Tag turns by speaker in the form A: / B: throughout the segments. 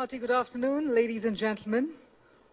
A: Hearty good afternoon, ladies and gentlemen.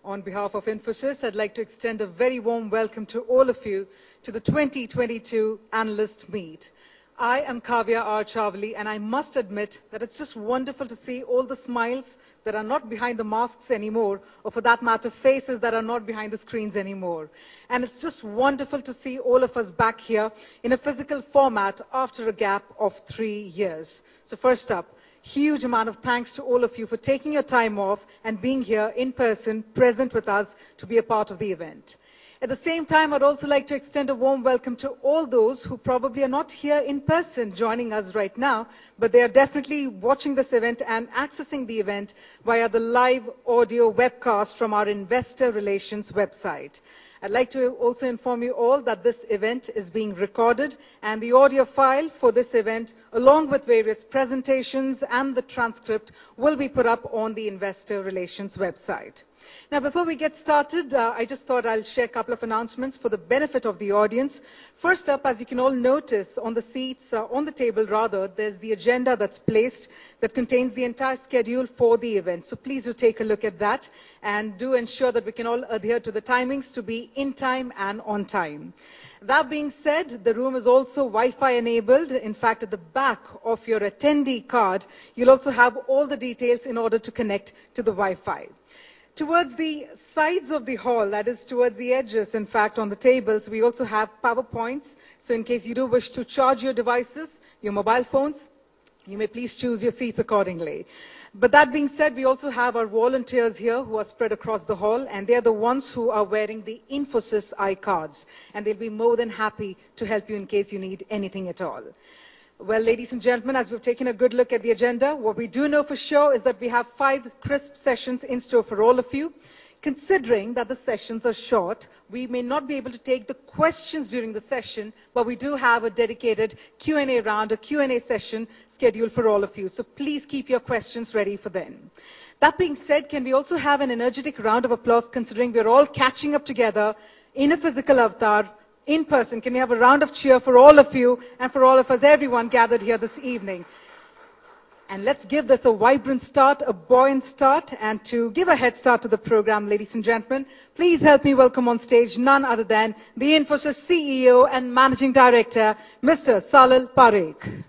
A: On behalf of Infosys, I'd like to extend a very warm welcome to all of you to the 2022 analyst meet. I am Kavya R. Chavali, and I must admit that it's just wonderful to see all the smiles that are not behind the masks anymore, or for that matter, faces that are not behind the screens anymore. It's just wonderful to see all of us back here in a physical format after a gap of three years. First up, huge amount of thanks to all of you for taking your time off and being here in person, present with us to be a part of the event. At the same time, I'd also like to extend a warm welcome to all those who probably are not here in person joining us right now, but they are definitely watching this event and accessing the event via the live audio webcast from our investor relations website. I'd like to also inform you all that this event is being recorded and the audio file for this event, along with various presentations and the transcript, will be put up on the investor relations website. Now, before we get started, I just thought I'll share a couple of announcements for the benefit of the audience. First up, as you can all notice on the seats, or on the table rather, there's the agenda that's placed that contains the entire schedule for the event. Please do take a look at that and do ensure that we can all adhere to the timings to be in time and on time. That being said, the room is also Wi-Fi enabled. In fact, at the back of your attendee card, you'll also have all the details in order to connect to the Wi-Fi. Towards the sides of the hall, that is towards the edges, in fact, on the tables, we also have power points. In case you do wish to charge your devices, your mobile phones, you may please choose your seats accordingly. That being said, we also have our volunteers here who are spread across the hall, and they are the ones who are wearing the Infosys iCards, and they'll be more than happy to help you in case you need anything at all. Well, ladies and gentlemen, as we've taken a good look at the agenda, what we do know for sure is that we have five crisp sessions in store for all of you. Considering that the sessions are short, we may not be able to take the questions during the session, but we do have a dedicated Q&A round, a Q&A session scheduled for all of you. So please keep your questions ready for then. That being said, can we also have an energetic round of applause considering we are all catching up together in a physical avatar, in person. Can we have a round of cheer for all of you and for all of us, everyone gathered here this evening? Let's give this a vibrant start, a buoyant start. To give a head start to the program, ladies and gentlemen, please help me welcome on stage none other than the Infosys CEO and Managing Director, Mr. Salil Parekh.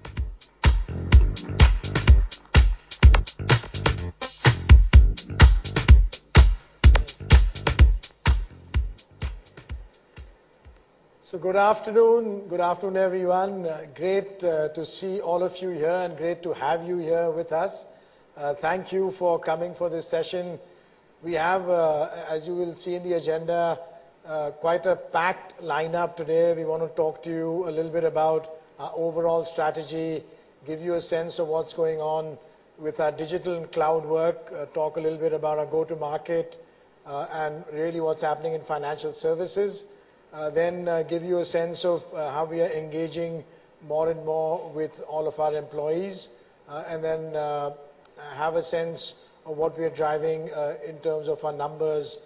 B: Good afternoon. Good afternoon, everyone. Great to see all of you here and great to have you here with us. Thank you for coming for this session. We have, as you will see in the agenda, quite a packed lineup today. We wanna talk to you a little bit about our overall strategy, give you a sense of what's going on with our digital and cloud work, talk a little bit about our go-to-market, and really what's happening in financial services. Then, give you a sense of how we are engaging more and more with all of our employees, and then, have a sense of what we are driving in terms of our numbers,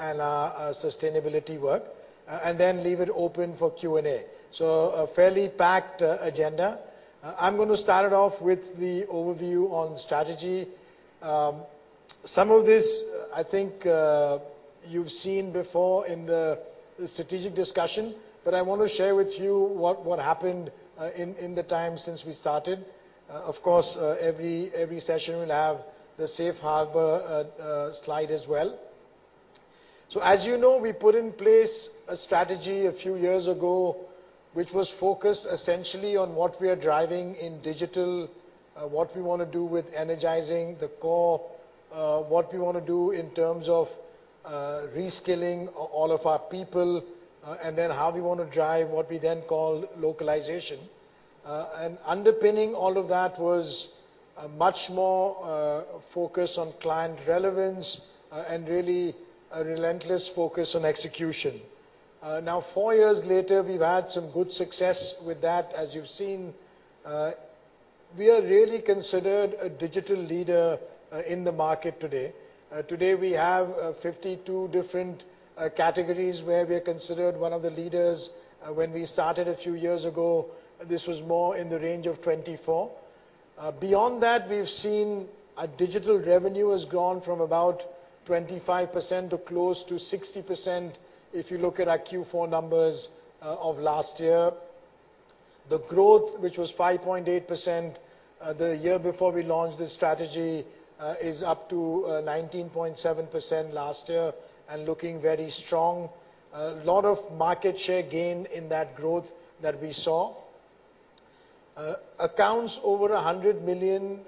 B: and our sustainability work, and then leave it open for Q&A. A fairly packed agenda. I'm gonna start it off with the overview on strategy. Some of this, I think, you've seen before in the strategic discussion, but I wanna share with you what happened in the time since we started. Of course, every session will have the safe harbor slide as well. As you know, we put in place a strategy a few years ago, which was focused essentially on what we are driving in digital, what we wanna do with energizing the core, what we wanna do in terms of reskilling all of our people, and then how we wanna drive what we then call localization. Underpinning all of that was a much more focus on client relevance, and really a relentless focus on execution. Now four years later, we've had some good success with that. As you've seen, we are really considered a digital leader in the market today. Today we have 52 different categories where we are considered one of the leaders. When we started a few years ago, this was more in the range of 24. Beyond that, we've seen our digital revenue has gone from about 25% to close to 60% if you look at our Q4 numbers of last year. The growth, which was 5.8% the year before we launched this strategy, is up to 19.7% last year and looking very strong. A lot of market share gain in that growth that we saw. Accounts over $100 million,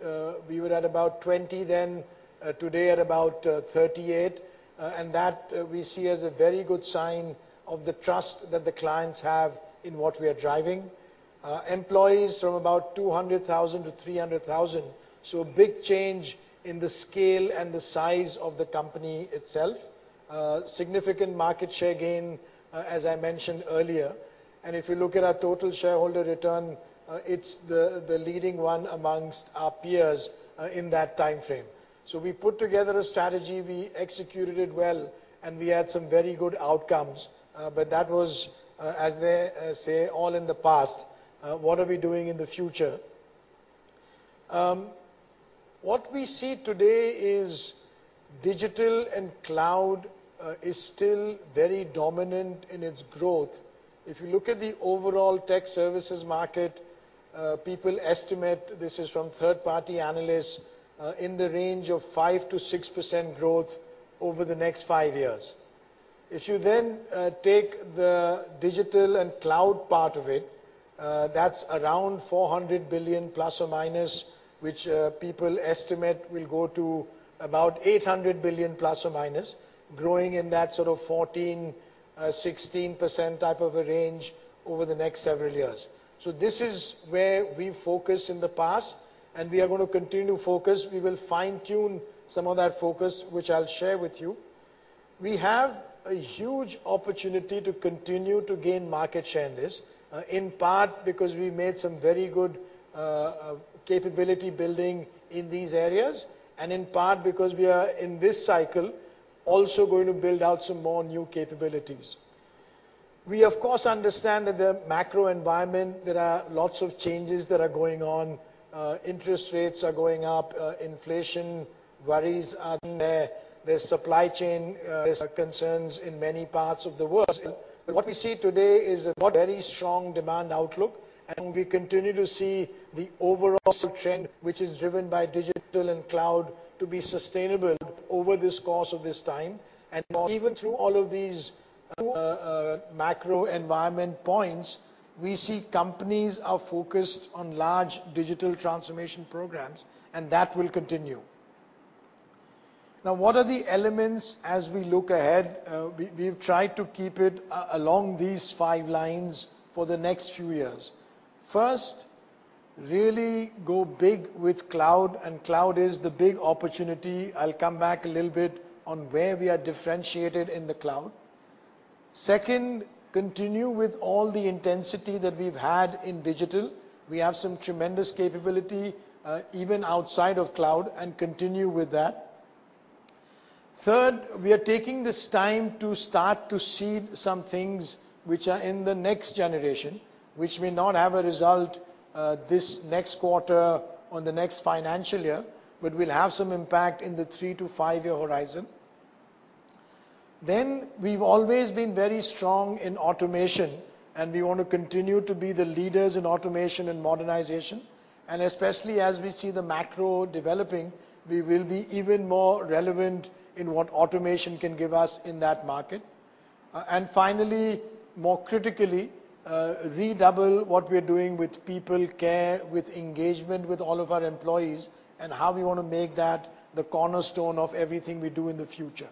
B: we were at about 20 then, today at about 38. That we see as a very good sign of the trust that the clients have in what we are driving. Employees from about 200,000 to 300,000. A big change in the scale and the size of the company itself. Significant market share gain, as I mentioned earlier. If you look at our total shareholder return, it's the leading one amongst our peers, in that timeframe. We put together a strategy, we executed it well, and we had some very good outcomes. But that was, as they say, all in the past. What are we doing in the future? What we see today is digital and cloud is still very dominant in its growth. If you look at the overall tech services market, people estimate, this is from third-party analysts, in the range of 5%-6% growth over the next five years. If you then take the digital and cloud part of it, that's around $400 billion ±, which people estimate will go to about $800 billion ±, growing in that sort of 14%-16% type of a range over the next several years. This is where we focused in the past, and we are gonna continue to focus. We will fine-tune some of that focus, which I'll share with you. We have a huge opportunity to continue to gain market share in this, in part because we made some very good capability building in these areas, and in part because we are in this cycle also going to build out some more new capabilities. We of course understand that the macro environment, there are lots of changes that are going on. Interest rates are going up. Inflation worries are there. The supply chain concerns in many parts of the world. What we see today is a very strong demand outlook, and we continue to see the overall trend, which is driven by digital and cloud to be sustainable over this course of this time. Even through all of these macro environment points, we see companies are focused on large digital transformation programs, and that will continue. Now, what are the elements as we look ahead? We've tried to keep it along these five lines for the next few years. First, really go big with cloud, and cloud is the big opportunity. I'll come back a little bit on where we are differentiated in the cloud. Second, continue with all the intensity that we've had in digital. We have some tremendous capability, even outside of cloud, and continue with that. Third, we are taking this time to start to seed some things which are in the next generation, which may not have a result this next quarter or the next financial year, but will have some impact in the three- to five-year horizon. Then we've always been very strong in automation, and we want to continue to be the leaders in automation and modernization. Especially as we see the macro developing, we will be even more relevant in what automation can give us in that market. Finally, more critically, redouble what we're doing with people care, with engagement with all of our employees, and how we wanna make that the cornerstone of everything we do in the future.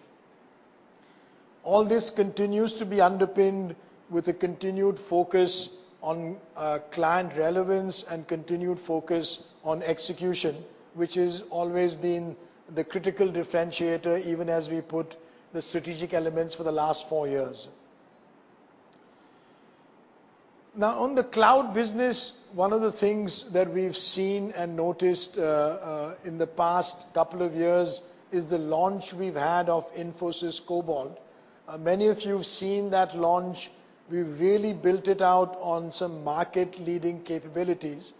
B: All this continues to be underpinned with a continued focus on, client relevance and continued focus on execution, which has always been the critical differentiator, even as we put the strategic elements for the last four years. Now, on the cloud business, one of the things that we've seen and noticed, in the past couple of years is the launch we've had of Infosys Cobalt. Many of you have seen that launch. We've really built it out on some market-leading capabilities.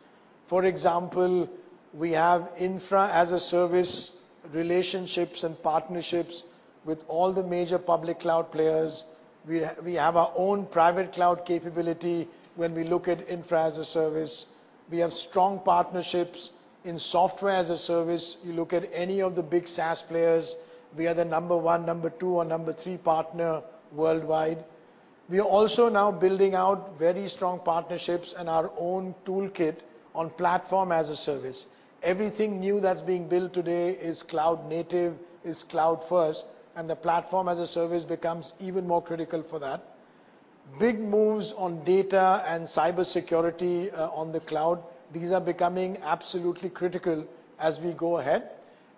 B: For example, we have infra-as-a-service relationships and partnerships with all the major public cloud players. We have our own private cloud capability when we look at infra as a service. We have strong partnerships in software as a service. You look at any of the big SaaS players, we are the number 1, number 2 or number 3 partner worldwide. We are also now building out very strong partnerships and our own toolkit on platform as a service. Everything new that's being built today is cloud native, is cloud first, and the platform as a service becomes even more critical for that. Big moves on data and cybersecurity on the cloud. These are becoming absolutely critical as we go ahead.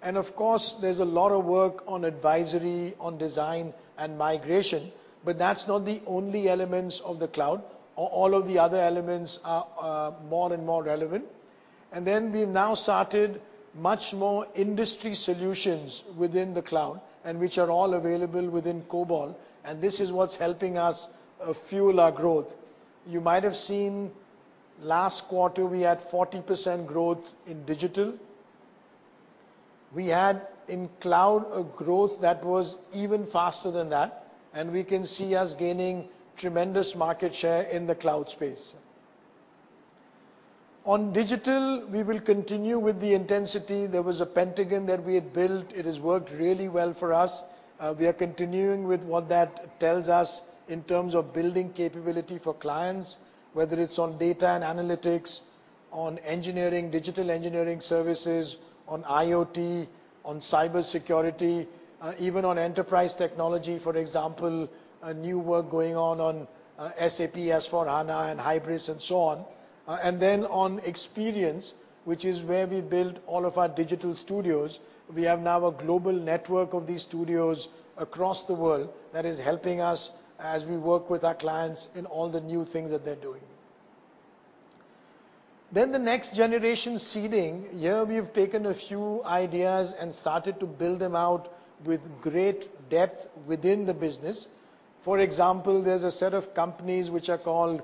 B: Of course, there's a lot of work on advisory, on design and migration, but that's not the only elements of the cloud. All of the other elements are more and more relevant. We've now started much more industry solutions within the cloud, and which are all available within Cobalt, and this is what's helping us fuel our growth. You might have seen last quarter we had 40% growth in digital. We had in cloud a growth that was even faster than that, and we can see us gaining tremendous market share in the cloud space. On digital, we will continue with the intensity. There was a pentagon that we had built. It has worked really well for us. We are continuing with what that tells us in terms of building capability for clients, whether it's on data and analytics, on engineering, digital engineering services, on IoT, on cybersecurity, even on enterprise technology, for example, new work going on SAP S/4HANA and Hybris and so on. On experience, which is where we built all of our digital studios. We have now a global network of these studios across the world that is helping us as we work with our clients in all the new things that they're doing. The next generation seeding. Here we've taken a few ideas and started to build them out with great depth within the business. For example, there's a set of companies which are called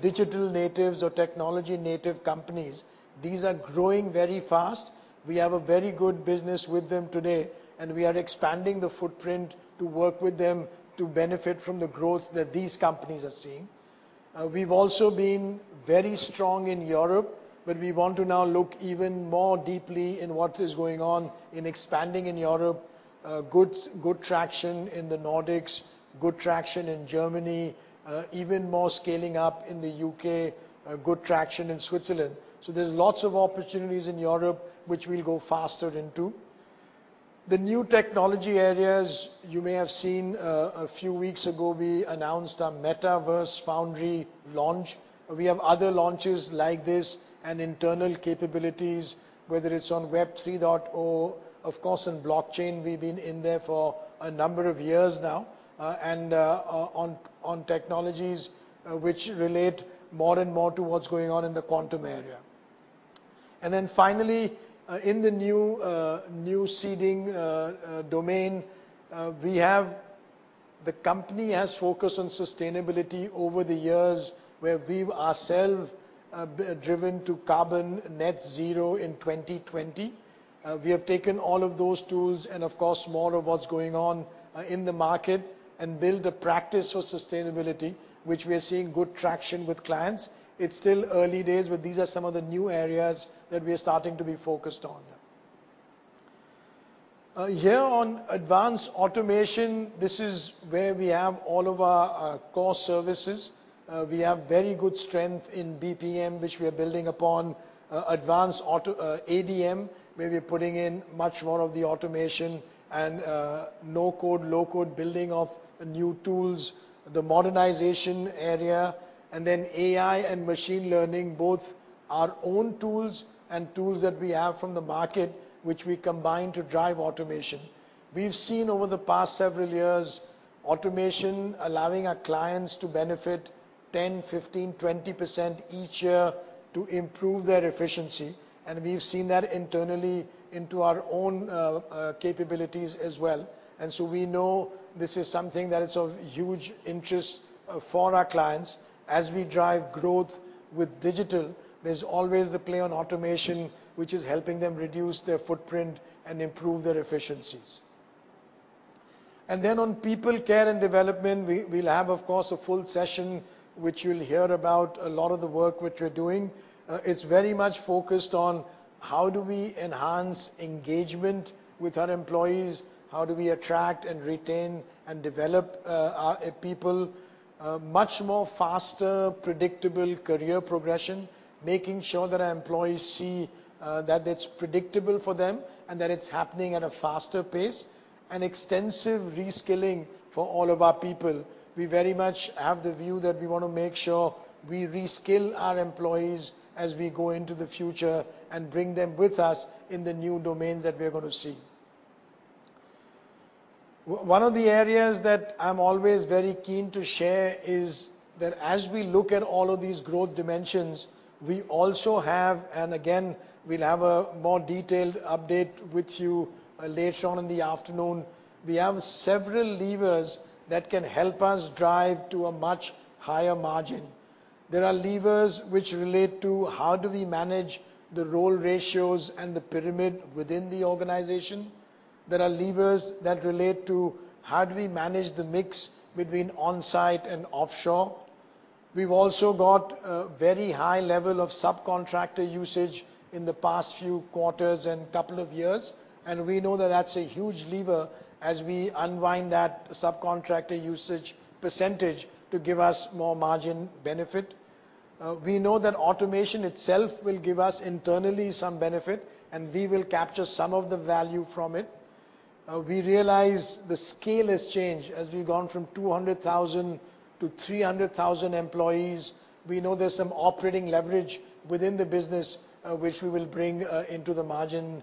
B: digital natives or technology-native companies. These are growing very fast. We have a very good business with them today, and we are expanding the footprint to work with them to benefit from the growth that these companies are seeing. We've also been very strong in Europe, but we want to now look even more deeply in what is going on in expanding in Europe. Good traction in the Nordics, good traction in Germany, even more scaling up in the UK, good traction in Switzerland. There's lots of opportunities in Europe, which we'll go faster into. The new technology areas. You may have seen, a few weeks ago, we announced our Metaverse Foundry launch. We have other launches like this and internal capabilities, whether it's on Web 3.0, of course, on blockchain. We've been in there for a number of years now, and on technologies which relate more and more to what's going on in the quantum area. Finally, in the new seeding domain, the company has focused on sustainability over the years where we've ourselves driven to carbon net zero in 2020. We have taken all of those tools and, of course, more of what's going on in the market and build a practice for sustainability, which we are seeing good traction with clients. It's still early days, but these are some of the new areas that we are starting to be focused on. Here on advanced automation, this is where we have all of our core services. We have very good strength in BPM, which we are building upon. ADM, where we're putting in much more of the automation and no-code, low-code building of new tools. The modernization area, and then AI and machine learning, both our own tools and tools that we have from the market, which we combine to drive automation. We've seen over the past several years, automation allowing our clients to benefit 10%, 15%, 20% each year to improve their efficiency. We've seen that internally into our own capabilities as well. We know this is something that is of huge interest for our clients. As we drive growth with digital, there's always the play on automation, which is helping them reduce their footprint and improve their efficiencies. On people care and development, we'll have, of course, a full session which you'll hear about a lot of the work which we're doing. It's very much focused on how do we enhance engagement with our employees? How do we attract and retain and develop our people? Much more faster, predictable career progression. Making sure that our employees see that it's predictable for them and that it's happening at a faster pace. Extensive reskilling for all of our people. We very much have the view that we wanna make sure we reskill our employees as we go into the future and bring them with us in the new domains that we're gonna see. One of the areas that I'm always very keen to share is that as we look at all of these growth dimensions, we also have. Again, we'll have a more detailed update with you later on in the afternoon. We have several levers that can help us drive to a much higher margin. There are levers which relate to how we manage the role ratios and the pyramid within the organization. There are levers that relate to how we manage the mix between on-site and offshore. We've also got a very high level of subcontractor usage in the past few quarters and couple of years, and we know that that's a huge lever as we unwind that subcontractor usage percentage to give us more margin benefit. We know that automation itself will give us internally some benefit, and we will capture some of the value from it. We realize the scale has changed as we've gone from 200,000 to 300,000 employees. We know there's some operating leverage within the business, which we will bring into the margin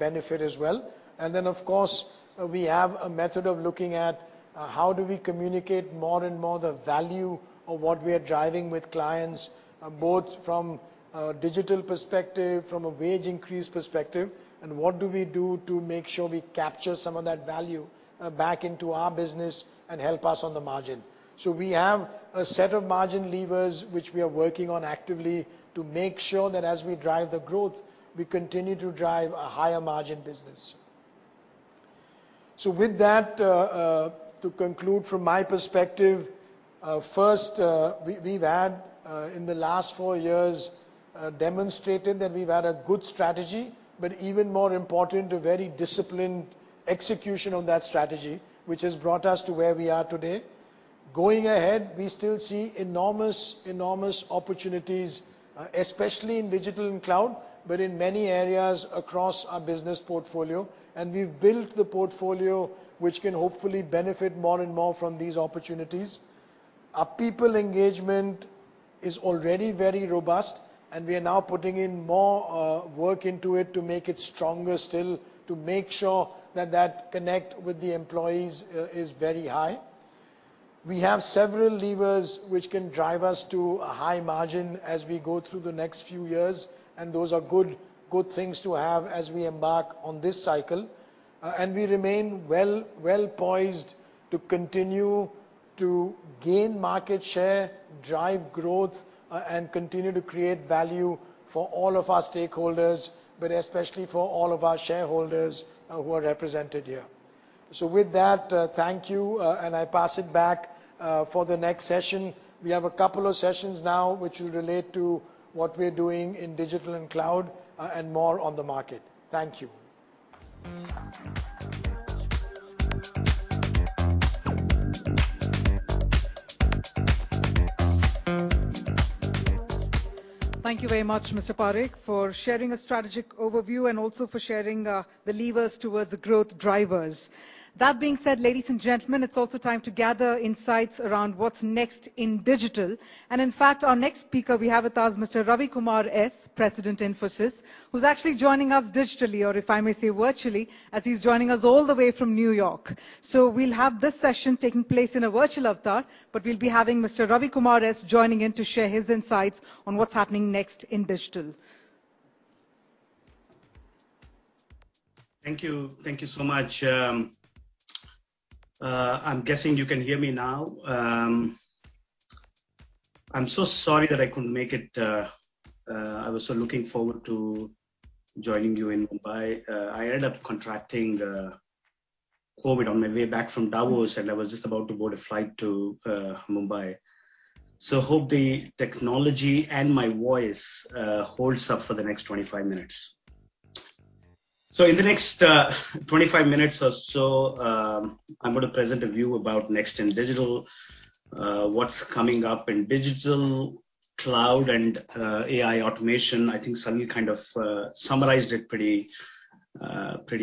B: benefit as well. Then, of course, we have a method of looking at how do we communicate more and more the value of what we are driving with clients, both from a digital perspective, from a wage increase perspective, and what do we do to make sure we capture some of that value back into our business and help us on the margin. We have a set of margin levers which we are working on actively to make sure that as we drive the growth, we continue to drive a higher margin business. With that, to conclude from my perspective, first, we've had, in the last four years, demonstrated that we've had a good strategy, but even more important, a very disciplined execution on that strategy, which has brought us to where we are today. Going ahead, we still see enormous opportunities, especially in digital and cloud, but in many areas across our business portfolio. We've built the portfolio, which can hopefully benefit more and more from these opportunities. Our people engagement is already very robust, and we are now putting in more work into it to make it stronger still, to make sure that connect with the employees is very high. We have several levers which can drive us to a high margin as we go through the next few years, and those are good things to have as we embark on this cycle. We remain well-poised to continue to gain market share, drive growth, and continue to create value for all of our stakeholders, but especially for all of our shareholders, who are represented here. With that, thank you, and I pass it back for the next session. We have a couple of sessions now which will relate to what we're doing in digital and cloud, and more on the market. Thank you.
A: Thank you very much, Mr. Parekh, for sharing a strategic overview and also for sharing the levers towards the growth drivers. That being said, ladies and gentlemen, it's also time to gather insights around what's next in digital. In fact, our next speaker, we have with us Mr. Ravi Kumar S, President, Infosys, who's actually joining us digitally or, if I may say, virtually, as he's joining us all the way from New York. We'll have this session taking place in a virtual avatar, but we'll be having Mr. Ravi Kumar S joining in to share his insights on what's happening next in digital.
C: Thank you. Thank you so much. I'm guessing you can hear me now. I'm so sorry that I couldn't make it. I was so looking forward to joining you in Mumbai. I ended up contracting COVID on my way back from Davos. I was just about to board a flight to Mumbai. Hope the technology and my voice holds up for the next 25 minutes. In the next 25 minutes or so, I'm gonna present a view about next in digital, what's coming up in digital, cloud and AI automation. I think Salil kind of summarized it pretty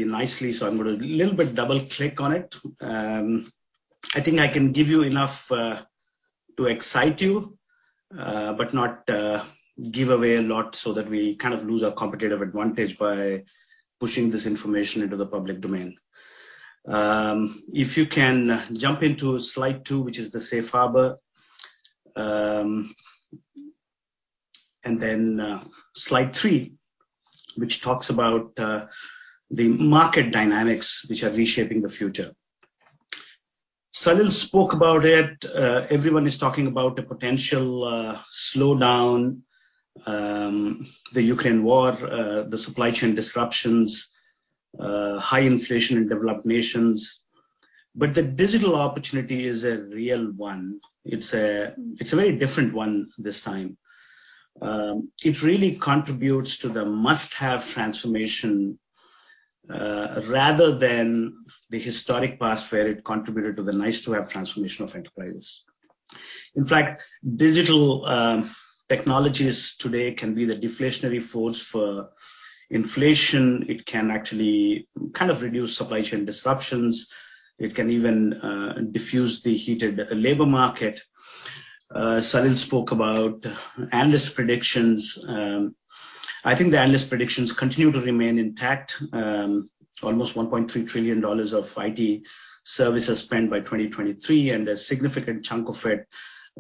C: nicely, so I'm gonna little bit double-click on it. I think I can give you enough to excite you, but not give away a lot so that we kind of lose our competitive advantage by pushing this information into the public domain. If you can jump into slide two, which is the safe harbor, and then slide three, which talks about the market dynamics which are reshaping the future. Salil spoke about it. Everyone is talking about the potential slowdown, the Ukraine war, the supply chain disruptions, high inflation in developed nations. The digital opportunity is a real one. It's a very different one this time. It really contributes to the must-have transformation rather than the historic past where it contributed to the nice-to-have transformation of enterprises. In fact, digital technologies today can be the deflationary force for inflation. It can actually kind of reduce supply chain disruptions. It can even diffuse the heated labor market. Salil spoke about analyst predictions. I think the analyst predictions continue to remain intact. Almost $1.3 trillion of IT services spent by 2023, and a significant chunk of it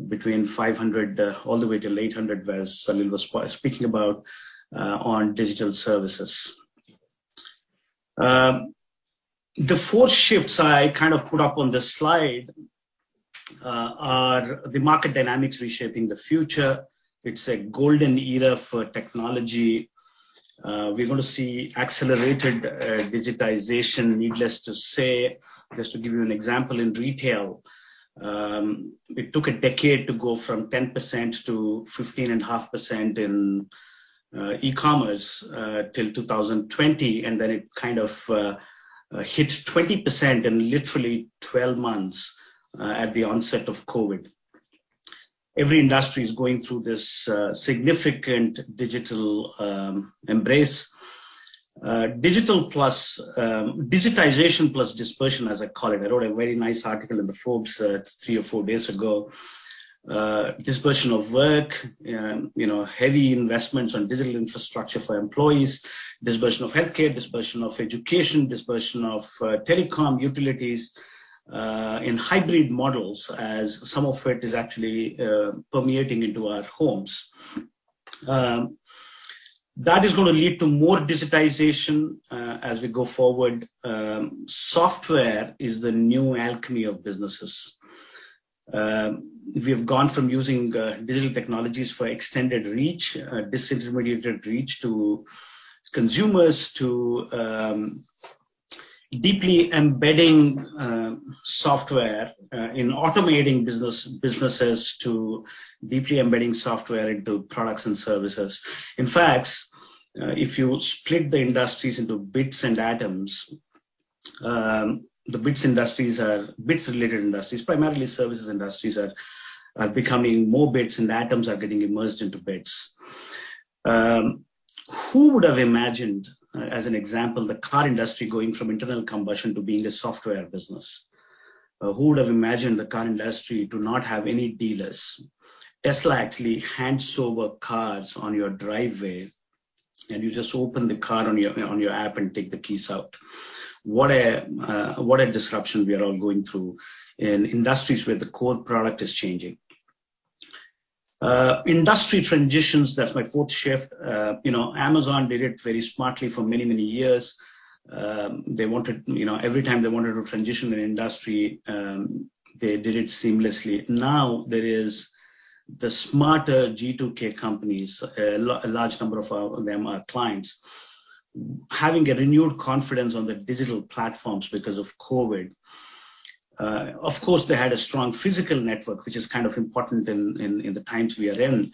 C: between $500 billion all the way till $800 billion, where Salil was speaking about on digital services. The four shifts I kind of put up on this slide are the market dynamics reshaping the future. It's a golden era for technology. We're gonna see accelerated digitization, needless to say. Just to give you an example in retail, it took a decade to go from 10% to 15.5% in e-commerce till 2020, and then it kind of hit 20% in literally 12 months at the onset of COVID. Every industry is going through this significant digital embrace. Digital plus digitization plus dispersion, as I call it. I wrote a very nice article in Forbes three or four days ago. Dispersion of work, you know, heavy investments on digital infrastructure for employees, dispersion of healthcare, dispersion of education, dispersion of telecom utilities in hybrid models as some of it is actually permeating into our homes. That is gonna lead to more digitization as we go forward. Software is the new alchemy of businesses. We've gone from using digital technologies for extended reach, disintermediated reach to consumers to deeply embedding software in automating businesses to deeply embedding software into products and services. In fact, if you split the industries into bits and atoms, the bits industries are bits-related industries. Primarily, services industries are becoming more bits, and atoms are getting immersed into bits. Who would have imagined, as an example, the car industry going from internal combustion to being a software business? Who would have imagined the car industry to not have any dealers? Tesla actually hands over cars on your driveway. And you just open the car on your app and take the keys out. What a disruption we are all going through in industries where the core product is changing. Industry transitions, that's my fourth shift. You know, Amazon did it very smartly for many, many years. You know, every time they wanted to transition an industry, they did it seamlessly. Now, there is the smarter G2K companies. A large number of them are clients. Having a renewed confidence on the digital platforms because of COVID. Of course, they had a strong physical network, which is kind of important in the times we are in,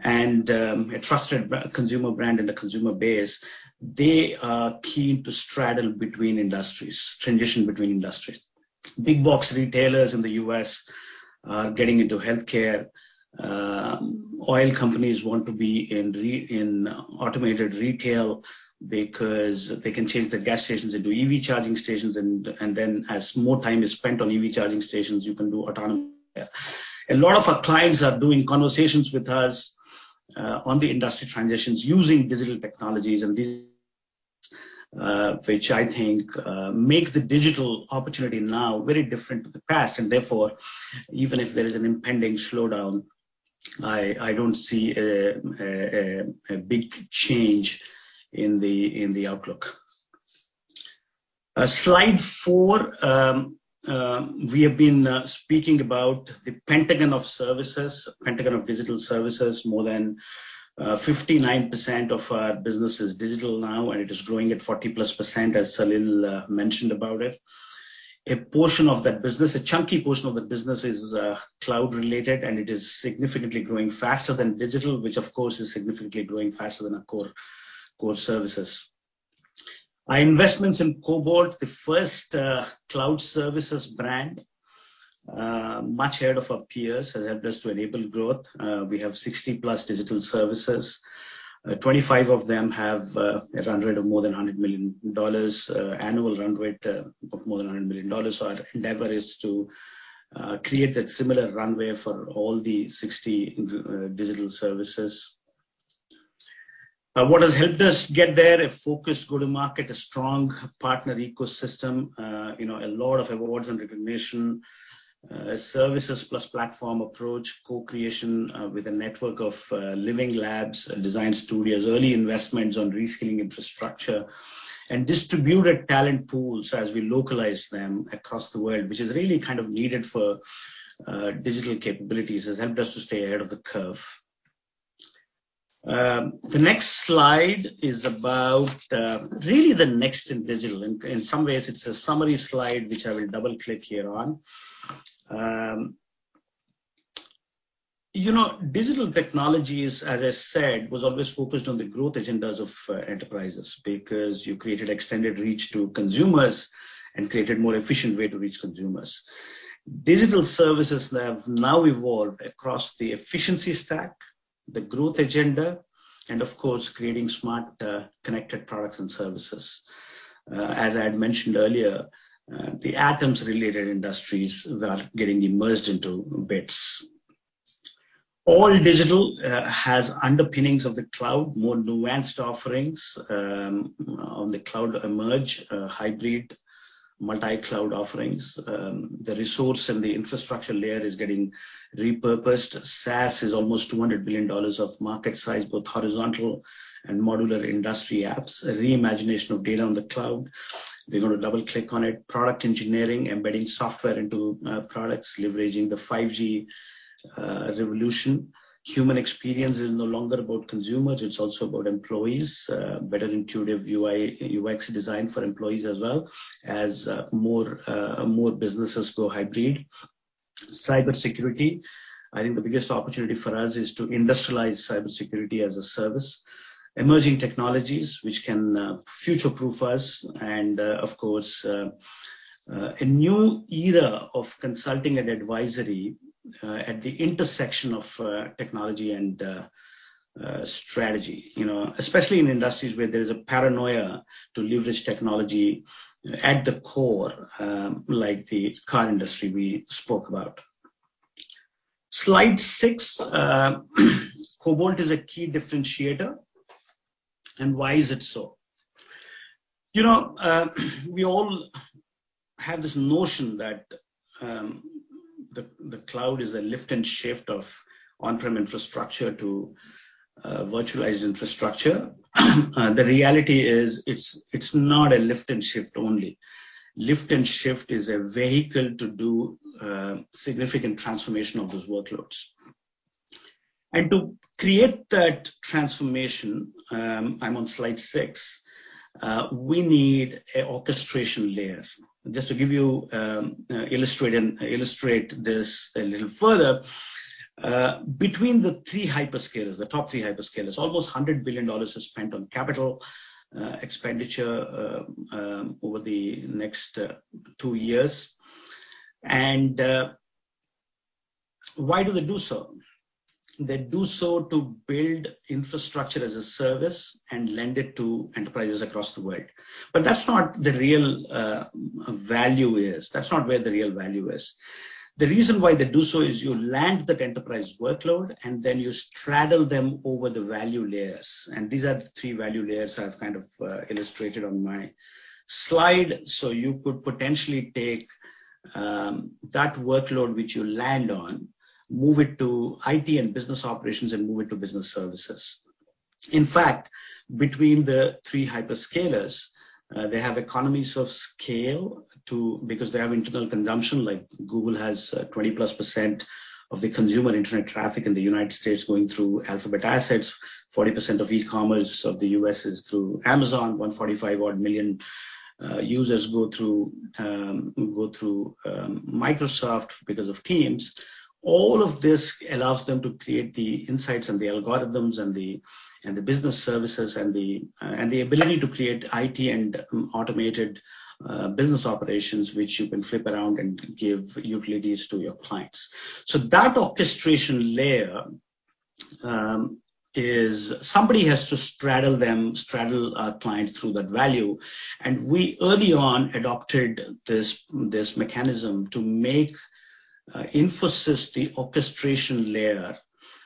C: and a trusted consumer brand and a consumer base. They are keen to straddle between industries, transition between industries. Big box retailers in the U.S. getting into healthcare. Oil companies want to be in automated retail because they can change the gas stations into EV charging stations and then as more time is spent on EV charging stations, you can do autonomous. A lot of our clients are doing conversations with us on the industry transitions using digital technologies and these, which I think make the digital opportunity now very different to the past. Therefore, even if there is an impending slowdown, I don't see a big change in the outlook. Slide four. We have been speaking about the pentagon of services, pentagon of digital services. More than 59% of our business is digital now, and it is growing at 40+%, as Salil mentioned about it. A portion of that business, a chunky portion of the business is cloud related, and it is significantly growing faster than digital, which of course is significantly growing faster than our core services. Our investments in Cobalt, the first cloud services brand much ahead of our peers, has helped us to enable growth. We have 60+ digital services. 25 of them have a run rate of more than $100 million. Annual run rate of more than $100 million. Our endeavor is to create that similar runway for all the 60 digital services. What has helped us get there? A focused go-to-market, a strong partner ecosystem. You know, a lot of awards and recognition. A services plus platform approach. Co-creation with a network of living labs and design studios. Early investments on reskilling infrastructure. Distributed talent pools as we localize them across the world, which is really kind of needed for digital capabilities, has helped us to stay ahead of the curve. The next slide is about really the next in digital. In some ways it's a summary slide, which I will double-click here on. You know, digital technologies, as I said, was always focused on the growth agendas of enterprises because you created extended reach to consumers and created more efficient way to reach consumers. Digital services have now evolved across the efficiency stack, the growth agenda, and of course, creating smart connected products and services. As I had mentioned earlier, the atom-related industries that are getting immersed into bits. All digital has underpinnings of the cloud, more nuanced offerings on the cloud emerge, hybrid multi-cloud offerings. The resource and the infrastructure layer is getting repurposed. SaaS is almost $200 billion of market size, both horizontal and modular industry apps. A reimagination of data on the cloud. We're gonna double-click on it. Product engineering, embedding software into products, leveraging the 5G revolution. Human experience is no longer about consumers, it's also about employees. Better intuitive UI, UX design for employees as well as more businesses go hybrid. Cybersecurity. I think the biggest opportunity for us is to industrialize cybersecurity-as-a-service. Emerging technologies which can future-proof us. Of course, a new era of consulting and advisory at the intersection of technology and strategy. You know, especially in industries where there is a paranoia to leverage technology at the core, like the car industry we spoke about. Slide six. Cobalt is a key differentiator. Why is it so? You know, we all have this notion that, the cloud is a lift and shift of on-prem infrastructure to, virtualized infrastructure. The reality is, it's not a lift and shift only. Lift and shift is a vehicle to do, significant transformation of those workloads. To create that transformation, I'm on slide six, we need a orchestration layer. Just to give you, illustrate this a little further. Between the top three hyperscalers, almost $100 billion is spent on capital expenditure, over the next two years. Why do they do so? They do so to build infrastructure-as-a-service and lend it to enterprises across the world. That's not the real value is. That's not where the real value is. The reason why they do so is you land that enterprise workload, and then you straddle them over the value layers. These are the three value layers I've kind of illustrated on my slide. You could potentially take that workload which you land on, move it to IT and business operations, and move it to business services. In fact, between the three hyperscalers, they have economies of scale because they have internal consumption. Like Google has 20+% of the consumer internet traffic in the United States going through Alphabet assets. 40% of e-commerce of the US is through Amazon. 145 odd million users go through Microsoft because of Teams. All of this allows them to create the insights and the algorithms and the business services and the ability to create IT and automated business operations, which you can flip around and give utilities to your clients. That orchestration layer. Somebody has to straddle our clients through that value. We early on adopted this mechanism to make Infosys the orchestration layer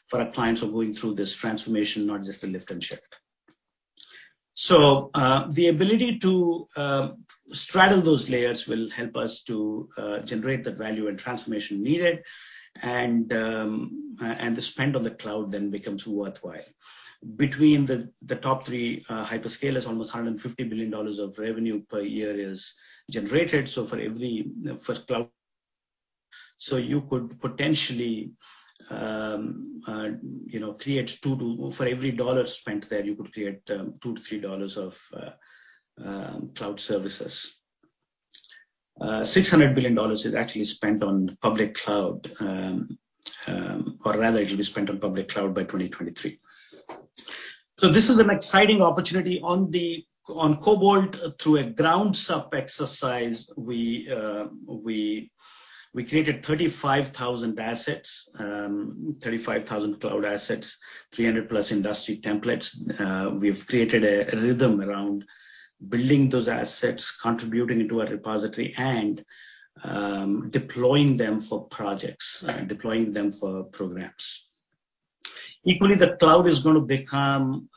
C: for our clients who are going through this transformation, not just a lift and shift. The ability to straddle those layers will help us to generate the value and transformation needed, and the spend on the cloud then becomes worthwhile. Between the top three hyperscalers, almost $150 billion of revenue per year is generated. For cloud. You could potentially, you know, for every dollar spent there, you could create $2-3 of cloud services. $600 billion is actually spent on public cloud, or rather it will be spent on public cloud by 2023. This is an exciting opportunity. On Cobalt, through a ground-up exercise, we created 35,000 assets, 35,000 cloud assets, 300+ industry templates. We've created a rhythm around building those assets, contributing into a repository, and deploying them for projects, deploying them for programs. Equally, the cloud is gonna become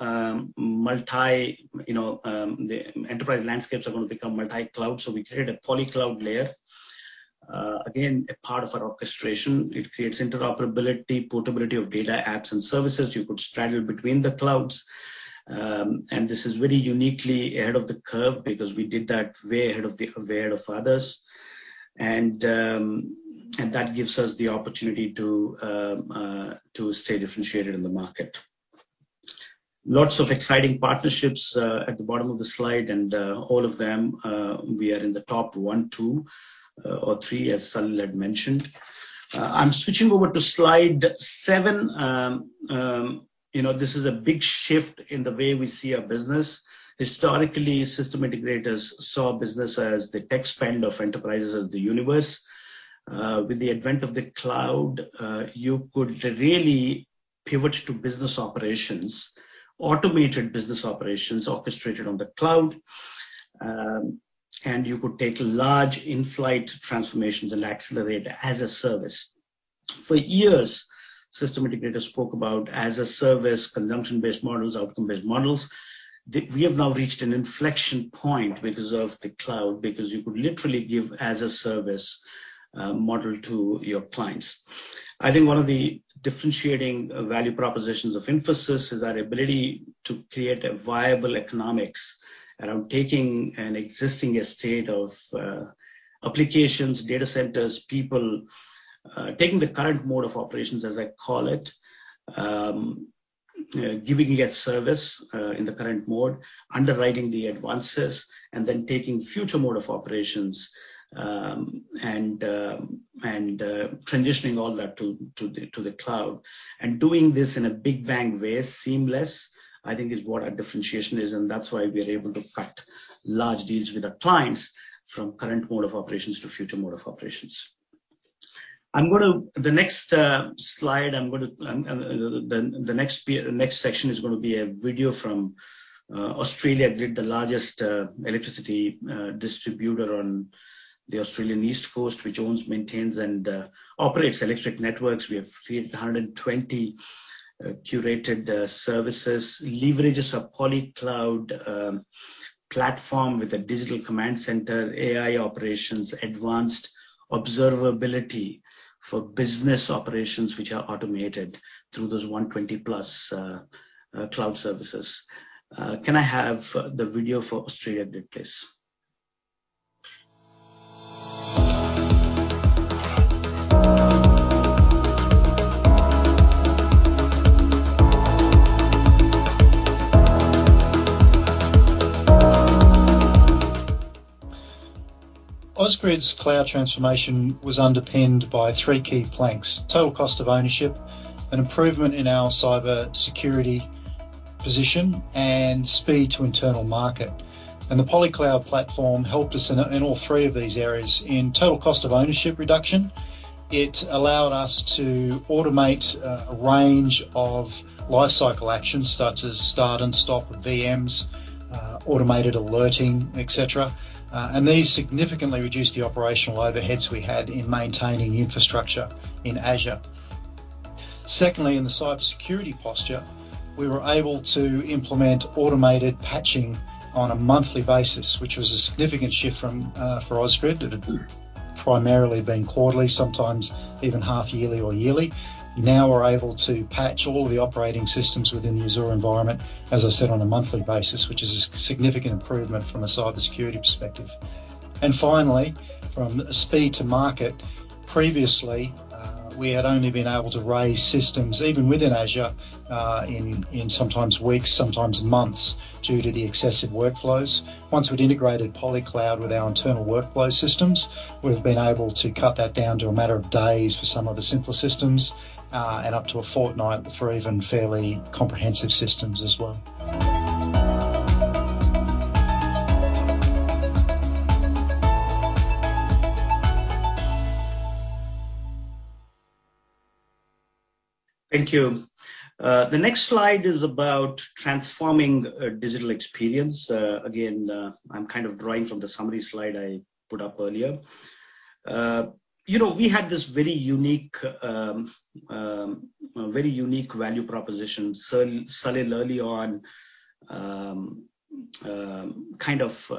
C: multi, you know, the enterprise landscapes are gonna become multi-cloud. We created a Polycloud layer. Again, a part of our orchestration. It creates interoperability, portability of data, apps, and services. You could straddle between the clouds. This is very uniquely ahead of the curve because we did that way ahead of others. That gives us the opportunity to stay differentiated in the market. Lots of exciting partnerships at the bottom of the slide. All of them, we are in the top one, two, or three, as Salil had mentioned. I'm switching over to slide seven. You know, this is a big shift in the way we see our business. Historically, system integrators saw business as the tech spend of enterprises as the universe. With the advent of the cloud, you could really pivot to business operations, automated business operations orchestrated on the cloud. You could take large in-flight transformations and accelerate as-a-service. For years, system integrators spoke about as-a-service, consumption-based models, outcome-based models. We have now reached an inflection point because of the cloud, because you could literally give as-a-service model to your clients. I think one of the differentiating value propositions of Infosys is our ability to create a viable economics around taking an existing estate of applications, data centers, people, taking the current mode of operations, as I call it, giving it service in the current mode, underwriting the advances, and then taking future mode of operations and transitioning all that to the cloud. Doing this in a big bang way, seamless, I think is what our differentiation is, and that's why we are able to cut large deals with our clients from current mode of operations to future mode of operations. The next slide, I'm gonna. The next section is gonna be a video from Ausgrid, the largest electricity distributor on the Australian east coast, which owns, maintains, and operates electric networks. We have created 120 curated services, leverages a Polycloud platform with a digital command center, AI operations, advanced observability for business operations which are automated through those 120-plus cloud services. Can I have the video for Ausgrid, please?
D: Ausgrid's cloud transformation was underpinned by three key planks, total cost of ownership, an improvement in our cybersecurity position, and speed to internal market. The Polycloud platform helped us in all three of these areas. In total cost of ownership reduction, it allowed us to automate a range of lifecycle actions, such as start and stop VMs. Automated alerting, etcetera. These significantly reduced the operational overheads we had in maintaining infrastructure in Azure. Secondly, in the cybersecurity posture, we were able to implement automated patching on a monthly basis, which was a significant shift from for Ausgrid. It had primarily been quarterly, sometimes even half yearly or yearly. Now we're able to patch all the operating systems within the Azure environment, as I said, on a monthly basis, which is a significant improvement from a cybersecurity perspective. Finally, from speed to market. Previously, we had only been able to raise systems even within Azure, in sometimes weeks, sometimes months, due to the excessive workflows. Once we'd integrated Polycloud with our internal workflow systems, we've been able to cut that down to a matter of days for some of the simpler systems, and up to a fortnight for even fairly comprehensive systems as well.
C: Thank you. The next slide is about transforming digital experience. Again, I'm kind of drawing from the summary slide I put up earlier. You know, we had this very unique value proposition. Salil early on kind of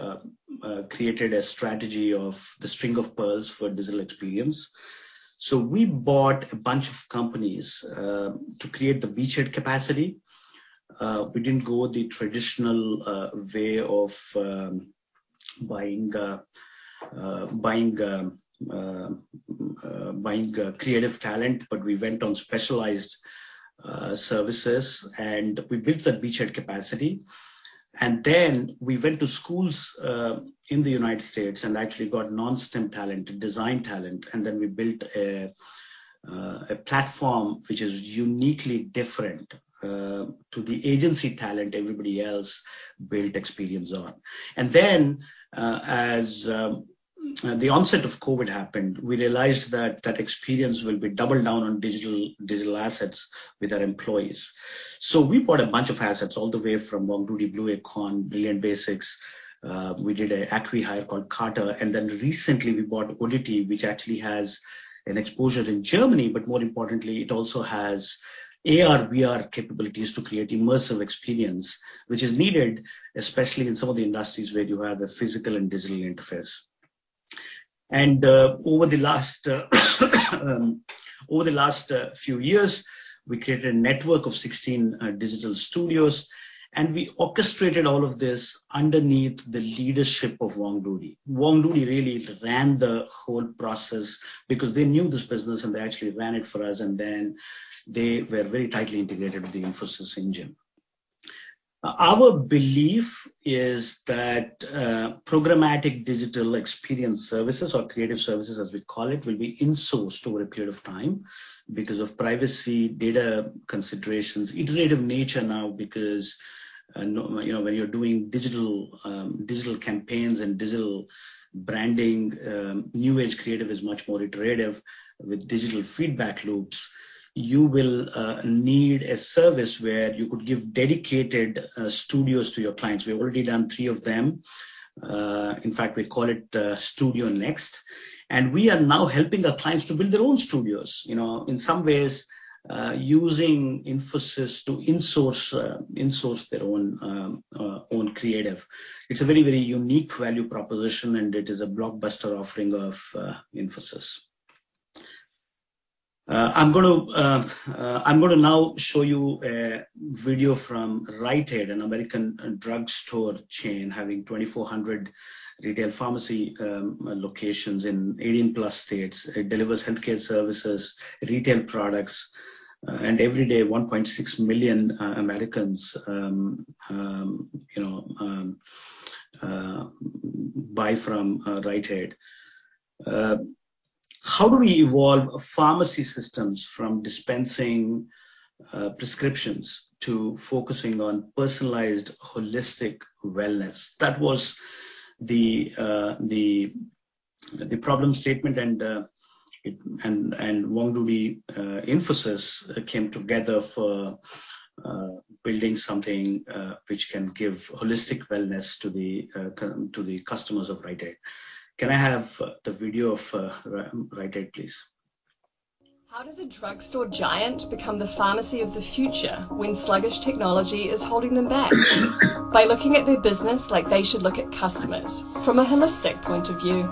C: created a strategy of the string of pearls for digital experience. So we bought a bunch of companies to create the beachhead capacity. We didn't go the traditional way of buying creative talent, but we went on specialized services, and we built that beachhead capacity. Then we went to schools in the United States and actually got non-STEM talent and design talent, and then we built a platform which is uniquely different to the agency talent everybody else built experience on. As the onset of COVID happened, we realized that that experience will be doubled down on digital assets with our employees. We bought a bunch of assets all the way from WongDoody, Blue Acorn, Brilliant Basics. We did a acqui-hire called Carter, and then recently we bought oddity, which actually has an exposure in Germany, but more importantly, it also has AR/VR capabilities to create immersive experience, which is needed, especially in some of the industries where you have the physical and digital interface. Over the last few years, we created a network of 16 digital studios, and we orchestrated all of this underneath the leadership of WongDoody. WongDoody really ran the whole process because they knew this business, and they actually ran it for us, and then they were very tightly integrated with the Infosys engine. Our belief is that programmatic digital experience services or creative services, as we call it, will be insourced over a period of time because of privacy data considerations. Iterative nature now because you know, when you're doing digital campaigns and digital branding, new-age creative is much more iterative with digital feedback loops. You will need a service where you could give dedicated studios to your clients. We've already done three of them. In fact, we call it Studio Next. We are now helping our clients to build their own studios, you know. In some ways, using Infosys to insource their own creative. It's a very, very unique value proposition, and it is a blockbuster offering of Infosys. I'm gonna now show you a video from Rite Aid, an American drugstore chain having 2,400 retail pharmacy locations in 18+ states. It delivers healthcare services, retail products, and every day 1.6 million Americans you know buy from Rite Aid. How do we evolve pharmacy systems from dispensing prescriptions to focusing on personalized holistic wellness? That was the problem statement and WongDoody Infosys came together for building something which can give holistic wellness to the customers of Rite Aid. Can I have the video of Rite Aid, please?
D: How does a drugstore giant become the pharmacy of the future when sluggish technology is holding them back? By looking at their business like they should look at customers, from a holistic point of view.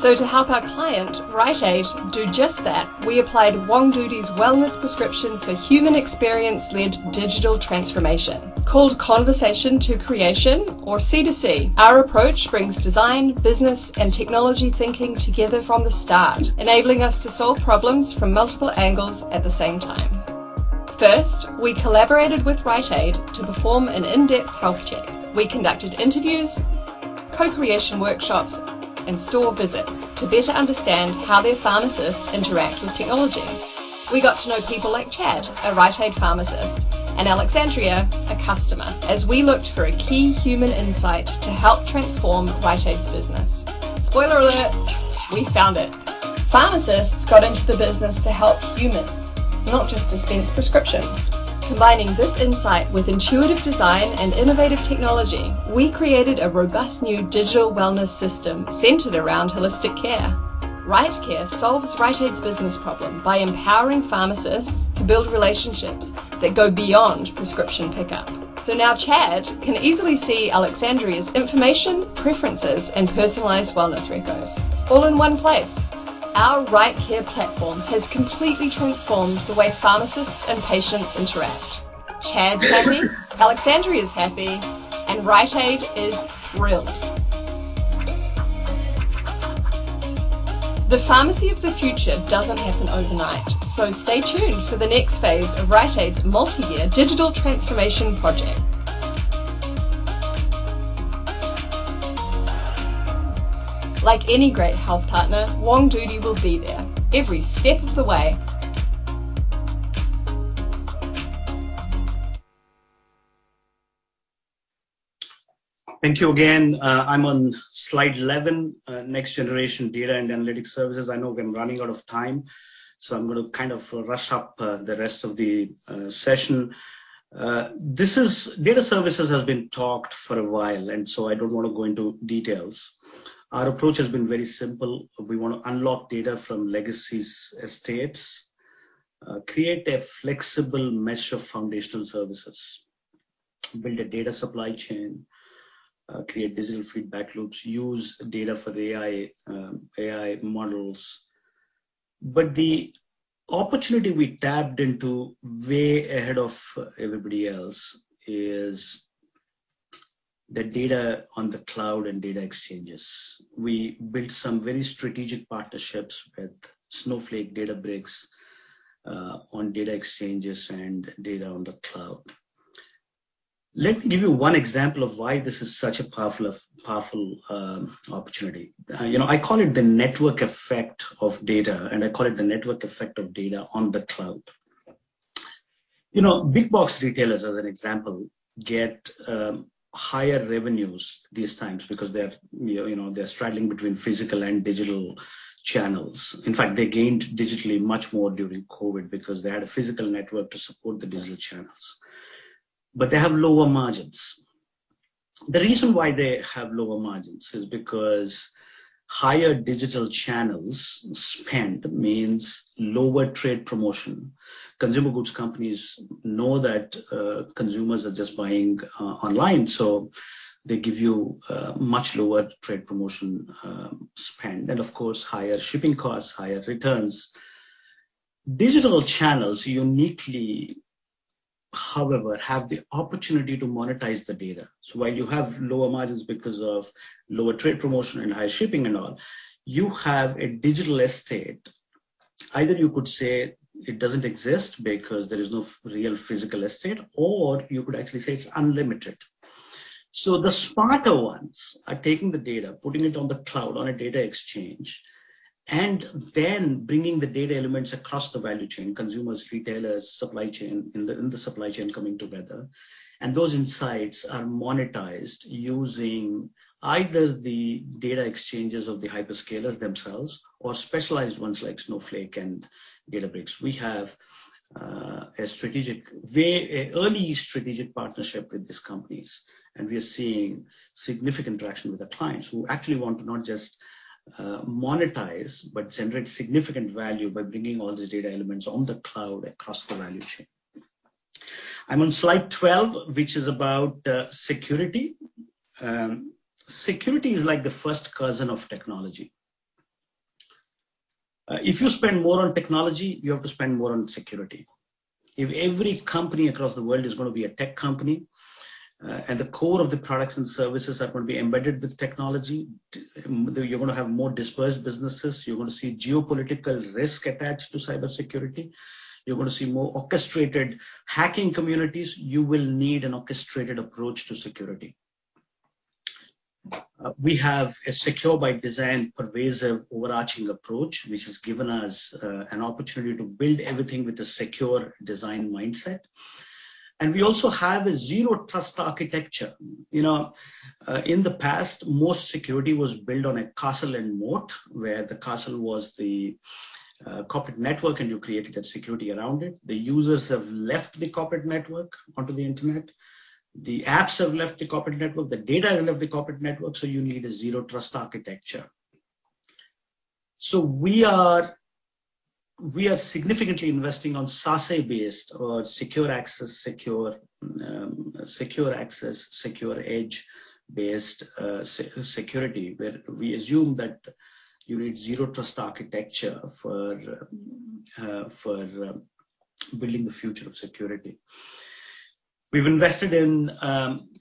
D: To help our client, Rite Aid, do just that, we applied WongDoody's wellness prescription for human experience-led digital transformation. Called Conversation to Creation or C2C, our approach brings design, business, and technology thinking together from the start, enabling us to solve problems from multiple angles at the same time. First, we collaborated with Rite Aid to perform an in-depth health check. We conducted interviews, co-creation workshops, and store visits to better understand how their pharmacists interact with technology. We got to know people like Chad, a Rite Aid pharmacist, and Alexandria, a customer, as we looked for a key human insight to help transform Rite Aid's business. Spoiler alert, we found it. Pharmacists got into the business to help humans, not just dispense prescriptions. Combining this insight with intuitive design and innovative technology, we created a robust new digital wellness system centered around holistic care. RiteCare solves Rite Aid's business problem by empowering pharmacists to build relationships that go beyond prescription pickup. Now Chad can easily see Alexandria's information, preferences, and personalized wellness recos all in one place. Our RiteCare platform has completely transformed the way pharmacists and patients interact. Chad's happy, Alexandria is happy, and Rite Aid is thrilled. The pharmacy of the future doesn't happen overnight. Stay tuned for the next phase of Rite Aid's multi-year digital transformation project. Like any great health partner, WongDoody will be there every step of the way.
C: Thank you again. I'm on slide 11, next generation data and analytics services. I know we're running out of time, so I'm gonna kind of rush up the rest of the session. Data services has been talked for a while, and so I don't wanna go into details. Our approach has been very simple. We wanna unlock data from legacy estates, create a flexible mesh of foundational services, build a data supply chain, create digital feedback loops, use data for AI models. The opportunity we tapped into way ahead of everybody else is the data on the cloud and data exchanges. We built some very strategic partnerships with Snowflake, Databricks, on data exchanges and data on the cloud. Let me give you one example of why this is such a powerful opportunity. You know, I call it the network effect of data, and I call it the network effect of data on the cloud. You know, big box retailers, as an example, get higher revenues these times because they're straddling between physical and digital channels. In fact, they gained digitally much more during COVID because they had a physical network to support the digital channels. They have lower margins. The reason why they have lower margins is because higher digital channels spend means lower trade promotion. Consumer goods companies know that consumers are just buying online, so they give you much lower trade promotion spend, and of course, higher shipping costs, higher returns. Digital channels uniquely, however, have the opportunity to monetize the data. While you have lower margins because of lower trade promotion and high shipping and all, you have a digital estate. Either you could say it doesn't exist because there is no real physical estate, or you could actually say it's unlimited. The smarter ones are taking the data, putting it on the cloud on a data exchange, and then bringing the data elements across the value chain, consumers, retailers, supply chain coming together. Those insights are monetized using either the data exchanges of the hyperscalers themselves or specialized ones like Snowflake and Databricks. We have an early strategic partnership with these companies, and we are seeing significant traction with the clients who actually want to not just monetize, but generate significant value by bringing all these data elements on the cloud across the value chain. I'm on slide 12, which is about security. Security is like the first cousin of technology. If you spend more on technology, you have to spend more on security. If every company across the world is gonna be a tech company, and the core of the products and services are gonna be embedded with technology, you're gonna have more dispersed businesses, you're gonna see geopolitical risk attached to cybersecurity, you're gonna see more orchestrated hacking communities, you will need an orchestrated approach to security. We have a secure by design, pervasive, overarching approach, which has given us an opportunity to build everything with a secure design mindset. We also have a zero-trust architecture. You know, in the past, most security was built on a castle and moat, where the castle was the corporate network, and you created that security around it. The users have left the corporate network onto the Internet. The apps have left the corporate network. The data left the corporate network. You need a zero-trust architecture. We are significantly investing on SASE-based or Secure Access Service Edge-based security, where we assume that you need zero trust architecture for building the future of security. We've invested in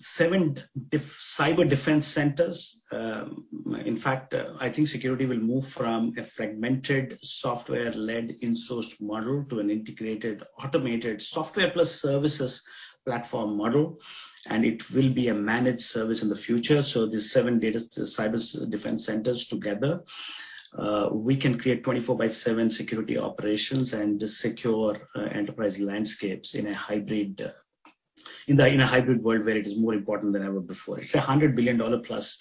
C: seven cyber defense centers. In fact, I think security will move from a fragmented software-led insourced model to an integrated automated software plus services platform model, and it will be a managed service in the future. These seven data and cyber defense centers together, we can create 24/7 security operations and secure enterprise landscapes in a hybrid world where it is more important than ever before. It's a $100 billion-plus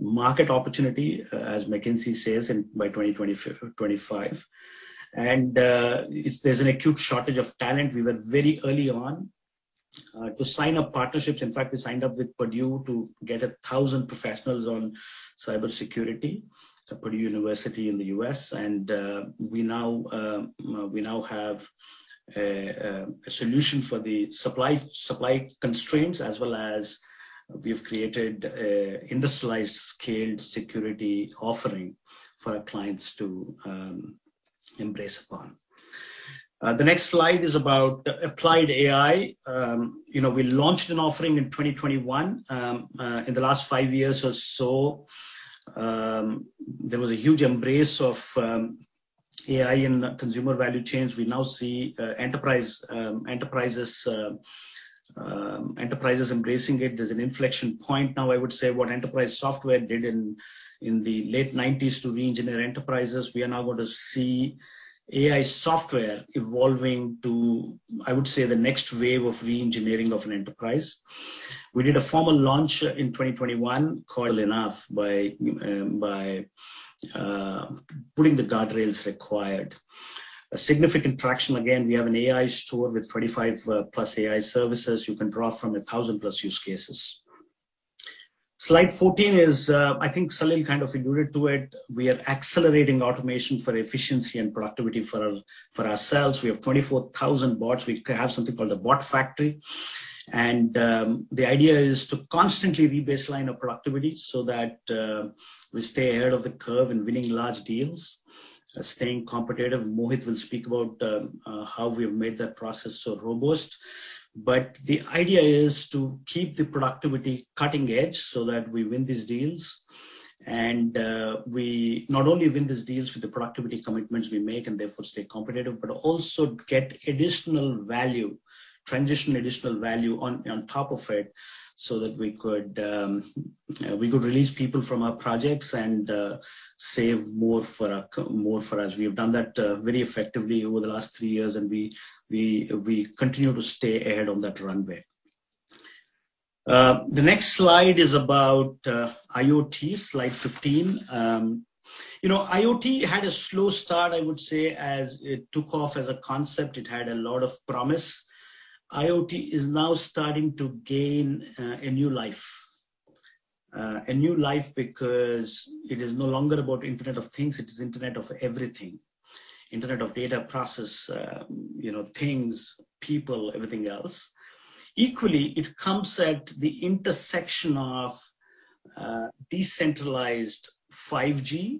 C: market opportunity, as McKinsey says in by 2025. There's an acute shortage of talent. We were very early on to sign up partnerships. In fact, we signed up with Purdue to get 1,000 professionals on cybersecurity. It's Purdue University in the US. We now have a solution for the supply constraints as well as we've created a industrialized scaled security offering for our clients to embrace upon. The next slide is about applied AI. You know, we launched an offering in 2021. In the last five years or so, there was a huge embrace of AI in consumer value chains. We now see enterprises embracing it. There's an inflection point now, I would say, what enterprise software did in the late 1990s to re-engineer enterprises, we are now gonna see AI software evolving to, I would say, the next wave of re-engineering of an enterprise. We did a formal launch in 2021, Cobalt, enabled by putting the guardrails required. We have significant traction, again, we have an AI store with 25+ AI services you can draw from 1,000+ use cases. Slide 14 is, I think Salil kind of alluded to it. We are accelerating automation for efficiency and productivity for ourselves. We have 24,000 bots. We have something called a bot factory. The idea is to constantly re-baseline our productivity so that we stay ahead of the curve in winning large deals, staying competitive. Mohit will speak about how we have made that process so robust. The idea is to keep the productivity cutting edge so that we win these deals. We not only win these deals with the productivity commitments we make and therefore stay competitive, but also get additional value, transition additional value on top of it so that we could release people from our projects and save more for us. We have done that very effectively over the last three years, and we continue to stay ahead on that runway. The next slide is about IoT. Slide 15. You know, IoT had a slow start, I would say, as it took off as a concept. It had a lot of promise. IoT is now starting to gain a new life because it is no longer about Internet of Things, it is Internet of Everything. Internet of data, processes, you know, things, people, everything else. Equally, it comes at the intersection of decentralized 5G,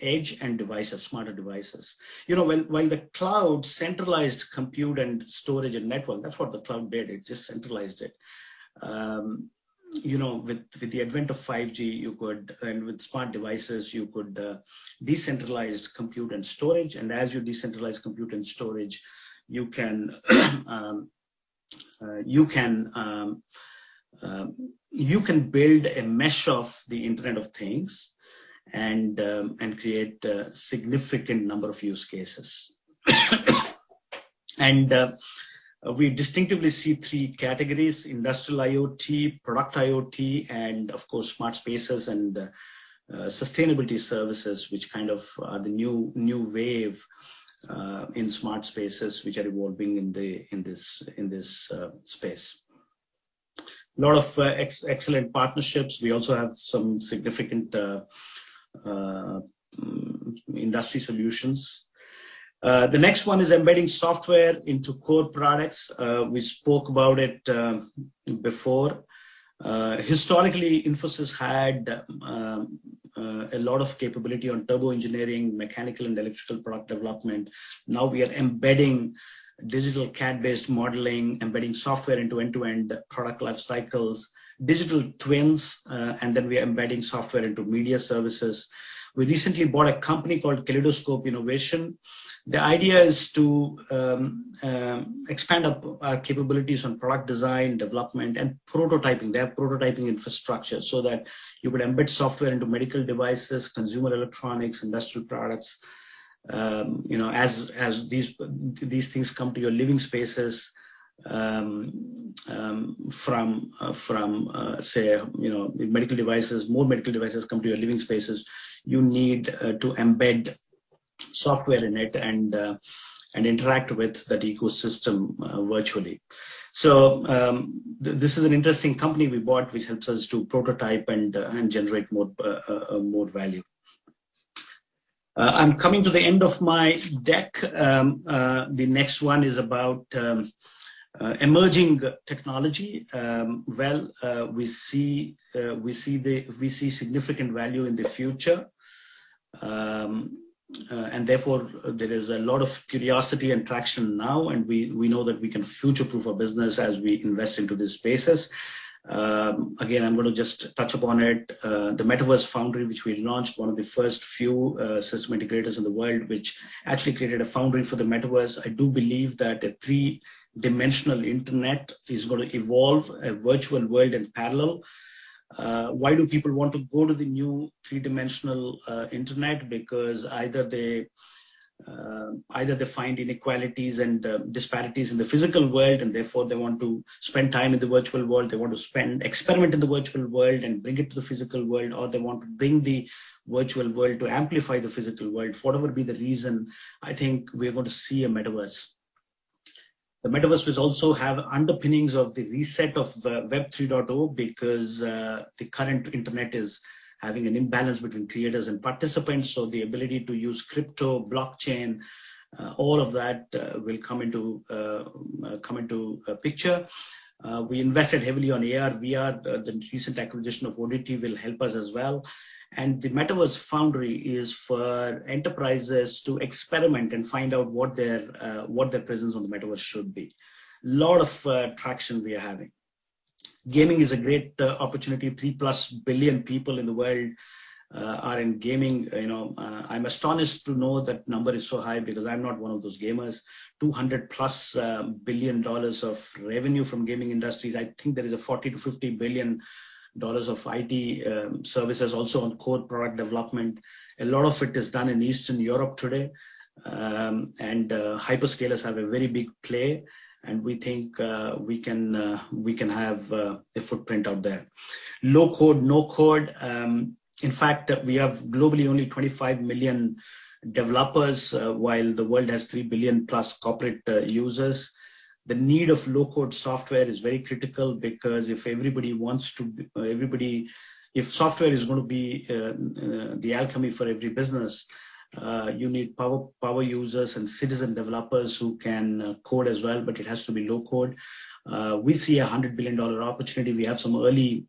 C: edge and devices, smarter devices. You know, when the cloud centralized compute and storage and network, that's what the cloud did, it just centralized it. You know, with the advent of 5G and with smart devices, you could decentralize compute and storage. As you decentralize compute and storage, you can build a mesh of the Internet of Things and create a significant number of use cases. We distinctively see three categories, industrial IoT, product IoT, and of course, smart spaces and sustainability services, which kind of are the new wave in smart spaces which are evolving in this space. Lot of excellent partnerships. We also have some significant industry solutions. The next one is embedding software into core products. We spoke about it before. Historically, Infosys had a lot of capability on turbo engineering, mechanical and electrical product development. Now we are embedding digital CAD-based modeling, embedding software into end-to-end product life cycles, digital twins, and then we are embedding software into media services. We recently bought a company called Kaleidoscope Innovation. The idea is to expand our capabilities on product design, development and prototyping. They have prototyping infrastructure so that you could embed software into medical devices, consumer electronics, industrial products. You know, as these things come to your living spaces, from, say, you know, medical devices, more medical devices come to your living spaces, you need to embed software in it and interact with that ecosystem virtually. This is an interesting company we bought which helps us to prototype and generate more value. I'm coming to the end of my deck. The next one is about emerging technology. Well, we see significant value in the future. Therefore there is a lot of curiosity and traction now, and we know that we can future-proof our business as we invest into these spaces. Again, I'm gonna just touch upon it. The Metaverse Foundry, which we launched, one of the first few system integrators in the world, which actually created a foundry for the metaverse. I do believe that a three-dimensional internet is gonna evolve a virtual world in parallel. Why do people want to go to the new three-dimensional internet? Because either they find inequalities and disparities in the physical world, and therefore they want to spend time in the virtual world. They want to experiment in the virtual world and bring it to the physical world, or they want to bring the virtual world to amplify the physical world. Whatever be the reason, I think we're going to see a Metaverse. The Metaverse will also have underpinnings of the reset of the Web 3.0 because the current internet is having an imbalance between creators and participants. So the ability to use crypto, blockchain, all of that, will come into picture. We invested heavily on AR/VR. The recent acquisition of oddity will help us as well. The Metaverse Foundry is for enterprises to experiment and find out what their presence on the Metaverse should be. Lot of traction we are having. Gaming is a great opportunity. Three plus billion people in the world are in gaming. You know, I'm astonished to know that number is so high because I'm not one of those gamers. $200+ billion of revenue from gaming industries. I think there is a $40-$50 billion of IT services also on core product development. A lot of it is done in Eastern Europe today. Hyperscalers have a very big play, and we think we can have a footprint out there. Low-code, no-code. In fact, we have globally only 25 million developers while the world has three plus billion corporate users. The need of low-code software is very critical because if everybody wants to, if software is gonna be the alchemy for every business, you need power users and citizen developers who can code as well, but it has to be low-code. We see a $100 billion opportunity. We have some early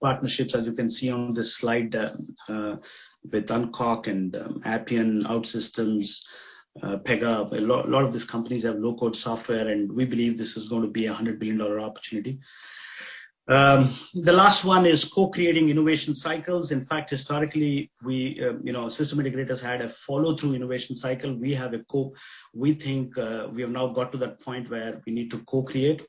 C: partnerships, as you can see on this slide, with Unqork and Appian, OutSystems, Pega. A lot of these companies have low-code software, and we believe this is gonna be a $100 billion opportunity. The last one is co-creating innovation cycles. In fact, historically, we, you know, system integrators had a follow-through innovation cycle. We think we have now got to that point where we need to co-create.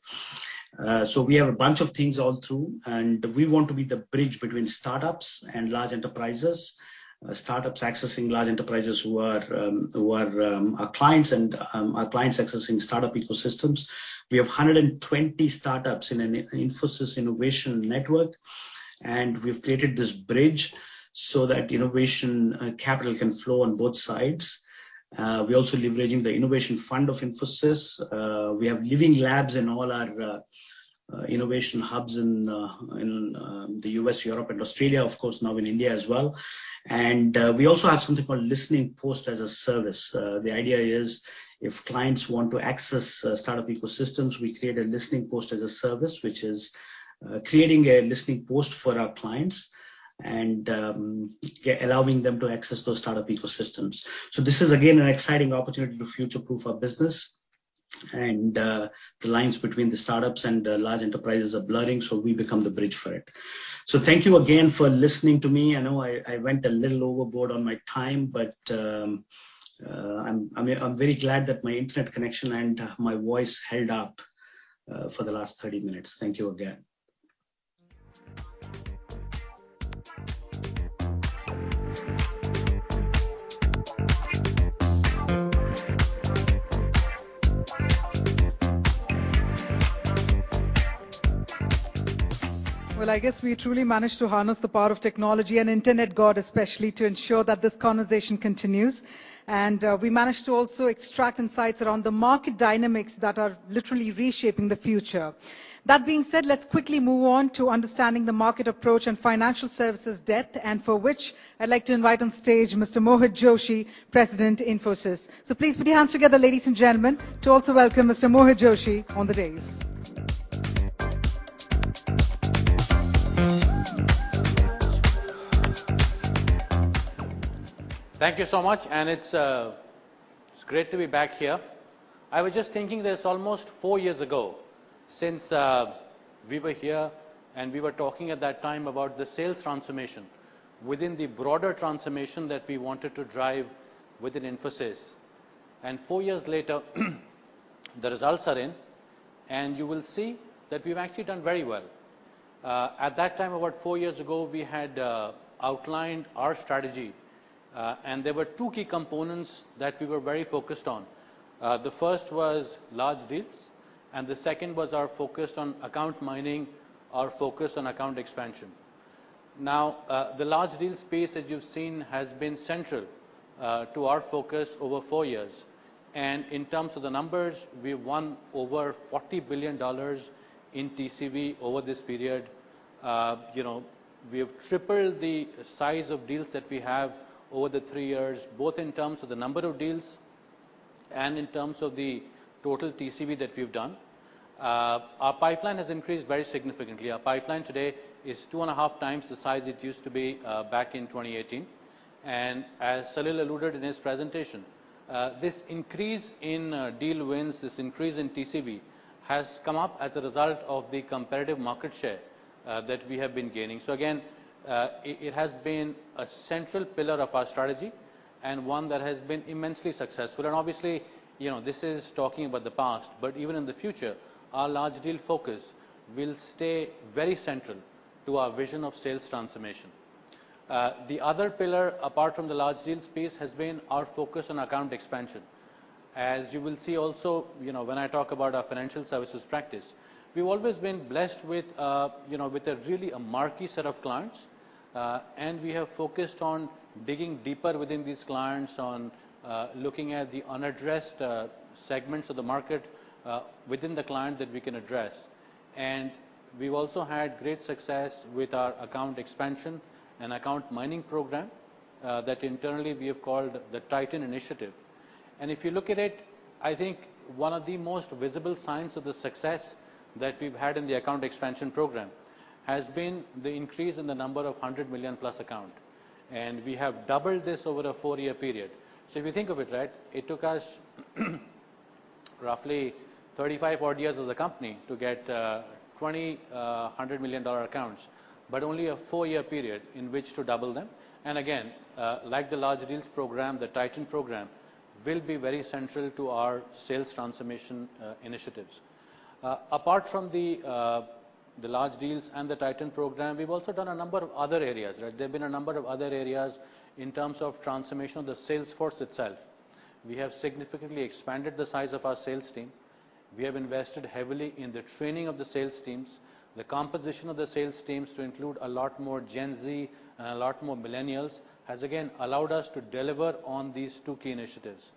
C: We have a bunch of things all through, and we want to be the bridge between startups and large enterprises. Startups accessing large enterprises who are our clients and our clients accessing startup ecosystems. We have 120 startups in an Infosys innovation network, and we've created this bridge so that innovation capital can flow on both sides. We're also leveraging the innovation fund of Infosys. We have living labs in all our innovation hubs in the US, Europe and Australia, of course, now in India as well. We also have something called listening post as a service. The idea is if clients want to access startup ecosystems, we create a listening post as a service, which is creating a listening post for our clients and allowing them to access those startup ecosystems. This is again an exciting opportunity to future-proof our business. The lines between the startups and the large enterprises are blurring, so we become the bridge for it. Thank you again for listening to me. I know I went a little overboard on my time, but I'm very glad that my internet connection and my voice held up for the last 30 minutes. Thank you again.
A: Well, I guess we truly managed to harness the power of technology and the internet, God, especially to ensure that this conversation continues. We managed to also extract insights around the market dynamics that are literally reshaping the future. That being said, let's quickly move on to understanding the market approach and financial services depth, and for which I'd like to invite on stage Mr. Mohit Joshi, President, Infosys. Please put your hands together, ladies and gentlemen, to also welcome Mr. Mohit Joshi on the stage.
E: Thank you so much, and it's great to be back here. I was just thinking that it's almost four years ago since we were here, and we were talking at that time about the sales transformation within the broader transformation that we wanted to drive within Infosys. Four years later, the results are in, and you will see that we've actually done very well. At that time, about four years ago, we had outlined our strategy, and there were two key components that we were very focused on. The first was large deals, and the second was our focus on account mining, our focus on account expansion. Now, the large deals space, as you've seen, has been central to our focus over four years. In terms of the numbers, we won over $40 billion in TCV over this period. You know, we have tripled the size of deals that we have over the three years, both in terms of the number of deals and in terms of the total TCV that we've done. Our pipeline has increased very significantly. Our pipeline today is 2.5x the size it used to be, back in 2018. As Salil alluded in his presentation, this increase in deal wins, this increase in TCV has come up as a result of the competitive market share that we have been gaining. Again, it has been a central pillar of our strategy and one that has been immensely successful. Obviously, you know, this is talking about the past, but even in the future, our large deal focus will stay very central. To our vision of sales transformation. The other pillar, apart from the large deals piece, has been our focus on account expansion. As you will see also, you know, when I talk about our financial services practice, we've always been blessed with, you know, with a really marquee set of clients. We have focused on digging deeper within these clients, on looking at the unaddressed segments of the market within the client that we can address. We've also had great success with our account expansion and account mining program that internally we have called the Titan initiative. If you look at it, I think one of the most visible signs of the success that we've had in the account expansion program has been the increase in the number of 100 million plus account. We have doubled this over a four-year period. If you think of it, right, it took us roughly 35 odd years as a company to get 20 $100 million accounts, but only a four-year period in which to double them. Again, like the large deals program, the Titan program will be very central to our sales transformation initiatives. Apart from the large deals and the Titan program, we have also done a number of other areas, right? There have been a number of other areas in terms of transformation of the sales force itself. We have significantly expanded the size of our sales team. We have invested heavily in the training of the sales teams. The composition of the sales teams to include a lot more Gen Z and a lot more millennials has again allowed us to deliver on these two key initiatives.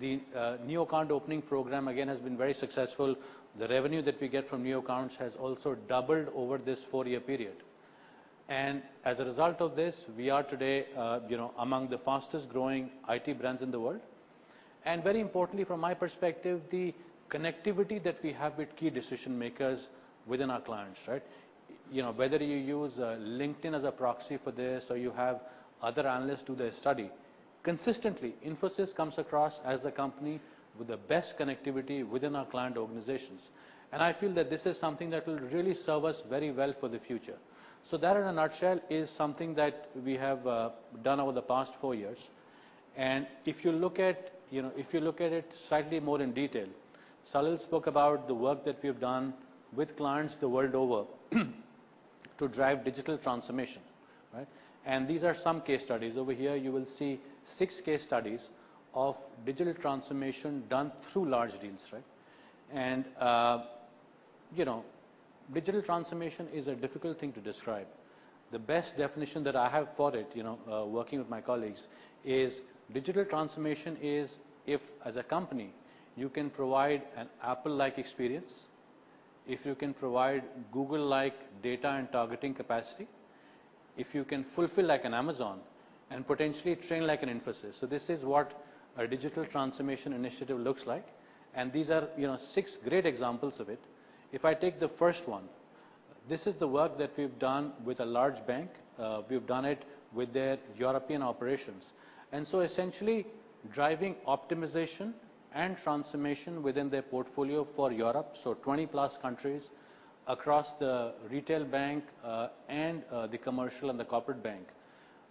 E: The new account opening program again has been very successful. The revenue that we get from new accounts has also doubled over this four-year period. As a result of this, we are today, you know, among the fastest growing IT brands in the world. Very importantly, from my perspective, the connectivity that we have with key decision makers within our clients, right? You know, whether you use, LinkedIn as a proxy for this or you have other analysts do their study, consistently Infosys comes across as the company with the best connectivity within our client organizations. I feel that this is something that will really serve us very well for the future. That in a nutshell is something that we have done over the past four years. If you look at it slightly more in detail, you know, Salil spoke about the work that we've done with clients the world over to drive digital transformation, right? These are some case studies. Over here you will see six case studies of digital transformation done through large deals, right? You know, digital transformation is a difficult thing to describe. The best definition that I have for it, you know, working with my colleagues is digital transformation is if as a company, you can provide an Apple-like experience, if you can provide Google-like data and targeting capacity, if you can fulfill like an Amazon, and potentially train like an Infosys. This is what our digital transformation initiative looks like, and these are, you know, six great examples of it. If I take the first one, this is the work that we've done with a large bank. We've done it with their European operations, and essentially driving optimization and transformation within their portfolio for Europe. 20-plus countries across the retail bank, and the commercial and the corporate bank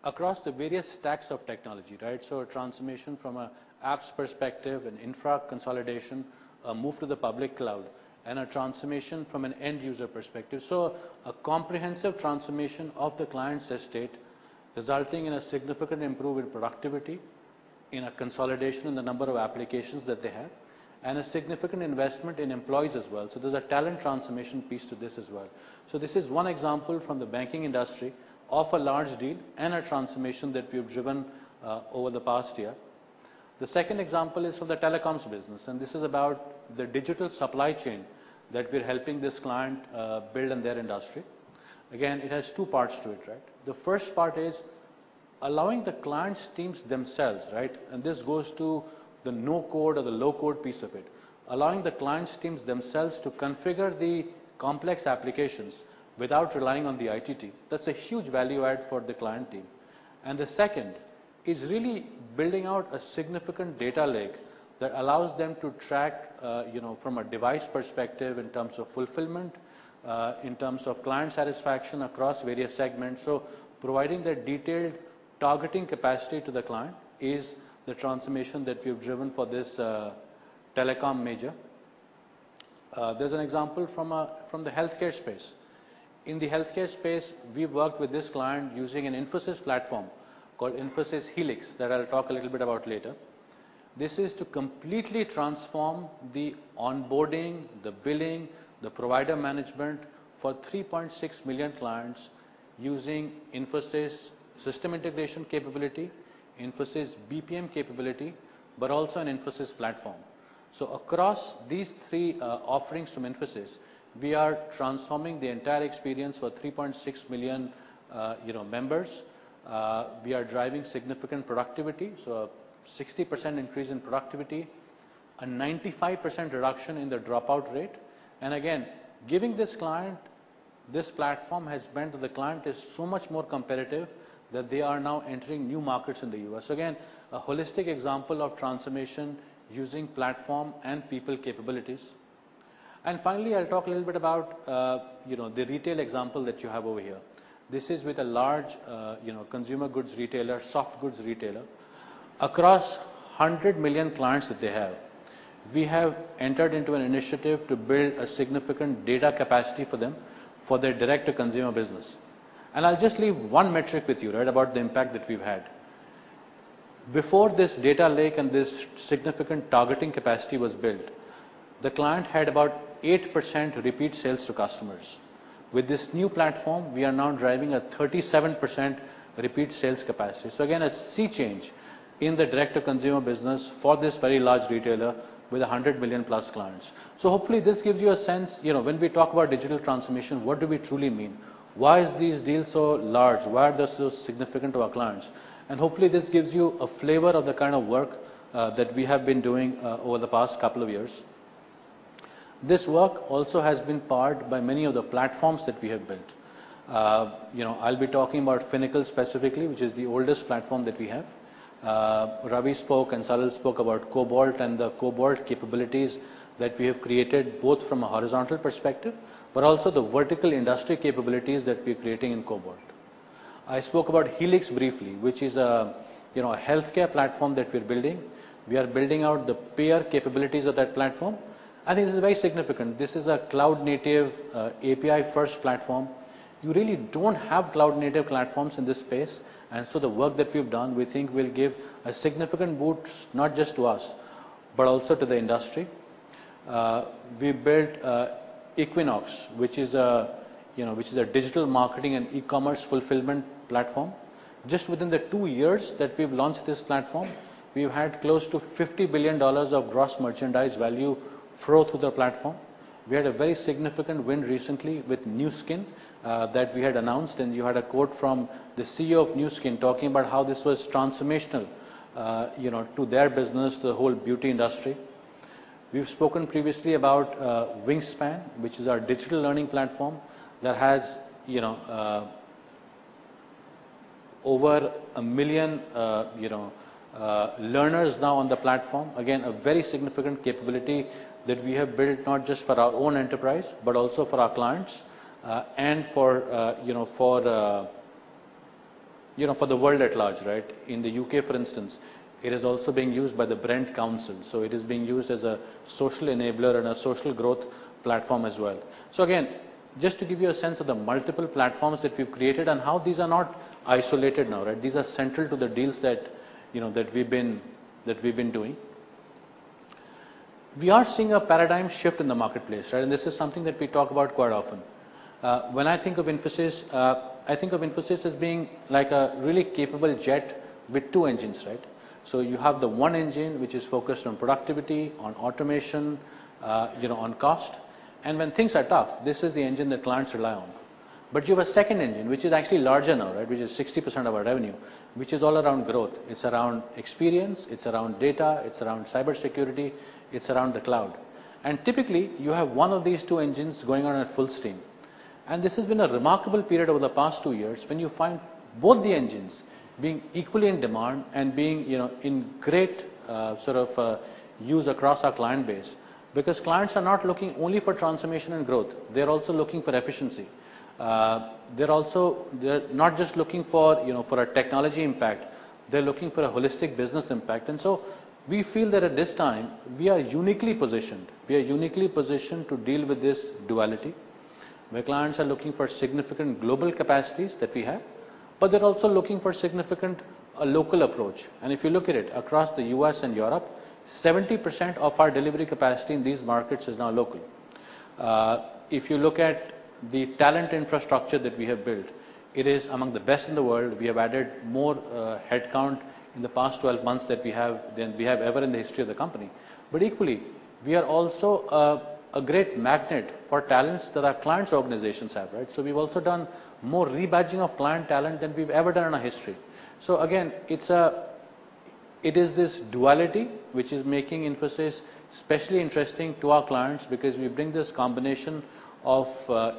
E: across the various stacks of technology, right? A transformation from an apps perspective, an infra consolidation, a move to the public cloud, and a transformation from an end user perspective. A comprehensive transformation of the client's estate, resulting in a significant improvement in productivity, in a consolidation in the number of applications that they have, and a significant investment in employees as well. There's a talent transformation piece to this as well. This is one example from the banking industry of a large deal and a transformation that we've driven over the past year. The second example is for the telecoms business, and this is about the digital supply chain that we're helping this client build in their industry. Again, it has two parts to it, right? The first part is allowing the client's teams themselves, right? And this goes to the no-code or the low-code piece of it. Allowing the client's teams themselves to configure the complex applications without relying on the IT team. That's a huge value add for the client team. And the second is really building out a significant data lake that allows them to track, you know, from a device perspective in terms of fulfillment in terms of client satisfaction across various segments. Providing that detailed targeting capacity to the client is the transformation that we've driven for this telecom major. There's an example from the healthcare space. In the healthcare space, we've worked with this client using an Infosys platform called Infosys Helix that I'll talk a little bit about later. This is to completely transform the onboarding, the billing, the provider management for 3.6 million clients using Infosys' system integration capability, Infosys BPM capability, but also an Infosys platform. Across these three offerings from Infosys, we are transforming the entire experience for 3.6 million, you know, members. We are driving significant productivity, a 60% increase in productivity, a 95% reduction in their dropout rate. Again, giving this client this platform has meant that the client is so much more competitive that they are now entering new markets in the US. Again, a holistic example of transformation using platform and people capabilities. Finally, I'll talk a little bit about, you know, the retail example that you have over here. This is with a large, you know, consumer goods retailer, soft goods retailer. Across 100 million clients that they have, we have entered into an initiative to build a significant data capacity for them for their direct-to-consumer business. I'll just leave one metric with you, right, about the impact that we've had. Before this data lake and this significant targeting capacity was built, the client had about 8% repeat sales to customers. With this new platform, we are now driving a 37% repeat sales capacity. Again, a sea change in the direct-to-consumer business for this very large retailer with 100 million-plus clients. Hopefully this gives you a sense, you know, when we talk about digital transformation, what do we truly mean? Why is these deals so large? Why are they so significant to our clients? Hopefully this gives you a flavor of the kind of work that we have been doing over the past couple of years. This work also has been powered by many of the platforms that we have built. You know, I'll be talking about Finacle specifically, which is the oldest platform that we have. Ravi spoke and Salil spoke about Cobalt and the Cobalt capabilities that we have created, both from a horizontal perspective, but also the vertical industry capabilities that we're creating in Cobalt. I spoke about Helix briefly, which is, you know, a healthcare platform that we're building. We are building out the payer capabilities of that platform. I think this is very significant. This is a cloud-native, API-first platform. You really don't have cloud-native platforms in this space, and so the work that we've done, we think will give a significant boost not just to us, but also to the industry. We built Equinox, which is, you know, a digital marketing and e-commerce fulfillment platform. Just within the two years that we've launched this platform, we've had close to $50 billion of gross merchandise value flow through the platform. We had a very significant win recently with Nu Skin, that we had announced, and you had a quote from the CEO of Nu Skin talking about how this was transformational, you know, to their business, the whole beauty industry. We've spoken previously about Wingspan, which is our digital learning platform that has, you know, over one million, you know, learners now on the platform. Again, a very significant capability that we have built not just for our own enterprise, but also for our clients, and for, you know, for, you know, for the world at large, right? In the UK, for instance, it is also being used by the Brent Council, so it is being used as a social enabler and a social growth platform as well. Again, just to give you a sense of the multiple platforms that we've created and how these are not isolated now, right? These are central to the deals that, you know, that we've been doing. We are seeing a paradigm shift in the marketplace, right? This is something that we talk about quite often. When I think of Infosys, I think of Infosys as being like a really capable jet with two engines, right? You have the one engine which is focused on productivity, on automation, you know, on cost. When things are tough, this is the engine that clients rely on. You have a second engine, which is actually larger now, right? Which is 60% of our revenue, which is all around growth. It's around experience, it's around data, it's around cybersecurity, it's around the cloud. Typically, you have one of these two engines going on at full steam. This has been a remarkable period over the past two years when you find both the engines being equally in demand and being, you know, in great, sort of, use across our client base. Because clients are not looking only for transformation and growth, they're also looking for efficiency. They're also not just looking for, you know, for a technology impact, they're looking for a holistic business impact. We feel that at this time we are uniquely positioned. We are uniquely positioned to deal with this duality, where clients are looking for significant global capacities that we have, but they're also looking for significant local approach. If you look at it across the US and Europe, 70% of our delivery capacity in these markets is now local. If you look at the talent infrastructure that we have built, it is among the best in the world. We have added more headcount in the past 12 months that we have than we have ever in the history of the company. Equally, we are also a great magnet for talents that our clients' organizations have, right? We've also done more rebadging of client talent than we've ever done in our history. Again, it is this duality which is making Infosys especially interesting to our clients because we bring this combination of,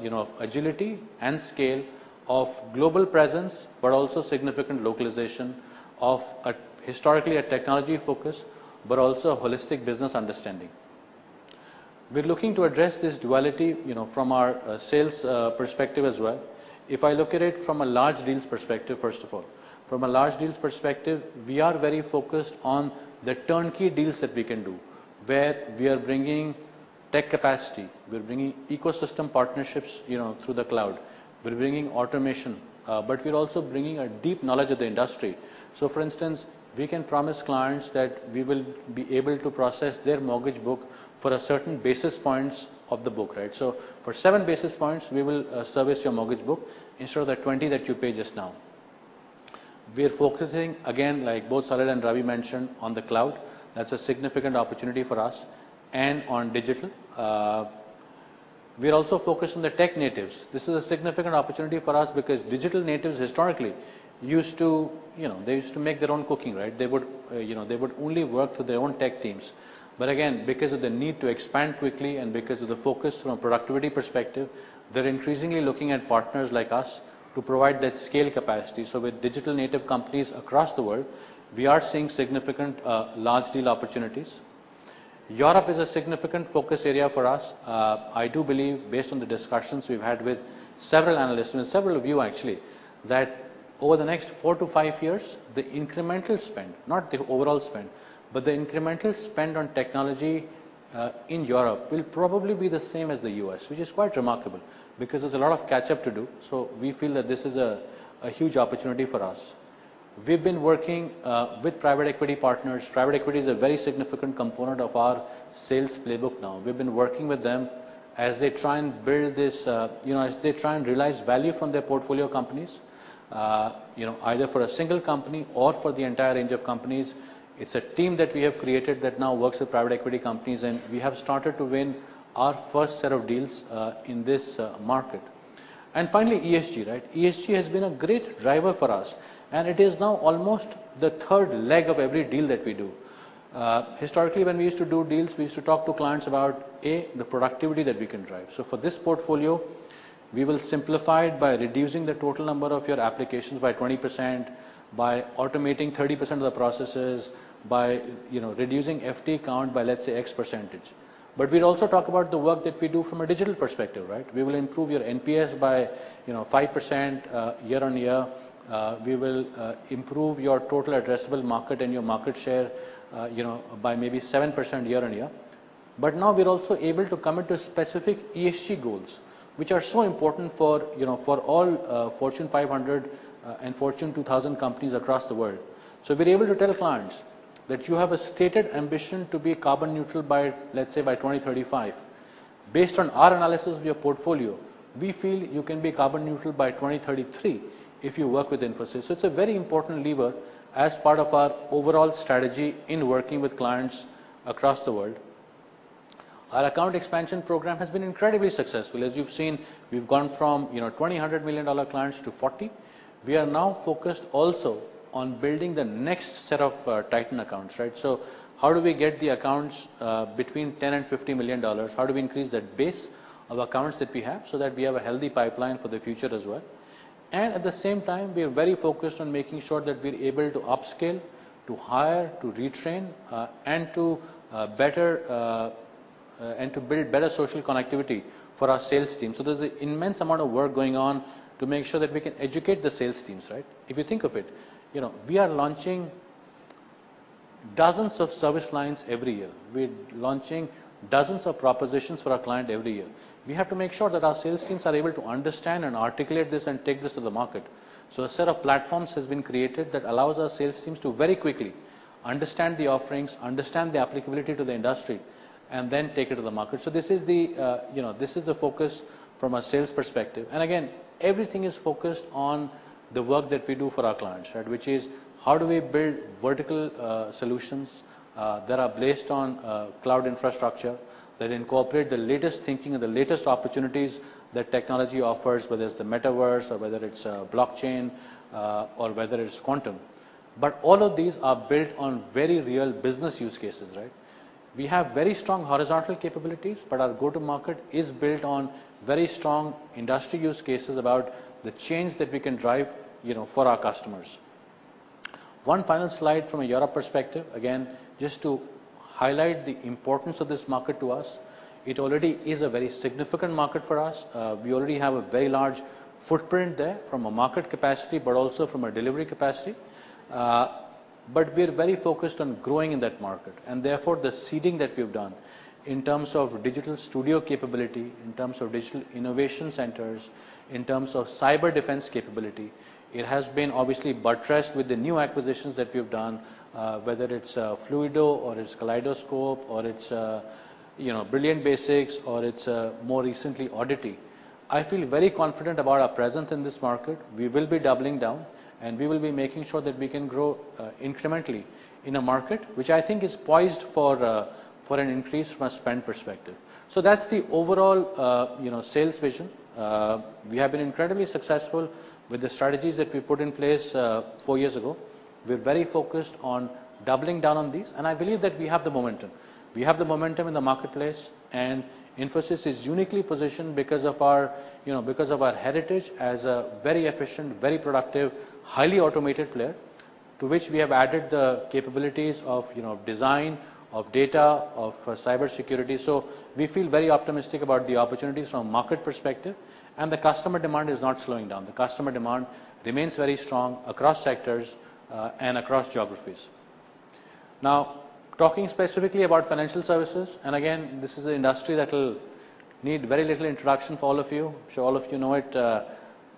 E: you know, agility and scale of global presence, but also significant localization of a historically a technology focus, but also a holistic business understanding. We're looking to address this duality, you know, from our sales perspective as well. If I look at it from a large deals perspective, we are very focused on the turnkey deals that we can do, where we are bringing tech capacity, we're bringing ecosystem partnerships, you know, through the cloud. We're bringing automation, but we're also bringing a deep knowledge of the industry. So for instance, we can promise clients that we will be able to process their mortgage book for a certain basis points of the book, right? So for 7 basis points, we will service your mortgage book instead of the 20 that you pay just now. We are focusing, again, like both Salil and Ravi mentioned, on the cloud. That's a significant opportunity for us and on digital. We are also focused on the tech natives. This is a significant opportunity for us because digital natives historically used to, you know, they used to make their own coding, right? They would, you know, they would only work with their own tech teams. But again, because of the need to expand quickly and because of the focus from a productivity perspective, they're increasingly looking at partners like us to provide that scale capacity. With digital native companies across the world, we are seeing significant large deal opportunities. Europe is a significant focus area for us. I do believe based on the discussions we've had with several analysts, and several of you actually, that over the next four-five years, the incremental spend, not the overall spend, but the incremental spend on technology, in Europe will probably be the same as the U.S., which is quite remarkable because there's a lot of catch-up to do. We feel that this is a huge opportunity for us. We've been working with private equity partners. Private equity is a very significant component of our sales playbook now. We've been working with them as they try and build this, you know, as they try and realize value from their portfolio companies. You know, either for a single company or for the entire range of companies. It's a team that we have created that now works with private equity companies, and we have started to win our first set of deals in this market. Finally, ESG, right? ESG has been a great driver for us, and it is now almost the third leg of every deal that we do. Historically, when we used to do deals, we used to talk to clients about A, the productivity that we can drive. For this portfolio, we will simplify it by reducing the total number of your applications by 20%, by automating 30% of the processes, by, you know, reducing FTE count by, let's say, X%. We'd also talk about the work that we do from a digital perspective, right? We will improve your NPS by, you know, 5% year-on-year. We will improve your total addressable market and your market share, you know, by maybe 7% year-on-year. Now we're also able to commit to specific ESG goals which are so important for, you know, for all Fortune 500 and Fortune 2000 companies across the world. We're able to tell clients that you have a stated ambition to be carbon neutral by, let's say, by 2035. Based on our analysis of your portfolio, we feel you can be carbon neutral by 2033 if you work with Infosys. It's a very important lever as part of our overall strategy in working with clients across the world. Our account expansion program has been incredibly successful. As you've seen, we've gone from, you know, $200 million-dollar clients to 40. We are now focused also on building the next set of Titan accounts, right? How do we get the accounts between $10 million and $50 million? How do we increase that base of accounts that we have so that we have a healthy pipeline for the future as well? At the same time, we are very focused on making sure that we're able to upscale, to hire, to retrain, and to build better social connectivity for our sales team. There's an immense amount of work going on to make sure that we can educate the sales teams, right? If you think of it, you know, we are launching dozens of service lines every year. We're launching dozens of propositions for our client every year. We have to make sure that our sales teams are able to understand and articulate this and take this to the market. A set of platforms has been created that allows our sales teams to very quickly understand the offerings, understand the applicability to the industry, and then take it to the market. This is the focus from a sales perspective. Again, everything is focused on the work that we do for our clients, right? Which is, how do we build vertical solutions that are based on cloud infrastructure that incorporate the latest thinking and the latest opportunities that technology offers, whether it's the metaverse or whether it's blockchain or whether it's quantum. All of these are built on very real business use cases, right? We have very strong horizontal capabilities, but our go-to-market is built on very strong industry use cases about the change that we can drive, you know, for our customers. One final slide from a Europe perspective. Again, just to highlight the importance of this market to us. It already is a very significant market for us. We already have a very large footprint there from a market capacity, but also from a delivery capacity. We're very focused on growing in that market. Therefore, the seeding that we've done in terms of digital studio capability, in terms of digital innovation centers, in terms of cyber defense capability, it has been obviously buttressed with the new acquisitions that we've done. Whether it's Fluido or it's Kaleidoscope, or it's, you know, Brilliant Basics or it's more recently oddity. I feel very confident about our presence in this market. We will be doubling down, and we will be making sure that we can grow incrementally in a market which I think is poised for for an increase from a spend perspective. So that's the overall you know sales vision. We have been incredibly successful with the strategies that we put in place four years ago. We're very focused on doubling down on these, and I believe that we have the momentum. We have the momentum in the marketplace. Infosys is uniquely positioned because of our you know because of our heritage as a very efficient, very productive, highly automated player, to which we have added the capabilities of you know design, of data, of cybersecurity. So we feel very optimistic about the opportunities from a market perspective. The customer demand is not slowing down. The customer demand remains very strong across sectors and across geographies. Now, talking specifically about financial services, and again, this is an industry that'll need very little introduction for all of you. I'm sure all of you know it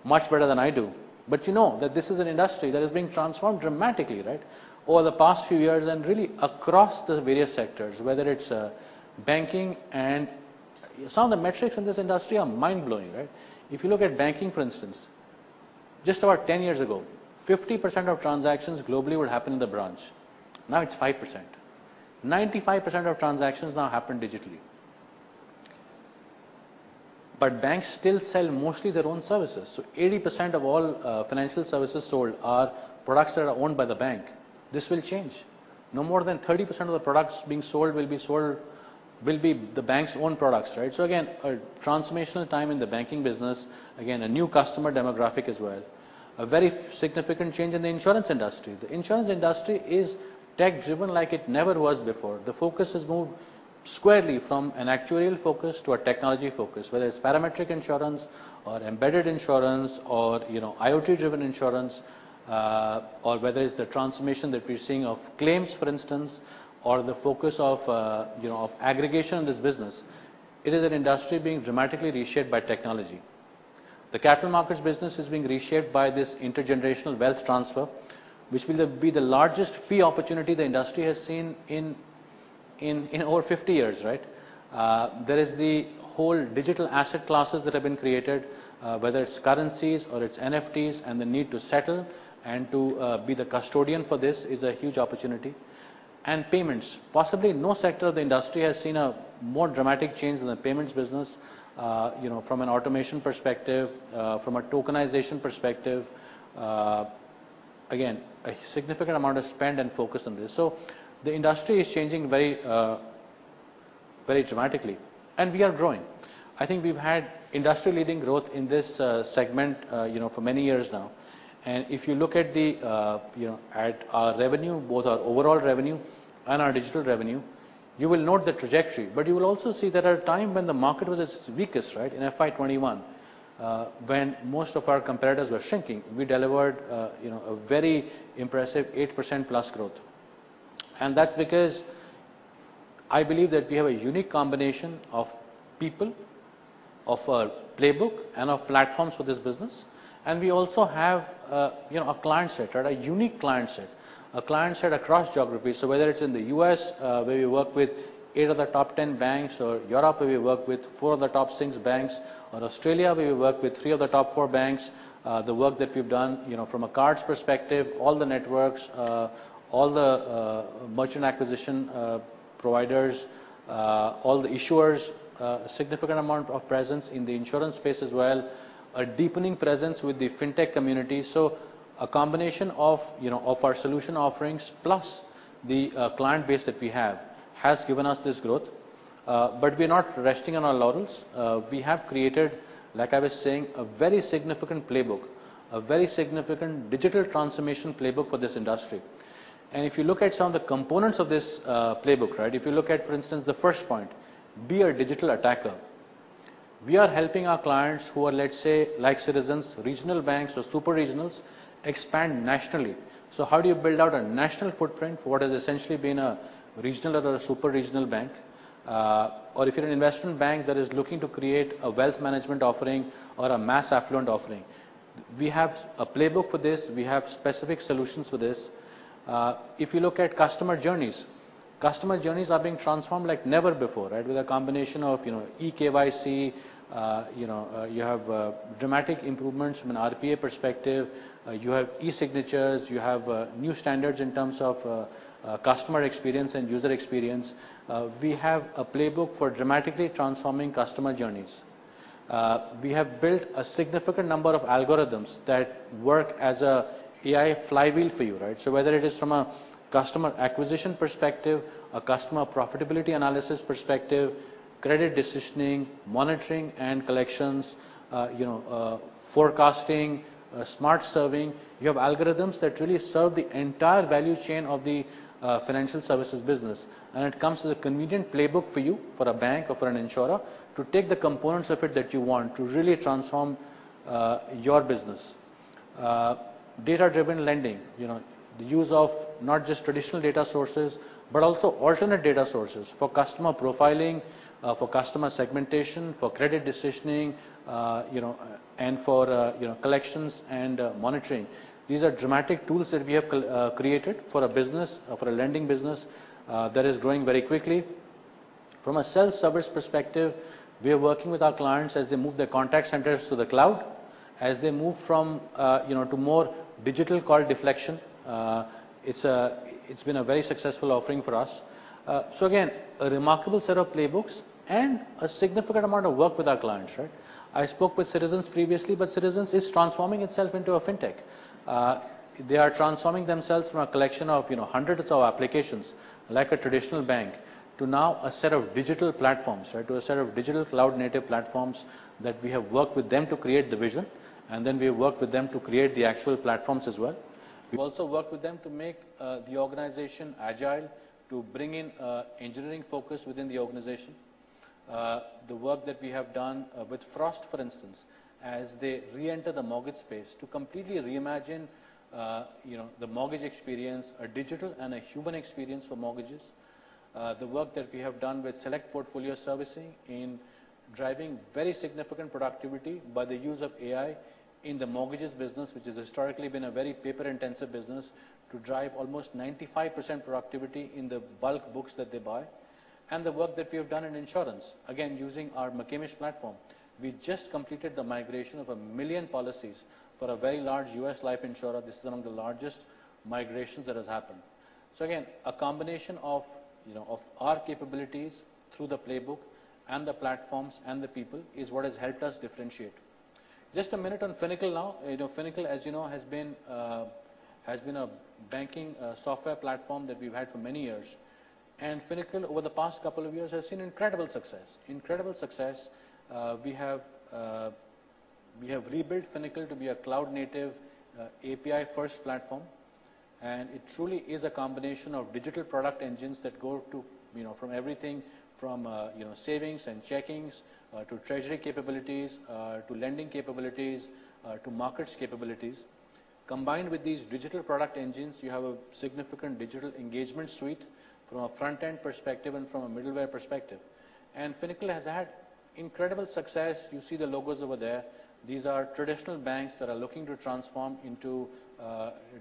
E: much better than I do. But you know that this is an industry that is being transformed dramatically, right? Over the past few years and really across the various sectors, whether it's banking and. Some of the metrics in this industry are mind-blowing, right? If you look at banking, for instance, just about 10 years ago, 50% of transactions globally would happen in the branch. Now it's 5%. 95% of transactions now happen digitally. But banks still sell mostly their own services. 80% of all financial services sold are products that are owned by the bank. This will change. No more than 30% of the products being sold will be the bank's own products, right? Again, a transformational time in the banking business. Again, a new customer demographic as well. A very significant change in the insurance industry. The insurance industry is tech-driven like it never was before. The focus has moved squarely from an actuarial focus to a technology focus, whether it's parametric insurance or embedded insurance or, you know, IoT-driven insurance, or whether it's the transformation that we're seeing of claims, for instance, or the focus of, you know, of aggregation of this business. It is an industry being dramatically reshaped by technology. The capital markets business is being reshaped by this intergenerational wealth transfer, which will be the largest fee opportunity the industry has seen in over 50 years, right? There is the whole digital asset classes that have been created, whether it's currencies or it's NFTs and the need to settle and to be the custodian for this is a huge opportunity. Payments. Possibly no sector of the industry has seen a more dramatic change in the payments business, you know, from an automation perspective, from a tokenization perspective. Again, a significant amount of spend and focus on this. The industry is changing very dramatically, and we are growing. I think we've had industry-leading growth in this segment, you know, for many years now. If you look at the, you know, at our revenue, both our overall revenue and our digital revenue, you will note the trajectory. You will also see that at a time when the market was its weakest, right, in FY 2021, when most of our competitors were shrinking, we delivered, you know, a very impressive 8%+ growth. That's because I believe that we have a unique combination of people, of a playbook, and of platforms for this business. We also have, you know, a client set, right? A unique client set. A client set across geographies. Whether it's in the US, where we work with eight of the top 10 banks, or Europe, where we work with four of the top six banks, or Australia, where we work with three of the top four banks. The work that we've done, you know, from a cards perspective, all the networks, all the merchant acquisition providers, all the issuers. A significant amount of presence in the insurance space as well. A deepening presence with the fintech community. A combination of, you know, of our solution offerings plus the client base that we have has given us this growth. We're not resting on our laurels. We have created, like I was saying, a very significant playbook, a very significant digital transformation playbook for this industry. If you look at some of the components of this playbook, right? If you look at, for instance, the first point, be a digital attacker. We are helping our clients who are, let's say, like Citizens, regional banks or super regionals expand nationally. How do you build out a national footprint for what has essentially been a regional or a super regional bank? Or if you're an investment bank that is looking to create a wealth management offering or a mass affluent offering. We have a playbook for this. We have specific solutions for this. If you look at customer journeys, customer journeys are being transformed like never before, right? With a combination of, you know, eKYC, you know, you have dramatic improvements from an RPA perspective. You have e-signatures. You have new standards in terms of customer experience and user experience. We have a playbook for dramatically transforming customer journeys. We have built a significant number of algorithms that work as an AI flywheel for you, right? Whether it is from a customer acquisition perspective, a customer profitability analysis perspective, credit decisioning, monitoring and collections, you know, forecasting, smart serving. You have algorithms that really serve the entire value chain of the financial services business. It comes with a convenient playbook for you, for a bank or for an insurer, to take the components of it that you want to really transform your business. Data-driven lending, you know, the use of not just traditional data sources, but also alternate data sources for customer profiling, for customer segmentation, for credit decisioning, you know, and for collections and monitoring. These are dramatic tools that we have created for a business, for a lending business, that is growing very quickly. From a self-service perspective, we are working with our clients as they move their contact centers to the cloud, as they move from you know to more digital call deflection. It's been a very successful offering for us. Again, a remarkable set of playbooks and a significant amount of work with our clients, right? I spoke with Citizens previously, but Citizens is transforming itself into a fintech. They are transforming themselves from a collection of you know hundreds of applications like a traditional bank to now a set of digital platforms, right? To a set of digital cloud-native platforms that we have worked with them to create the vision, and then we have worked with them to create the actual platforms as well. We've also worked with them to make the organization agile, to bring in engineering focus within the organization. The work that we have done with Frost Bank, for instance, as they re-enter the mortgage space to completely reimagine, you know, the mortgage experience, a digital and a human experience for mortgages. The work that we have done with Select Portfolio Servicing in driving very significant productivity by the use of AI in the mortgages business, which has historically been a very paper-intensive business, to drive almost 95% productivity in the bulk books that they buy. The work that we have done in insurance, again, using our McCamish platform. We just completed the migration of one million policies for a very large U.S. life insurer. This is among the largest migrations that has happened. Again, a combination of, you know, of our capabilities through the playbook and the platforms and the people is what has helped us differentiate. Just a minute on Finacle now. You know, Finacle, as you know, has been a banking software platform that we've had for many years. Finacle, over the past couple of years, has seen incredible success. We have rebuilt Finacle to be a cloud-native API-first platform, and it truly is a combination of digital product engines that go to, you know, from everything from, you know, savings and checkings to treasury capabilities to lending capabilities to markets capabilities. Combined with these digital product engines, you have a significant digital engagement suite from a front-end perspective and from a middleware perspective. Finacle has had incredible success. You see the logos over there. These are traditional banks that are looking to transform into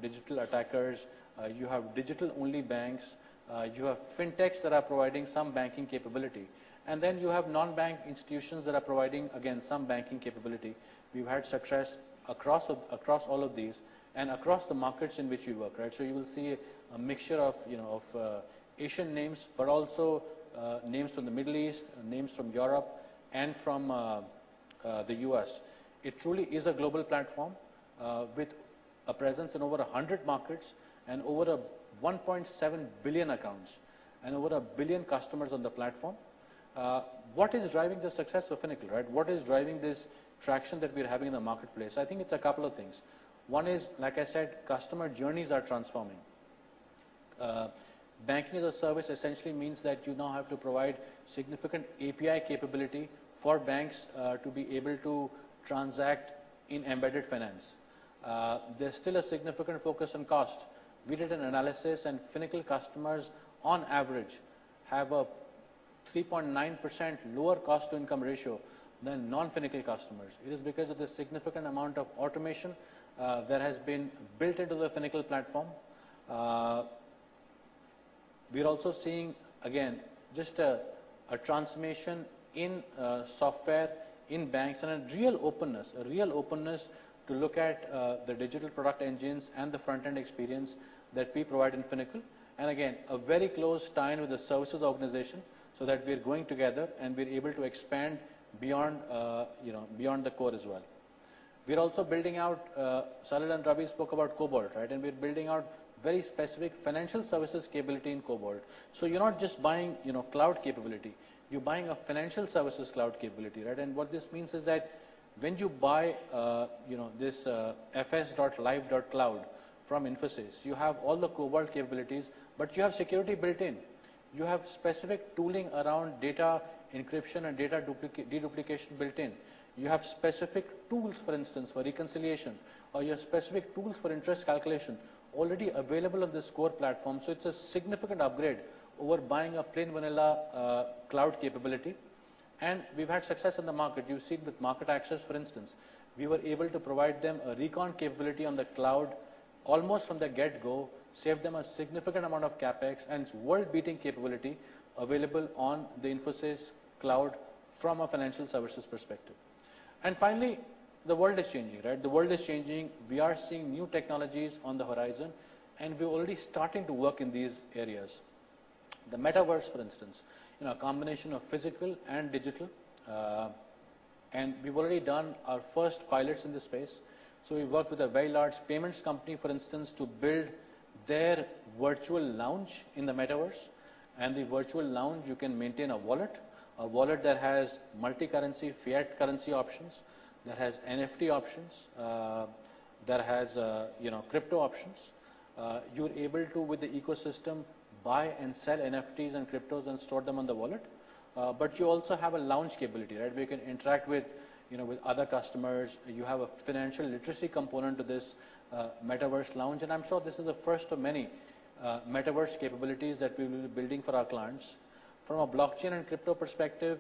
E: digital attackers. You have digital-only banks. You have FinTechs that are providing some banking capability. You have non-bank institutions that are providing, again, some banking capability. We've had success across all of these and across the markets in which we work, right? You will see a mixture of, you know, of Asian names, but also names from the Middle East, names from Europe and from the US. It truly is a global platform with a presence in over 100 markets and over 1.7 billion accounts and over onne billion customers on the platform. What is driving the success of Finacle, right? What is driving this traction that we're having in the marketplace? I think it's a couple of things. One is, like I said, customer journeys are transforming. Banking-as-a-service essentially means that you now have to provide significant API capability for banks to be able to transact in embedded finance. There's still a significant focus on cost. We did an analysis, and Finacle customers on average have a 3.9% lower cost-to-income ratio than non-Finacle customers. It is because of the significant amount of automation that has been built into the Finacle platform. We're also seeing, again, just a transformation in software in banks and a real openness to look at the digital product engines and the front-end experience that we provide in Finacle. Again, a very close tie-in with the services organization, so that we are growing together and we're able to expand beyond, you know, beyond the core as well. We're also building out. Salil and Ravi spoke about Cobalt, right? We're building out very specific financial services capability in Cobalt. You're not just buying, you know, cloud capability. You're buying a financial services cloud capability, right? What this means is that when you buy, you know, this, fs.live.cloud from Infosys, you have all the Cobalt capabilities, but you have security built in. You have specific tooling around data encryption and data deduplication built in. You have specific tools, for instance, for reconciliation, or you have specific tools for interest calculation already available on this core platform. It's a significant upgrade over buying a plain vanilla cloud capability. We've had success in the market. You've seen with MarketAxess, for instance. We were able to provide them a recon capability on the cloud almost from the get-go, saved them a significant amount of CapEx, and it's world-beating capability available on the Infosys cloud from a financial services perspective. Finally, the world is changing, right? We are seeing new technologies on the horizon, and we're already starting to work in these areas. The Metaverse, for instance, you know, a combination of physical and digital. We've already done our first pilots in this space. We worked with a very large payments company, for instance, to build their virtual lounge in the Metaverse. The virtual lounge, you can maintain a wallet that has multi-currency, fiat currency options, that has NFT options, that has, you know, crypto options. You're able to, with the ecosystem, buy and sell NFTs and cryptos and store them on the wallet. But you also have a lounge capability, right? Where you can interact with, you know, with other customers. You have a financial literacy component to this, Metaverse lounge. I'm sure this is the first of many, Metaverse capabilities that we will be building for our clients. From a blockchain and crypto perspective,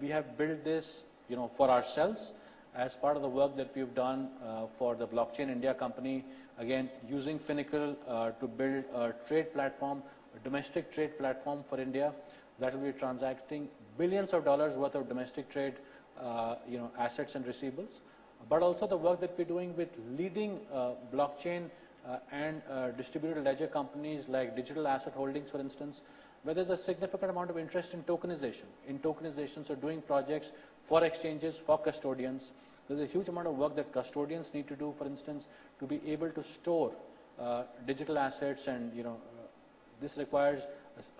E: we have built this, you know, for ourselves as part of the work that we've done, for the Blockchain India company. Again, using Finacle, to build a trade platform, a domestic trade platform for India that will be transacting billions of dollars worth of domestic trade, you know, assets and receivables. Also the work that we're doing with leading blockchain and distributed ledger companies like Digital Asset Holdings, for instance, where there's a significant amount of interest in tokenization. In tokenization, so doing projects for exchanges, for custodians. There's a huge amount of work that custodians need to do, for instance, to be able to store digital assets and, you know, this requires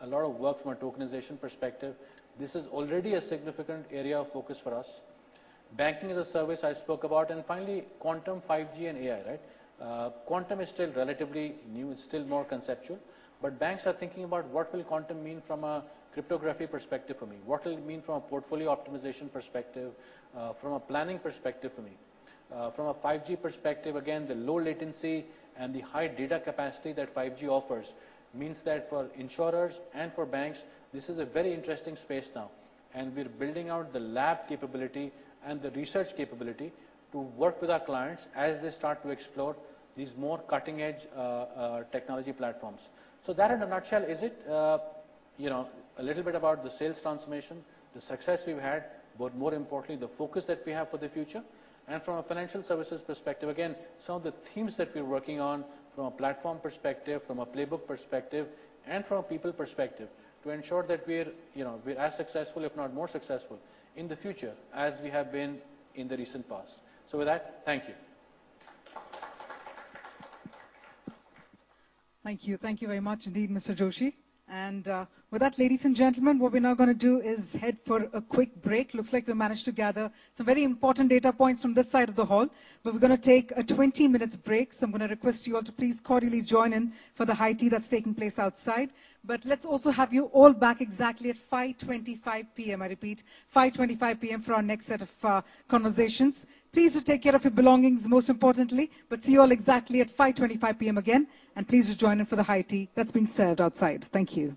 E: a lot of work from a tokenization perspective. This is already a significant area of focus for us. Banking-as-a-service I spoke about. Finally, quantum, 5G, and AI, right? Quantum is still relatively new and still more conceptual, but banks are thinking about what will quantum mean from a cryptography perspective for me? What will it mean from a portfolio optimization perspective, from a planning perspective for me? From a 5G perspective, again, the low latency and the high data capacity that 5G offers means that for insurers and for banks, this is a very interesting space now. We're building out the lab capability and the research capability to work with our clients as they start to explore these more cutting-edge technology platforms. That in a nutshell is it, you know, a little bit about the sales transformation, the success we've had, but more importantly, the focus that we have for the future. From a financial services perspective, again, some of the themes that we're working on from a platform perspective, from a playbook perspective, and from a people perspective to ensure that we're, you know, we're as successful if not more successful in the future as we have been in the recent past. With that, thank you.
A: Thank you. Thank you very much indeed, Mr. Joshi. With that, ladies and gentlemen, what we're now gonna do is head for a quick break. Looks like we managed to gather some very important data points from this side of the hall. We're gonna take a 20 minutes break, so I'm gonna request you all to please cordially join in for the high tea that's taking place outside. Let's also have you all back exactly at 5:25 P.M. I repeat, 5:25 P.M. for our next set of conversations. Please do take care of your belongings, most importantly, but see you all exactly at 5:25 P.M. again, and please do join in for the high tea that's being served outside. Thank you.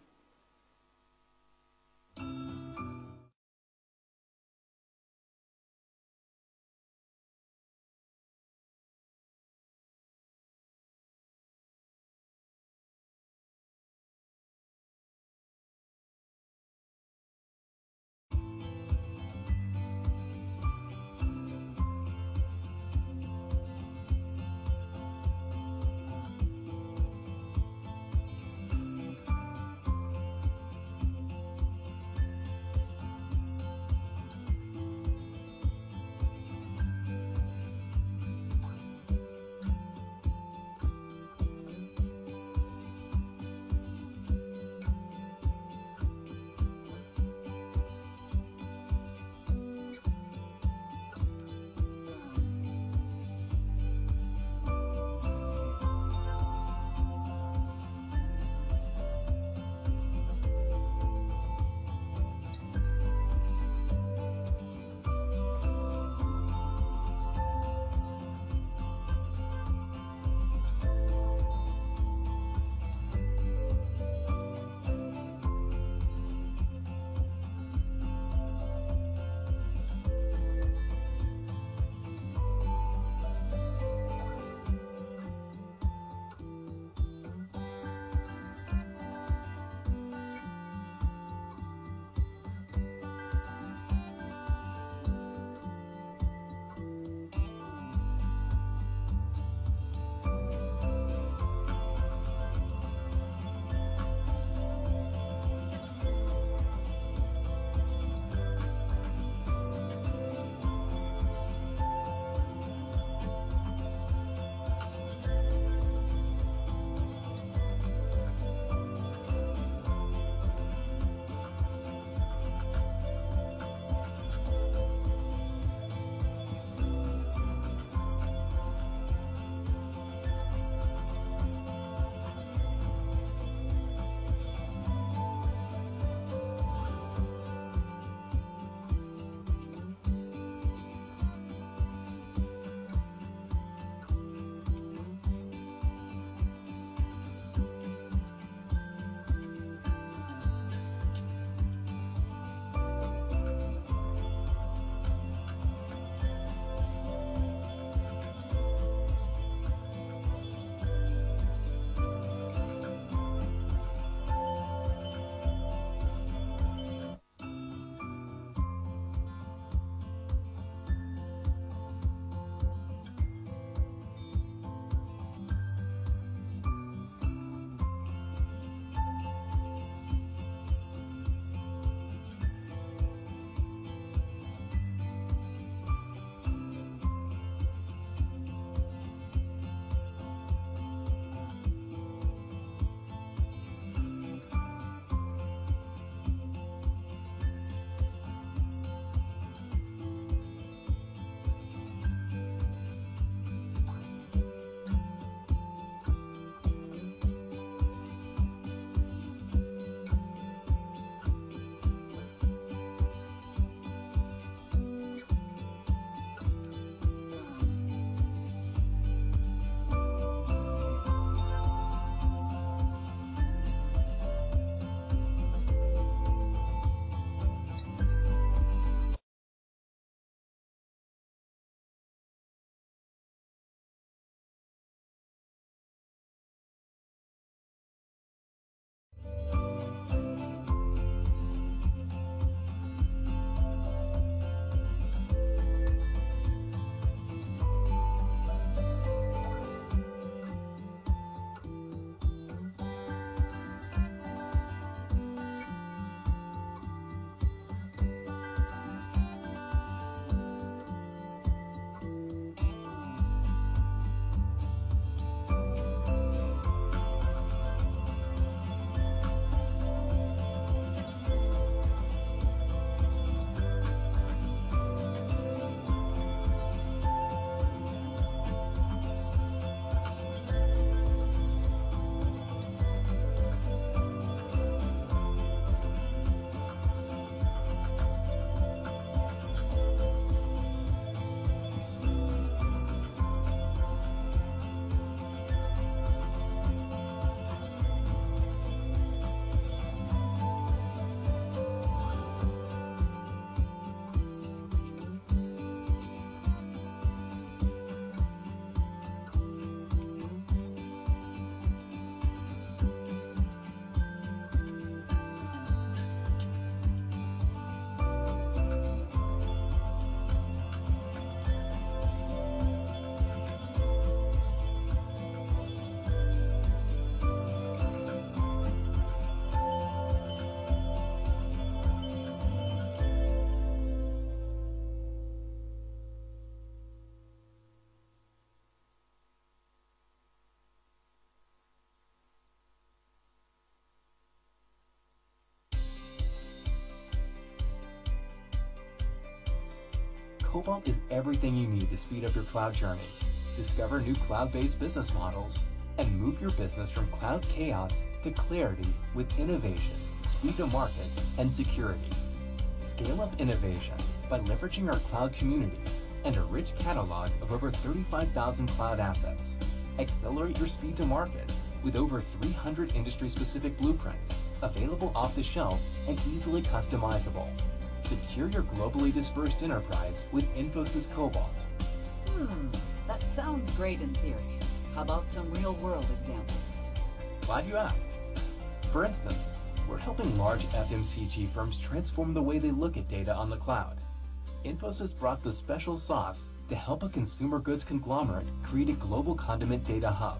D: Cobalt is everything you need to speed up your cloud journey, discover new cloud-based business models, and move your business from cloud chaos to clarity with innovation, speed to market, and security. Scale up innovation by leveraging our cloud community and a rich catalog of over 35,000 cloud assets. Accelerate your speed to market with over 300 industry-specific blueprints available off the shelf and easily customizable. Secure your globally dispersed enterprise with Infosys Cobalt. That sounds great in theory. How about some real-world examples? Glad you asked. For instance, we're helping large FMCG firms transform the way they look at data on the cloud. Infosys brought the special sauce to help a consumer goods conglomerate create a global condiment data hub.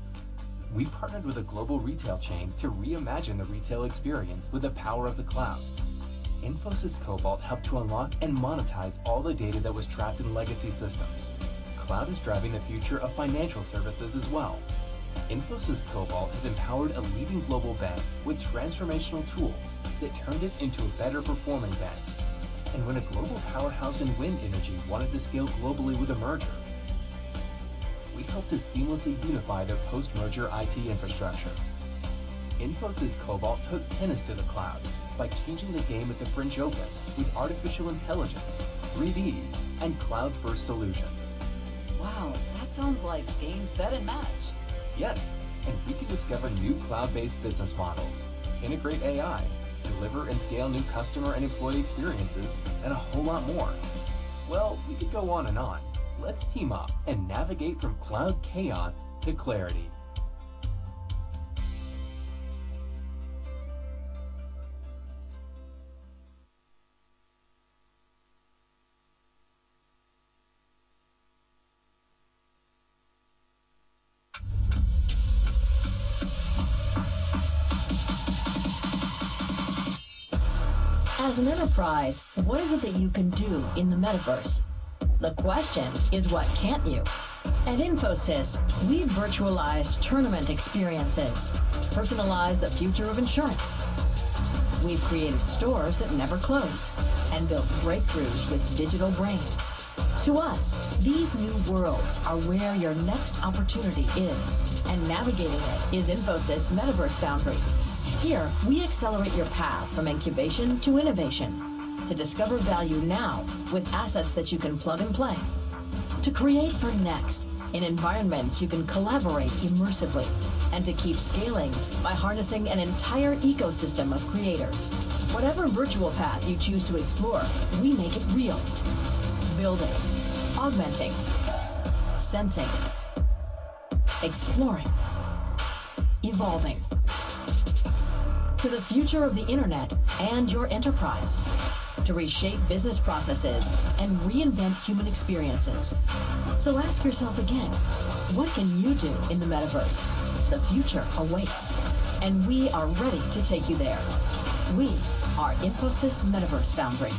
D: We partnered with a global retail chain to reimagine the retail experience with the power of the cloud. Infosys Cobalt helped to unlock and monetize all the data that was trapped in legacy systems. Cloud is driving the future of financial services as well. Infosys Cobalt has empowered a leading global bank with transformational tools that turned it into a better performing bank. When a global powerhouse in wind energy wanted to scale globally with a merger, we helped to seamlessly unify their post-merger IT infrastructure. Infosys Cobalt took tennis to the cloud by changing the game at the French Open with artificial intelligence, 3D, and cloud-first solutions. Wow. That sounds like game, set, and match. Yes, we can discover new cloud-based business models, integrate AI, deliver and scale new customer and employee experiences, and a whole lot more. Well, we could go on and on. Let's team up and navigate from cloud chaos to clarity. As an enterprise, what is it that you can do in the metaverse? The question is, what can't you? At Infosys, we've virtualized tournament experiences, personalized the future of insurance. We've created stores that never close and built breakthroughs with digital brains. To us, these new worlds are where your next opportunity is, and navigating it is Infosys Metaverse Foundry. Here, we accelerate your path from incubation to innovation. To discover value now with assets that you can plug and play. To create for next in environments you can collaborate immersively, and to keep scaling by harnessing an entire ecosystem of creators. Whatever virtual path you choose to explore, we make it real. Building, augmenting, sensing, exploring, evolving. To the future of the internet and your enterprise. To reshape business processes and reinvent human experiences. Ask yourself again, what can you do in the metaverse? The future awaits, and we are ready to take you there. We are Infosys Metaverse Foundry.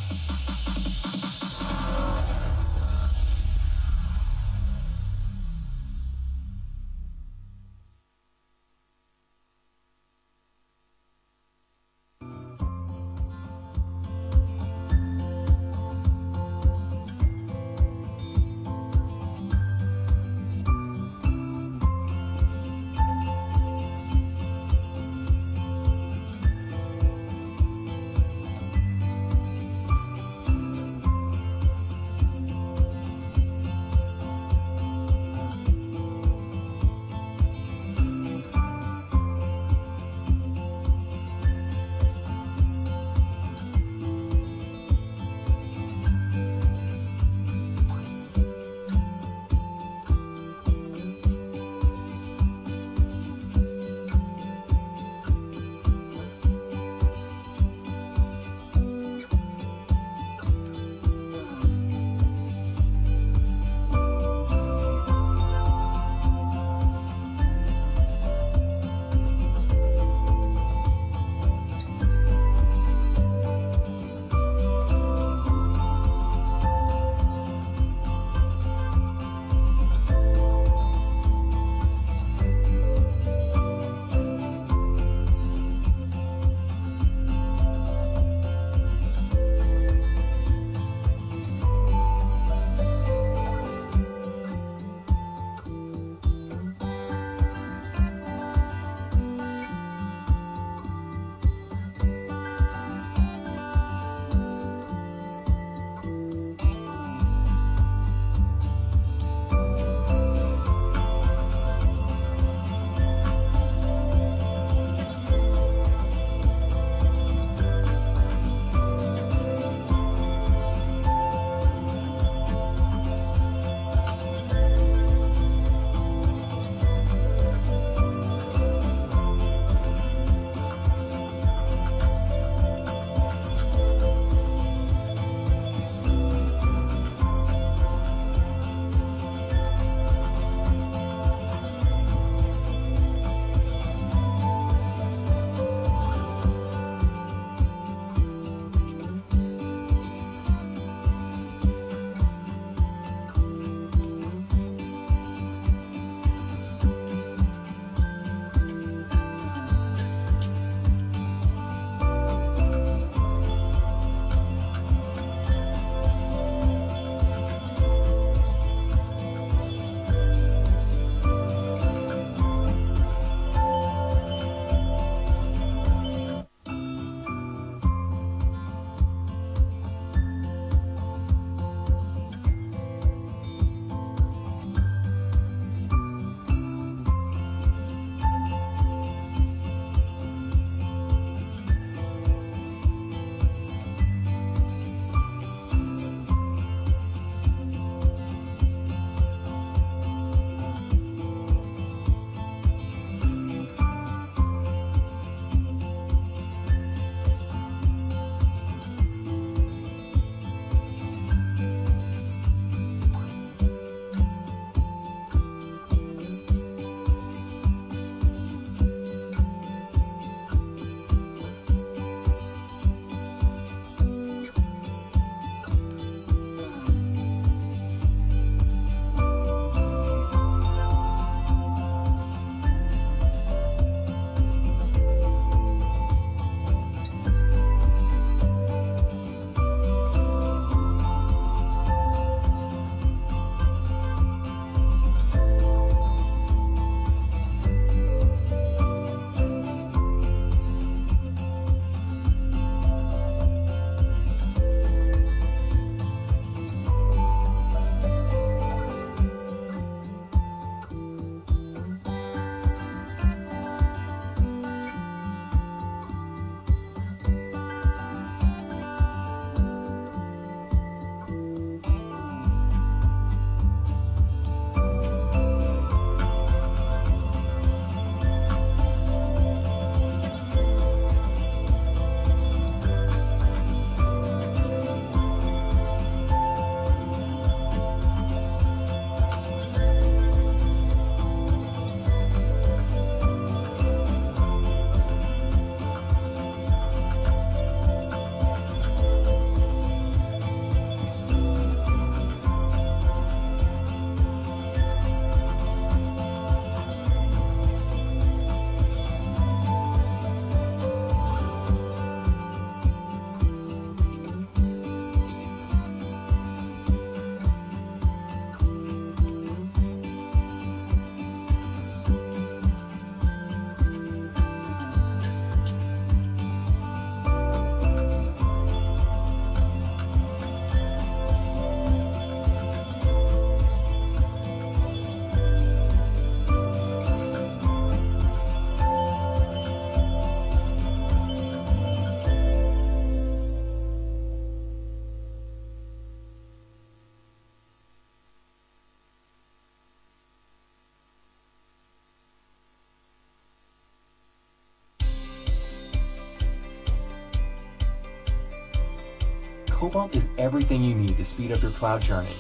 D: Cobalt is everything you need to speed up your cloud journey,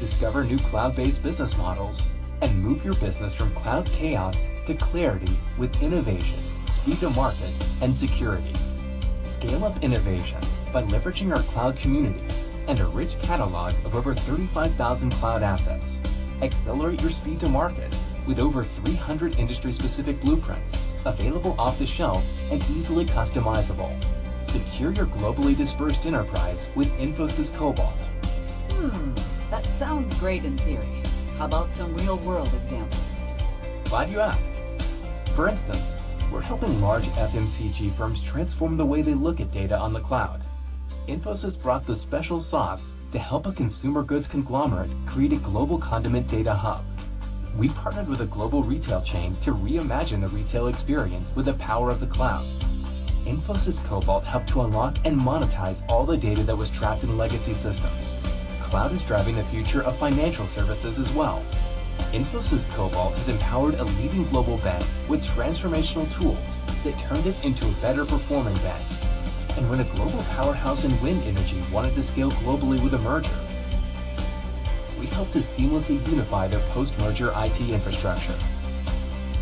D: discover new cloud-based business models, and move your business from cloud chaos to clarity with innovation, speed to market, and security. Scale up innovation by leveraging our cloud community and a rich catalog of over 35,000 cloud assets. Accelerate your speed to market with over 300 industry-specific blueprints available off-the-shelf and easily customizable. Secure your globally dispersed enterprise with Infosys Cobalt. That sounds great in theory. How about some real-world examples? Glad you asked. For instance, we're helping large FMCG firms transform the way they look at data on the cloud. Infosys brought the special sauce to help a consumer goods conglomerate create a global condiment data hub. We partnered with a global retail chain to reimagine the retail experience with the power of the cloud. Infosys Cobalt helped to unlock and monetize all the data that was trapped in legacy systems. Cloud is driving the future of financial services as well. Infosys Cobalt has empowered a leading global bank with transformational tools that turned it into a better-performing bank. When a global powerhouse in wind energy wanted to scale globally with a merger, we helped to seamlessly unify their post-merger IT infrastructure.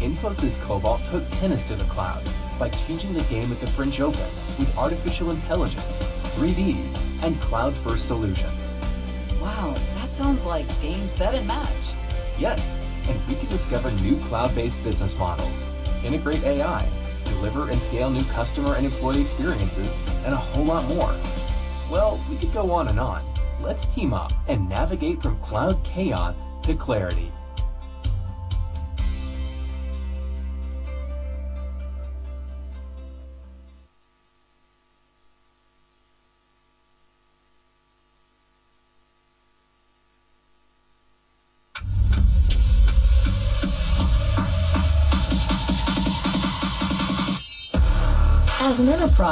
D: Infosys Cobalt took tennis to the cloud by changing the game at the French Open with artificial intelligence, 3D, and cloud-first solutions. Wow, that sounds like game, set, and match. Yes, we can discover new cloud-based business models, integrate AI, deliver and scale new customer and employee experiences, and a whole lot more. Well, we could go on and on. Let's team up and navigate from cloud chaos to clarity.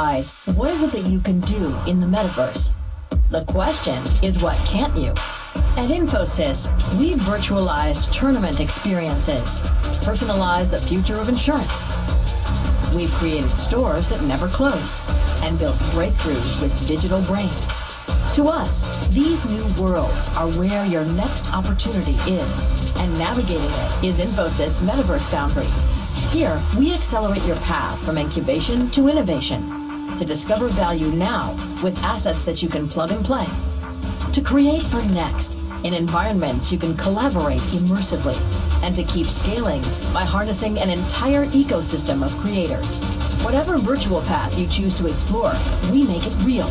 D: As an enterprise, what is it that you can do in the metaverse? The question is, what can't you? At Infosys, we virtualized tournament experiences, personalized the future of insurance. We've created stores that never close and built breakthroughs with digital brains. To us, these new worlds are where your next opportunity is, and navigating it is Infosys Metaverse Foundry. Here, we accelerate your path from incubation to innovation to discover value now with assets that you can plug and play. To create for next in environments you can collaborate immersively. To keep scaling by harnessing an entire ecosystem of creators. Whatever virtual path you choose to explore, we make it real.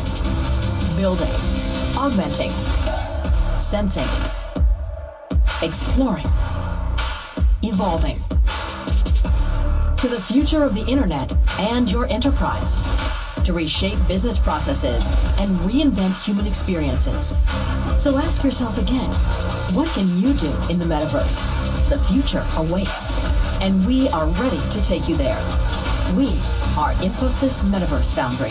D: Building, augmenting, sensing, exploring, evolving. To the future of the internet and your enterprise. To reshape business processes and reinvent human experiences. Ask yourself again, what can you do in the metaverse? The future awaits, and we are ready to take you there. We are Infosys Metaverse Foundry.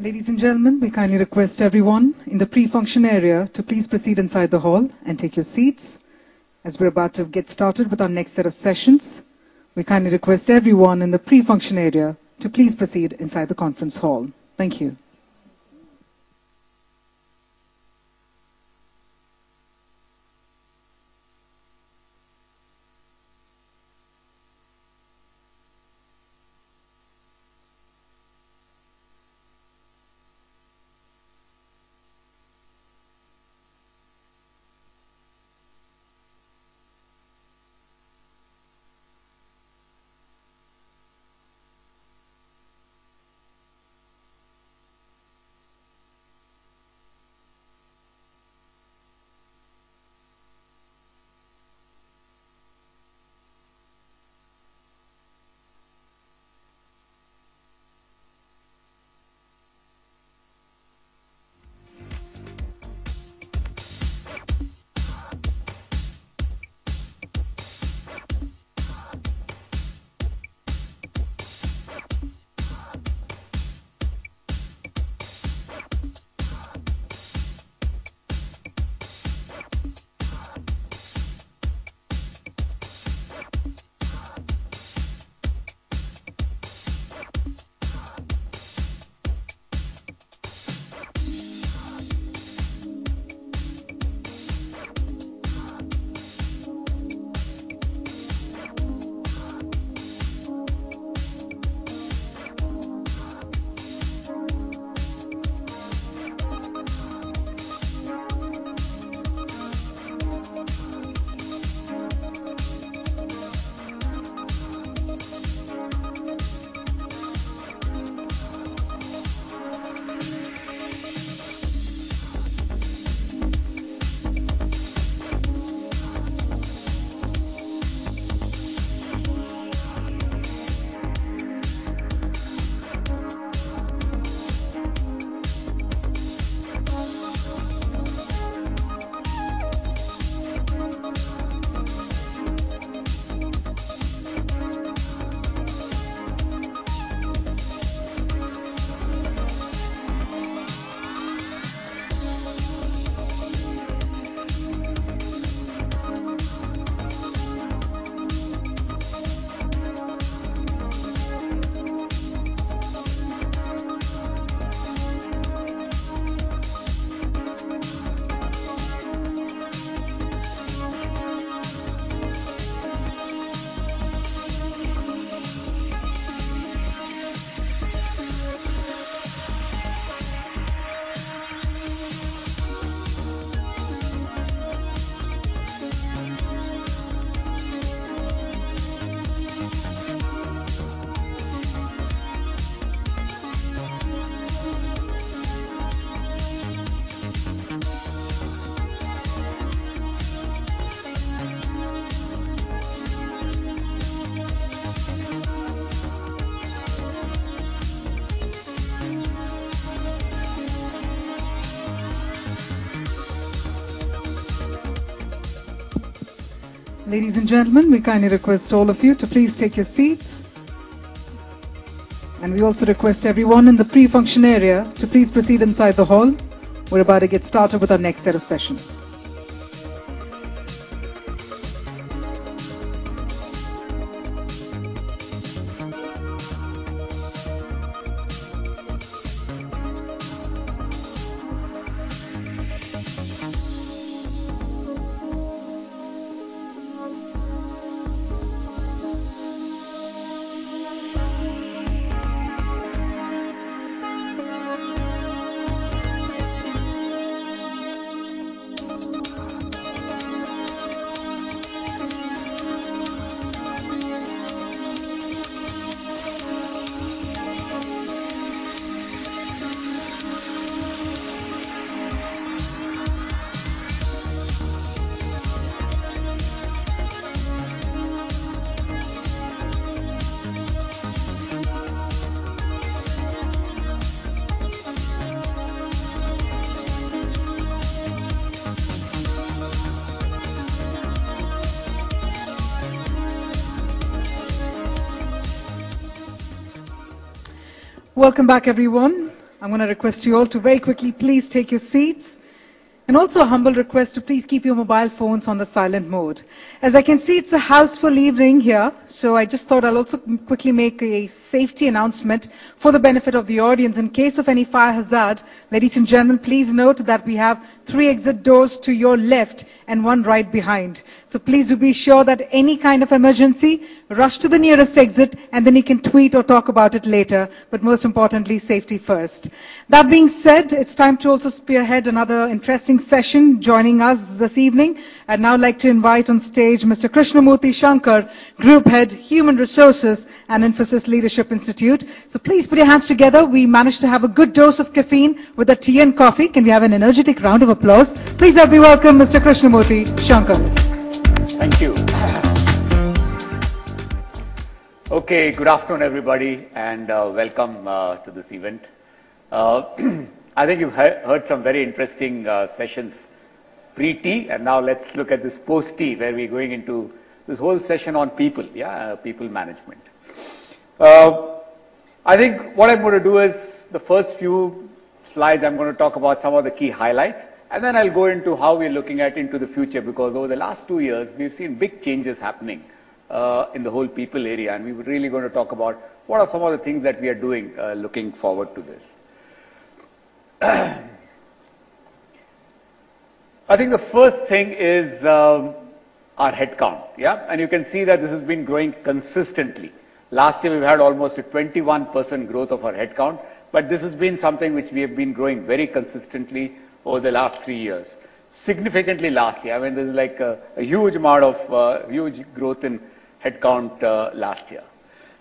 A: Ladies and gentlemen, we kindly request everyone in the pre-function area to please proceed inside the hall and take your seats as we're about to get started with our next set of sessions. We kindly request everyone in the pre-function area to please proceed inside the conference hall. Thank you. Ladies and gentlemen, we kindly request all of you to please take your seats. We also request everyone in the pre-function area to please proceed inside the hall. We're about to get started with our next set of sessions. Welcome back, everyone. I'm gonna request you all to very quickly please take your seats. Also a humble request to please keep your mobile phones on the silent mode. As I can see, it's a houseful evening here, so I just thought I'll also quickly make a safety announcement for the benefit of the audience. In case of any fire hazard, ladies and gentlemen, please note that we have three exit doors to your left and one right behind. Please do be sure that any kind of emergency, rush to the nearest exit, and then you can tweet or talk about it later. Most importantly, safety first. That being said, it's time to also spearhead another interesting session. Joining us this evening, I'd now like to invite on stage Mr. Krishnamurthy Shankar, Group Head, Human Resources and Infosys Leadership Institute. Please put your hands together. We managed to have a good dose of caffeine with our tea and coffee. Can we have an energetic round of applause? Please help me welcome Mr. Krishnamurthy Shankar.
F: Thank you. Okay, good afternoon, everybody, and welcome to this event. I think you've heard some very interesting sessions pre-tea. Now let's look at this post-tea, where we're going into this whole session on people. Yeah, people management. I think what I'm gonna do is the first few slides, I'm gonna talk about some of the key highlights, and then I'll go into how we're looking at into the future, because over the last two years we've seen big changes happening in the whole people area. We're really gonna talk about what are some of the things that we are doing looking forward to this. I think the first thing is our headcount. Yeah? You can see that this has been growing consistently. Last year, we've had almost a 21% growth of our headcount, but this has been something which we have been growing very consistently over the last three years. Significantly last year. I mean, this is like a huge amount of huge growth in headcount last year.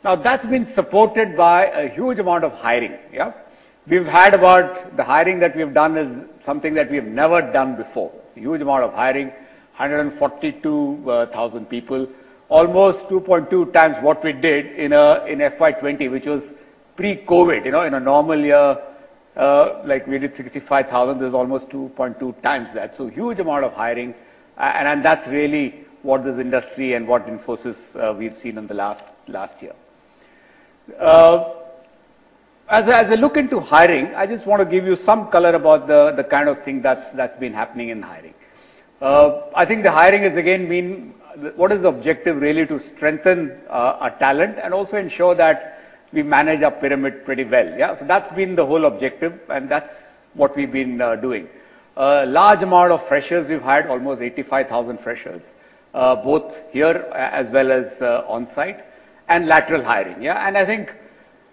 F: Now, that's been supported by a huge amount of hiring. Yeah? The hiring that we have done is something that we have never done before. It's a huge amount of hiring. 142,000 people. Almost 2.2x what we did in FY 2020, which was pre-COVID. You know, in a normal year, like, we did 65,000. This is almost 2.2x that. So huge amount of hiring, and that's really what this industry and what Infosys we've seen in the last year. As I look into hiring, I just wanna give you some color about the kind of thing that's been happening in hiring. I think what is the objective? Really to strengthen our talent and also ensure that we manage our pyramid pretty well. Yeah? That's been the whole objective, and that's what we've been doing. A large amount of freshers, we've hired almost 85,000 freshers, both here as well as on-site, and lateral hiring. Yeah? I think,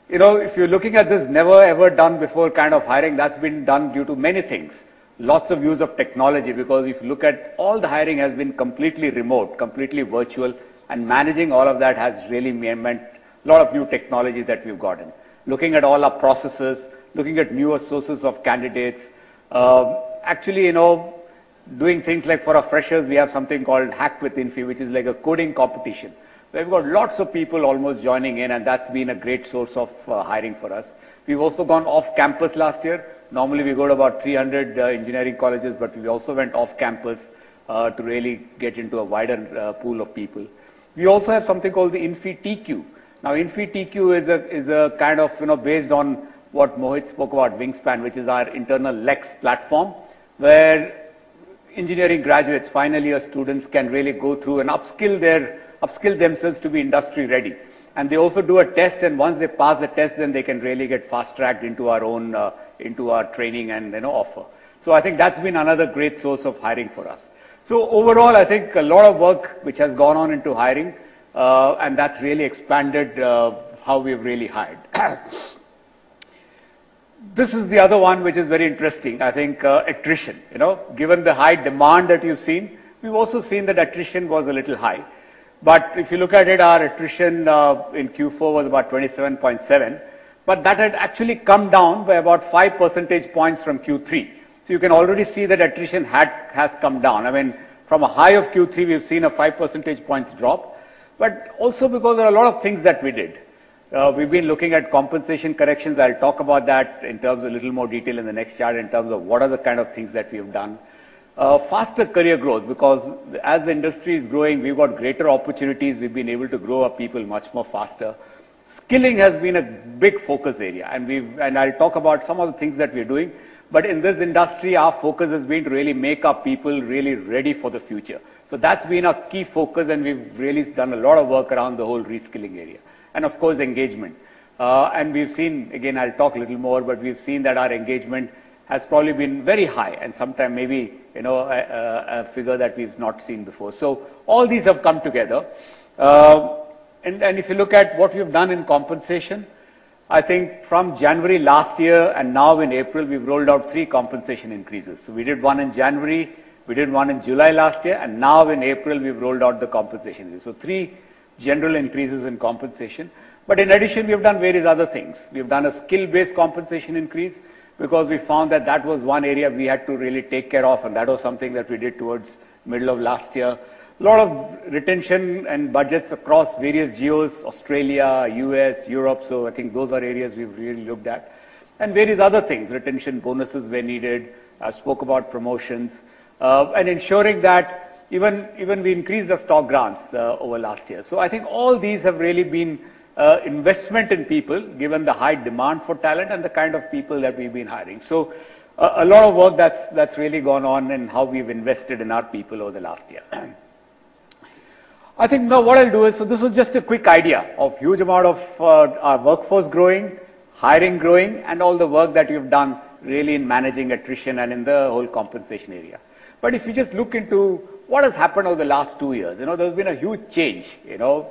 F: you know, if you're looking at this never ever done before kind of hiring, that's been done due to many things. Lots of use of technology, because if you look at all the hiring has been completely remote, completely virtual, and managing all of that has really meant a lot of new technology that we've gotten. Looking at all our processes, looking at newer sources of candidates. Actually, you know, doing things like for our freshers, we have something called HackWithInfy, which is like a coding competition, where we've got lots of people almost joining in, and that's been a great source of hiring for us. We've also gone off campus last year. Normally, we go to about 300 engineering colleges, but we also went off campus to really get into a wider pool of people. We also have something called InfyTQ. Now, InfyTQ is a kind of, you know, based on what Mohit spoke about, Wingspan, which is our internal Lex platform, where engineering graduates, final year students can really go through and upskill themselves to be industry ready. They also do a test, and once they pass the test, then they can really get fast-tracked into our own, into our training and, you know, offer. I think that's been another great source of hiring for us. Overall, I think a lot of work which has gone on into hiring, and that's really expanded how we've really hired. This is the other one which is very interesting. I think, attrition. You know, given the high demand that you've seen, we've also seen that attrition was a little high. If you look at it, our attrition in Q4 was about 27.7%, but that had actually come down by about 5 percentage points from Q3. You can already see that attrition has come down. I mean, from a high of Q3, we've seen a five percentage points drop. Also because there are a lot of things that we did. We've been looking at compensation corrections. I'll talk about that in terms of a little more detail in the next chart in terms of what are the kind of things that we have done. Faster career growth, because as the industry is growing, we've got greater opportunities. We've been able to grow our people much more faster. Skilling has been a big focus area, and I'll talk about some of the things that we're doing. In this industry, our focus has been to really make our people really ready for the future. That's been a key focus, and we've really done a lot of work around the whole reskilling area. Of course, engagement. We've seen that our engagement has probably been very high and sometime maybe, you know, a figure that we've not seen before. All these have come together. If you look at what we've done in compensation, I think from January last year and now in April, we've rolled out three compensation increases. We did one in January, we did one in July last year, and now in April we've rolled out the compensation. Three general increases in compensation. In addition, we have done various other things. We've done a skill-based compensation increase because we found that that was one area we had to really take care of, and that was something that we did towards middle of last year. A lot of retention and budgets across various geos, Australia, US, Europe. I think those are areas we've really looked at. Various other things. Retention bonuses where needed. I spoke about promotions. Ensuring that we even increase the stock grants over last year. I think all these have really been investment in people, given the high demand for talent and the kind of people that we've been hiring. A lot of work that's really gone on and how we've invested in our people over the last year. I think now what I'll do is this is just a quick idea of huge amount of our workforce growing, hiring growing, and all the work that we've done really in managing attrition and in the whole compensation area. If you just look into what has happened over the last two years, you know, there's been a huge change, you know.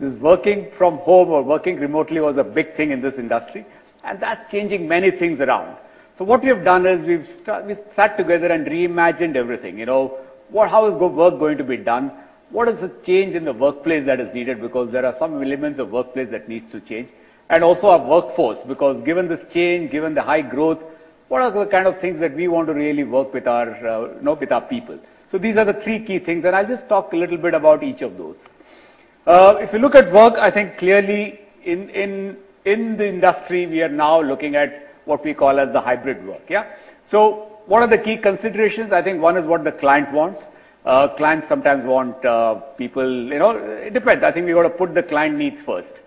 F: This working from home or working remotely was a big thing in this industry, and that's changing many things around. What we have done is we sat together and reimagined everything. You know, how is work going to be done? What is the change in the workplace that is needed? Because there are some elements of workplace that needs to change. Also our workforce, because given this change, given the high growth, what are the kind of things that we want to really work with our people? These are the three key things, and I'll just talk a little bit about each of those. If you look at work, I think clearly in the industry, we are now looking at what we call as the hybrid work. Yeah? What are the key considerations? I think one is what the client wants. Clients sometimes want people. It depends. I think we've got to put the client needs first.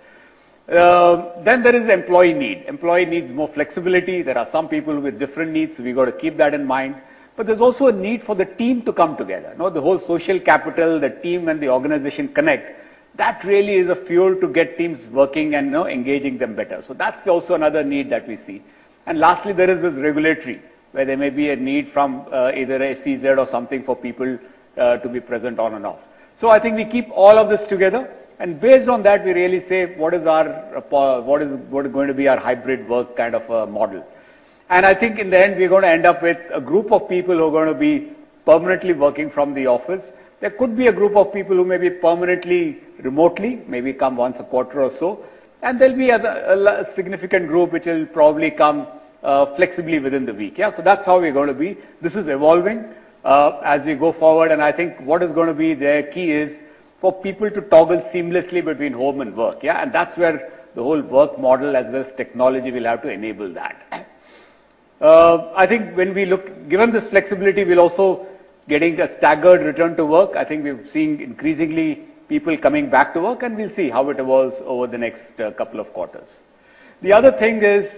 F: There is the employee need. Employee needs more flexibility. There are some people with different needs. We've got to keep that in mind. There's also a need for the team to come together. You know, the whole social capital, the team and the organization connect. That really is a fuel to get teams working and, you know, engaging them better. That's also another need that we see. Lastly, there is this regulatory, where there may be a need from, either a CXO or something for people, to be present on and off. I think we keep all of this together, and based on that, we really say, what is our, what is going to be our hybrid work kind of a model. I think in the end, we're gonna end up with a group of people who are gonna be permanently working from the office. There could be a group of people who may be permanently remotely, maybe come once a quarter or so. There'll be a significant group which will probably come flexibly within the week. Yeah? That's how we're gonna be. This is evolving as we go forward. I think what is gonna be the key is for people to toggle seamlessly between home and work. Yeah? That's where the whole work model as well as technology will have to enable that. Given this flexibility, we're also getting a staggered return to work. I think we've seen increasingly people coming back to work, and we'll see how it evolves over the next couple of quarters. The other thing is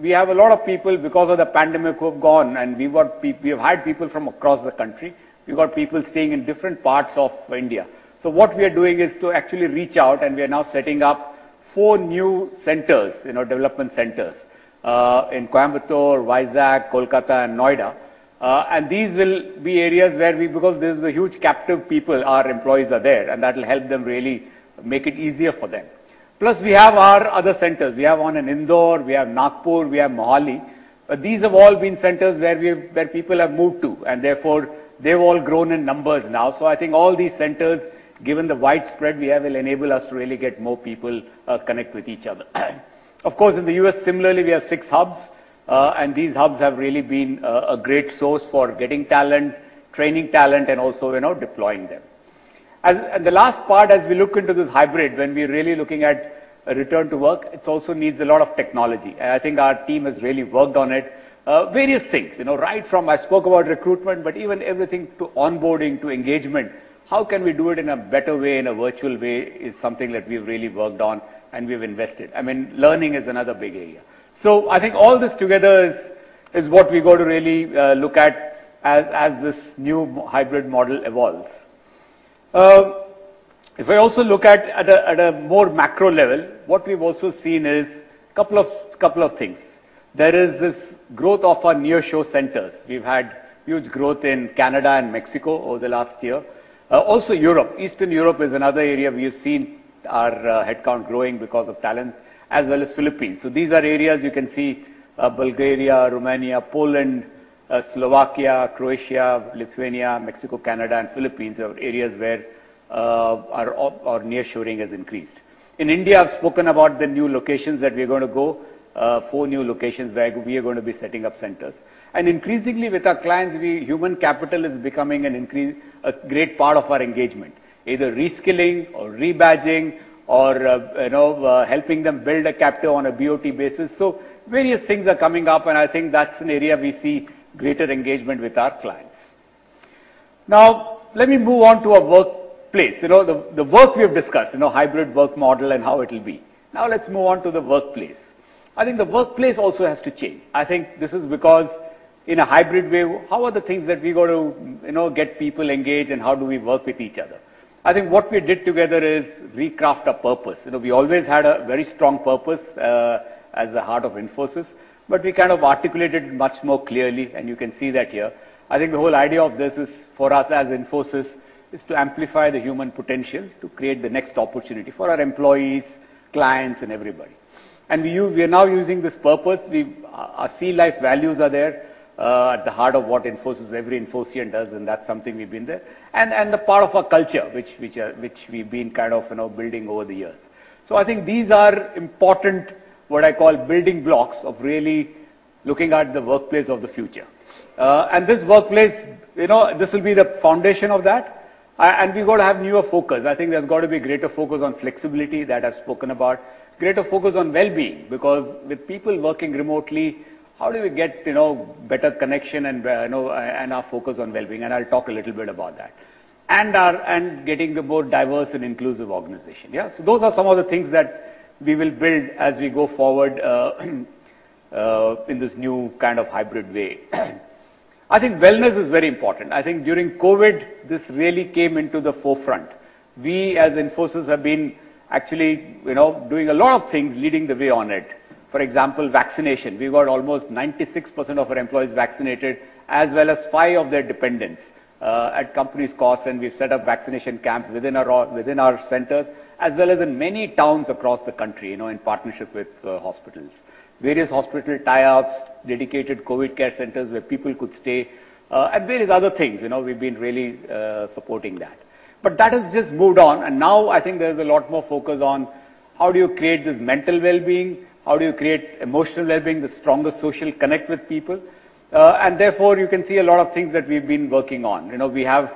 F: we have a lot of people, because of the pandemic, who have gone, and we have hired people from across the country. We've got people staying in different parts of India. What we are doing is to actually reach out, and we are now setting up four new centers, you know, development centers, in Coimbatore, Vizag, Kolkata and Noida. These will be areas because this is a huge captive people, our employees are there, and that'll help them really make it easier for them. Plus, we have our other centers. We have one in Indore, we have Nagpur, we have Mohali. These have all been centers where people have moved to, and therefore they've all grown in numbers now. I think all these centers, given the widespread we have, will enable us to really get more people connect with each other. Of course, in the US, similarly, we have six hubs. These hubs have really been a great source for getting talent, training talent, and also, you know, deploying them. The last part, as we look into this hybrid, when we're really looking at a return to work, it also needs a lot of technology. I think our team has really worked on it. Various things. You know, right from I spoke about recruitment, but even everything to onboarding to engagement. How can we do it in a better way, in a virtual way, is something that we've really worked on and we've invested. I mean, learning is another big area. I think all this together is what we've got to really look at as this new hybrid model evolves. If I also look at a more macro level, what we've also seen is a couple of things. There is this growth of our nearshore centers. We've had huge growth in Canada and Mexico over the last year. Also Europe. Eastern Europe is another area we've seen our headcount growing because of talent, as well as Philippines. These are areas you can see, Bulgaria, Romania, Poland, Slovakia, Croatia, Lithuania, Mexico, Canada, and Philippines are areas where our nearshoring has increased. In India, I've spoken about the new locations that we're gonna go. Four new locations where we are gonna be setting up centers. Increasingly with our clients, human capital is becoming a great part of our engagement. Either reskilling or rebadging or, you know, helping them build a captive on a BOT basis. Various things are coming up, and I think that's an area we see greater engagement with our clients. Now, let me move on to a workplace. You know, the work we have discussed, you know, hybrid work model and how it'll be. Now let's move on to the workplace. I think the workplace also has to change. I think this is because in a hybrid way, how are the things that we're going to, you know, get people engaged, and how do we work with each other? I think what we did together is recraft our purpose. You know, we always had a very strong purpose, as the heart of Infosys, but we kind of articulated much more clearly, and you can see that here. I think the whole idea of this is for us as Infosys is to amplify the human potential to create the next opportunity for our employees, clients, and everybody. We are now using this purpose. Our C-LIFE values are there at the heart of what Infosys, every Infosian does, and that's something we've been there. The part of our culture, which we've been kind of, you know, building over the years. I think these are important, what I call building blocks of really looking at the workplace of the future. This workplace, you know, this will be the foundation of that. We've got to have newer focus. I think there's got to be greater focus on flexibility that I've spoken about. Greater focus on well-being, because with people working remotely, how do we get, you know, better connection and, you know, and our focus on well-being? I'll talk a little bit about that. Getting a more diverse and inclusive organization. Yeah. Those are some of the things that we will build as we go forward in this new kind of hybrid way. I think wellness is very important. I think during COVID, this really came into the forefront. We, as Infosys, have been actually, you know, doing a lot of things leading the way on it. For example, vaccination. We've got almost 96% of our employees vaccinated, as well as five of their dependents at company's cost. We've set up vaccination camps within our centers, as well as in many towns across the country, you know, in partnership with hospitals. Various hospital tie-ups, dedicated COVID care centers where people could stay, and various other things. You know, we've been really supporting that. That has just moved on, and now I think there's a lot more focus on how do you create this mental well-being, how do you create emotional well-being, the stronger social connect with people. Therefore, you can see a lot of things that we've been working on. You know, we have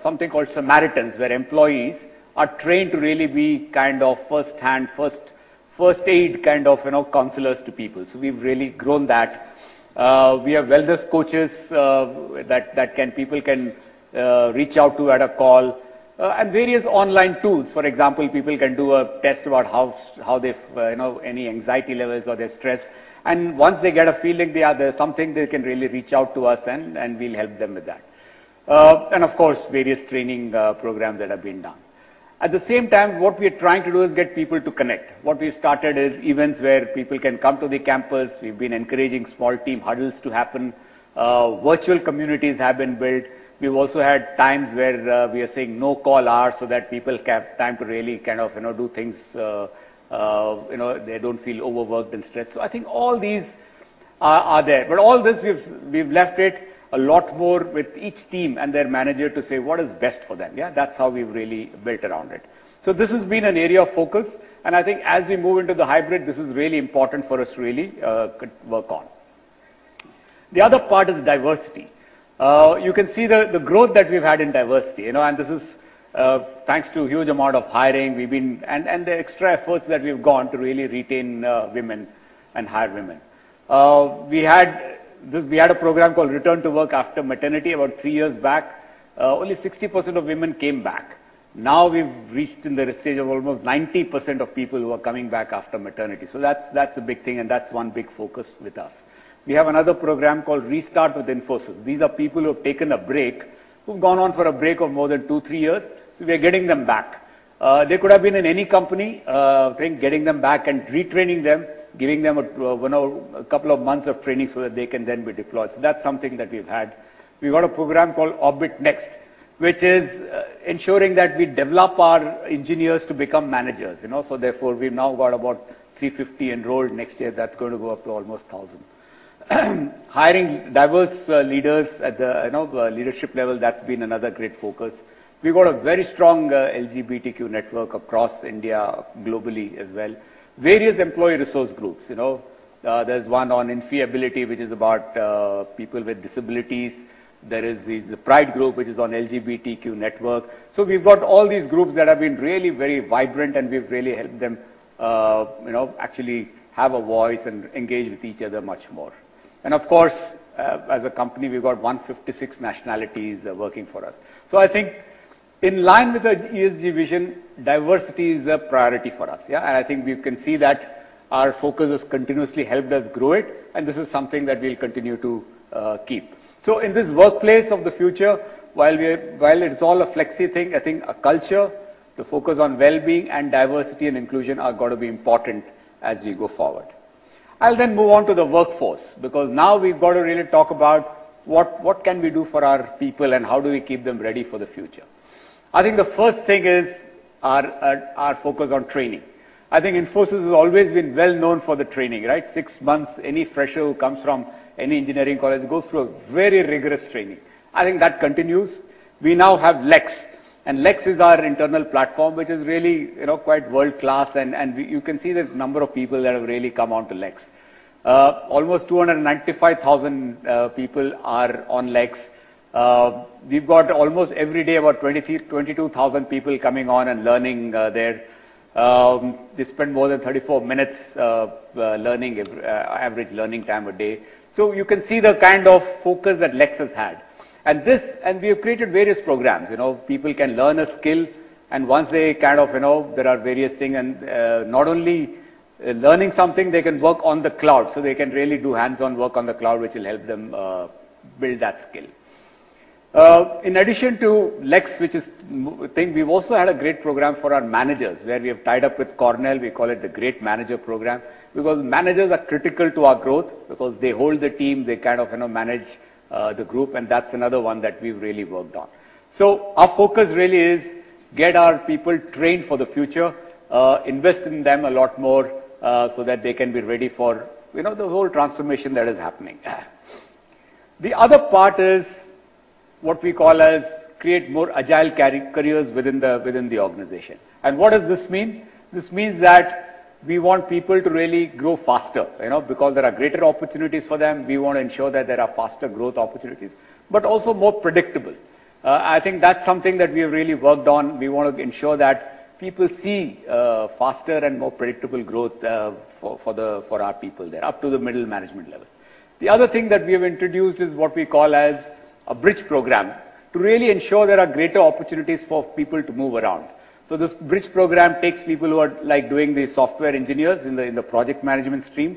F: something called Samaritans, where employees are trained to really be kind of first aid, kind of, you know, counselors to people. So we've really grown that. We have wellness coaches that people can reach out to at a call. Various online tools, for example, people can do a test about how they, you know, any anxiety levels or their stress. Once they get a feeling they are, there's something, they can really reach out to us and we'll help them with that. Of course, various training programs that have been done. At the same time, what we are trying to do is get people to connect. What we've started is events where people can come to the campus. We've been encouraging small team huddles to happen. Virtual communities have been built. We've also had times where we are saying no call hours, so that people can have time to really kind of, you know, do things, you know, they don't feel overworked and stressed. I think all these are there. All this we've left it a lot more with each team and their manager to say what is best for them. Yeah. That's how we've really built around it. This has been an area of focus, and I think as we move into the hybrid, this is really important for us to really work on. The other part is diversity. You can see the growth that we've had in diversity. You know, this is thanks to a huge amount of hiring we've been... The extra efforts that we've gone to really retain, women and hire women. We had a program called Return to Work after Maternity about three years back. Only 60% of women came back. Now we've reached the stage of almost 90% of people who are coming back after maternity. That's a big thing, and that's one big focus with us. We have another program called Restart with Infosys. These are people who have taken a break, who've gone on for a break of more than two, three years, so we are getting them back. They could have been in any company. I think getting them back and retraining them, giving them a, you know, a couple of months of training so that they can then be deployed. That's something that we've had. We've got a program called Orbit Next, which is ensuring that we develop our engineers to become managers. You know. Therefore, we've now got about 350 enrolled next year. That's going to go up to almost 1,000. Hiring diverse leaders at the you know leadership level, that's been another great focus. We've got a very strong LGBTQ network across India, globally as well. Various employee resource groups. You know. There's one on InfyAbility, which is about people with disabilities. There is the Pride group, which is on LGBTQ network. We've got all these groups that have been really very vibrant, and we've really helped them you know actually have a voice and engage with each other much more. Of course, as a company, we've got 156 nationalities working for us. I think in line with the ESG vision, diversity is a priority for us. Yeah. I think we can see that our focus has continuously helped us grow it, and this is something that we'll continue to keep. In this workplace of the future, while it's all a flexi thing, I think our culture, the focus on well-being and diversity and inclusion are gonna be important as we go forward. I'll then move on to the workforce, because now we've got to really talk about what can we do for our people and how do we keep them ready for the future. I think the first thing is our focus on training. I think Infosys has always been well known for the training, right? Six months, any fresher who comes from any engineering college goes through a very rigorous training. I think that continues. We now have Lex, and Lex is our internal platform, which is really, you know, quite world-class. We you can see the number of people that have really come onto Lex. Almost 295,000 people are on Lex. We've got almost every day about 22,000-23,000 people coming on and learning there. They spend more than 34 minutes learning average learning time a day. You can see the kind of focus that Lex has had. We have created various programs. You know. People can learn a skill, and once they kind of, you know, there are various things and not only learning something, they can work on the cloud. They can really do hands-on work on the cloud, which will help them build that skill. In addition to Lex, I think we've also had a great program for our managers, where we have tied up with Cornell. We call it the Great Manager Program, because managers are critical to our growth. They hold the team, they kind of, you know, manage the group, and that's another one that we've really worked on. Our focus really is get our people trained for the future, invest in them a lot more, so that they can be ready for, you know, the whole transformation that is happening. The other part is what we call as create more agile careers within the organization. What does this mean? This means that we want people to really grow faster, you know, because there are greater opportunities for them. We want to ensure that there are faster growth opportunities, but also more predictable. I think that's something that we have really worked on. We wanna ensure that people see faster and more predictable growth for our people there up to the middle management level. The other thing that we have introduced is what we call as a bridge program to really ensure there are greater opportunities for people to move around. This bridge program takes people who are, like, doing the software engineers in the project management stream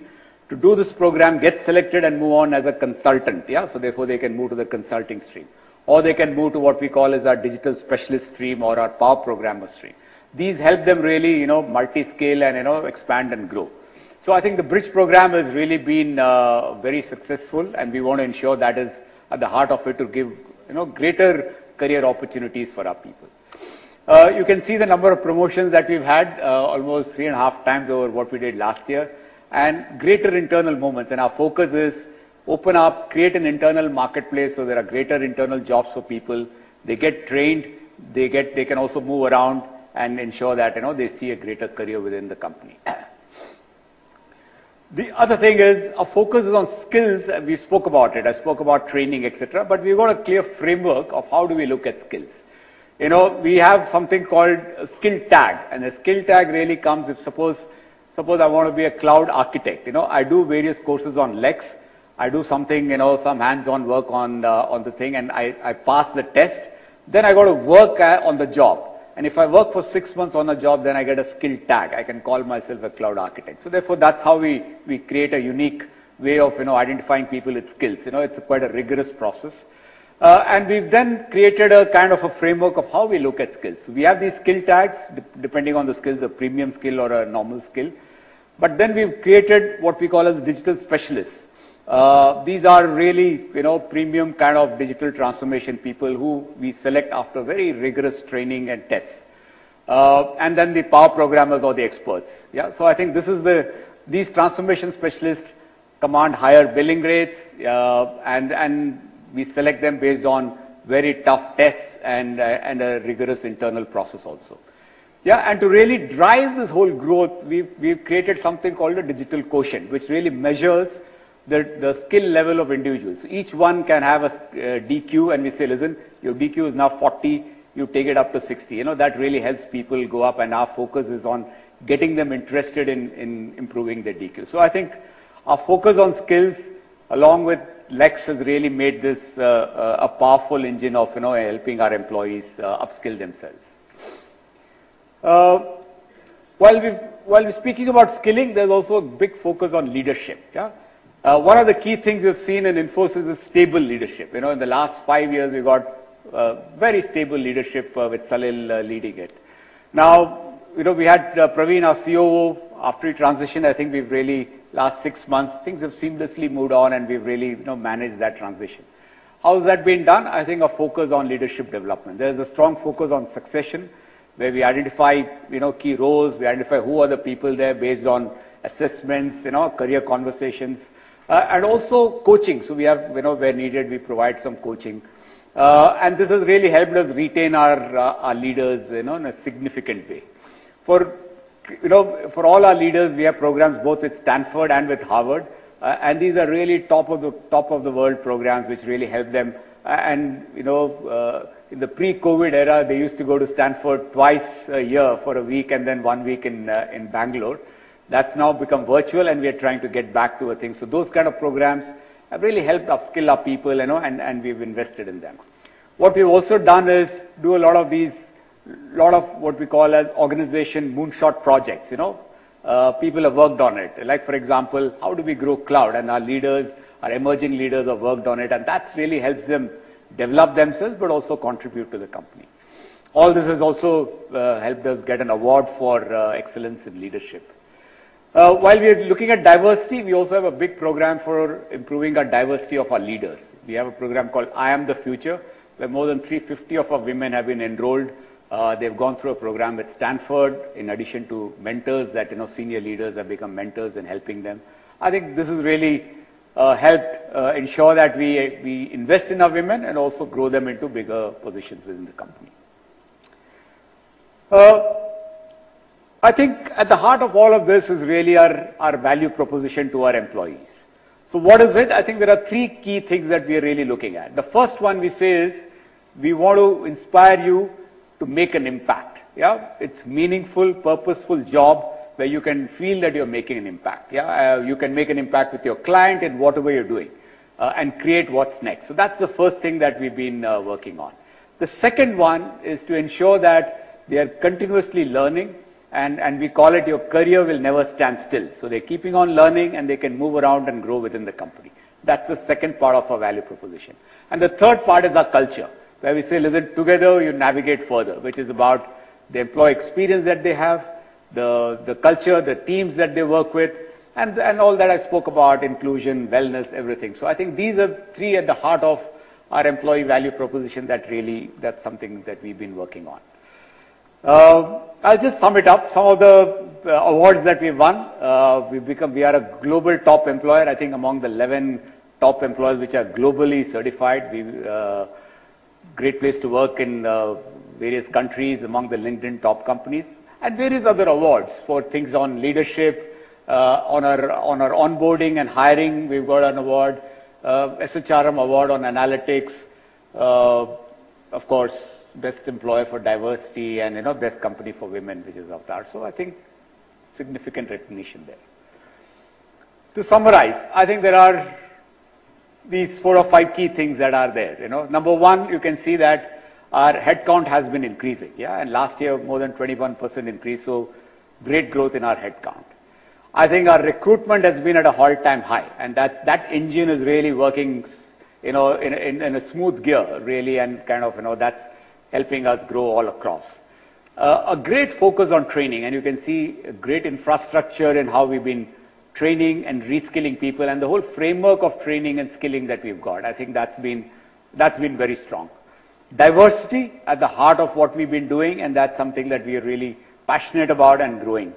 F: to do this program, get selected and move on as a consultant, yeah. Therefore, they can move to the consulting stream, or they can move to what we call as our digital specialist stream or our power programmer stream. These help them really, you know, multiscale and, you know, expand and grow. I think the bridge program has really been very successful, and we want to ensure that is at the heart of it to give, you know, greater career opportunities for our people. You can see the number of promotions that we've had, almost 3.5x over what we did last year. Greater internal movements. Our focus is open up, create an internal marketplace so there are greater internal jobs for people. They get trained. They can also move around and ensure that, you know, they see a greater career within the company. The other thing is our focus is on skills. We spoke about it. I spoke about training, et cetera. We want a clear framework of how do we look at skills. You know, we have something called a skill tag, and a skill tag really comes if suppose I want to be a cloud architect. You know, I do various courses on Lex. I do something, you know, some hands-on work on the thing, and I pass the test. I go to work on the job. If I work for six months on a job, I get a skill tag. I can call myself a cloud architect. Therefore, that's how we create a unique way of, you know, identifying people with skills. You know, it's quite a rigorous process. We've then created a kind of a framework of how we look at skills. We have these skill tags depending on the skills, a premium skill or a normal skill. Then we've created what we call as digital specialists. These are really, you know, premium kind of digital transformation people who we select after very rigorous training and tests. The power programmers or the experts. These transformation specialists command higher billing rates, and we select them based on very tough tests and a rigorous internal process also. To really drive this whole growth, we've created something called a digital quotient, which really measures the skill level of individuals. Each one can have a DQ, and we say, "Listen, your DQ is now 40. You take it up to 60." You know, that really helps people go up and our focus is on getting them interested in improving their DQ. I think our focus on skills along with Lex has really made this a powerful engine of, you know, helping our employees upskill themselves. While we're speaking about skilling, there's also a big focus on leadership. Yeah. One of the key things you've seen in Infosys is stable leadership. You know, in the last five years, we've got very stable leadership with Salil leading it. Now, you know, we had Praveen, our COO. After he transitioned, I think we've really, in the last six months, things have seamlessly moved on, and we've really, you know, managed that transition. How has that been done? I think a focus on leadership development. There's a strong focus on succession, where we identify, you know, key roles. We identify who are the people there based on assessments, you know, career conversations, and also coaching. You know, where needed, we provide some coaching. This has really helped us retain our leaders, you know, in a significant way. You know, for all our leaders, we have programs both with Stanford and with Harvard. These are really top of the world programs which really help them. You know, in the pre-COVID era, they used to go to Stanford twice a year for a week and then one week in Bangalore. That's now become virtual, and we are trying to get back to a thing. Those kind of programs have really helped upskill our people, you know, and we've invested in them. What we've also done is do a lot of what we call organization Moonshot projects. You know, people have worked on it. Like, for example, how do we grow cloud? Our leaders, our emerging leaders have worked on it, and that's really helps them develop themselves but also contribute to the company. All this has also helped us get an award for excellence in leadership. While we are looking at diversity, we also have a big program for improving our diversity of our leaders. We have a program called I Am the Future, where more than 350 of our women have been enrolled. They've gone through a program at Stanford in addition to mentors that, you know, senior leaders have become mentors in helping them. I think this has really helped ensure that we invest in our women and also grow them into bigger positions within the company. I think at the heart of all of this is really our value proposition to our employees. What is it? I think there are three key things that we are really looking at. The first one we say is, we want to inspire you to make an impact. Yeah. It's meaningful, purposeful job where you can feel that you're making an impact. Yeah. You can make an impact with your client in whatever you're doing and create what's next. That's the first thing that we've been working on. The second one is to ensure that they are continuously learning and we call it your career will never stand still. They're keeping on learning, and they can move around and grow within the company. That's the second part of our value proposition. The third part is our culture, where we say, "Listen, together you navigate further," which is about the employee experience that they have, the culture, the teams that they work with, and all that I spoke about inclusion, wellness, everything. I think these are three at the heart of our employee value proposition. That's something that we've been working on. I'll just sum it up. Some of the awards that we've won. We are a global Top Employer, I think among the 11 Top Employers which are globally certified. We Great Place to Work in various countries among the LinkedIn top companies and various other awards for things on leadership. On our onboarding and hiring, we've got an award. SHRM award on analytics. Of course, best employer for diversity and, you know, best company for women, which is of that. I think significant recognition there. To summarize, I think there are these four or five key things that are there. You know, number one, you can see that our headcount has been increasing. Yeah. Last year, more than 21% increase. Great growth in our headcount. I think our recruitment has been at an all-time high, and that engine is really working, you know, in a smooth gear, really, and kind of, you know, that's helping us grow all across. A great focus on training, and you can see great infrastructure and how we've been training and reskilling people and the whole framework of training and skilling that we've got. I think that's been very strong. Diversity at the heart of what we've been doing, and that's something that we are really passionate about and growing.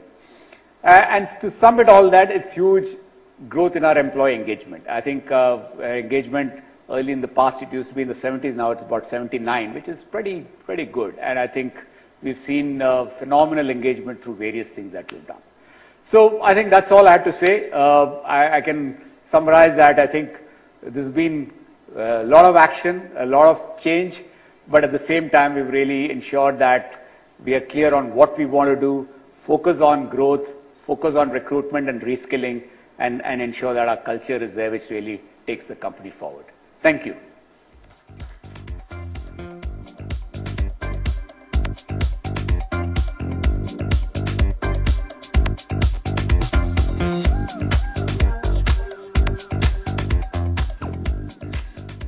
F: To sum it all up, it's huge growth in our employee engagement. I think engagement early in the past, it used to be in the 70%s, now it's about 79%, which is pretty good. I think we've seen phenomenal engagement through various things that we've done. I think that's all I have to say. I can summarize that. I think there's been a lot of action, a lot of change. At the same time, we've really ensured that we are clear on what we wanna do. Focus on growth. Focus on recruitment and reskilling and ensure that our culture is there, which really takes the company forward. Thank you.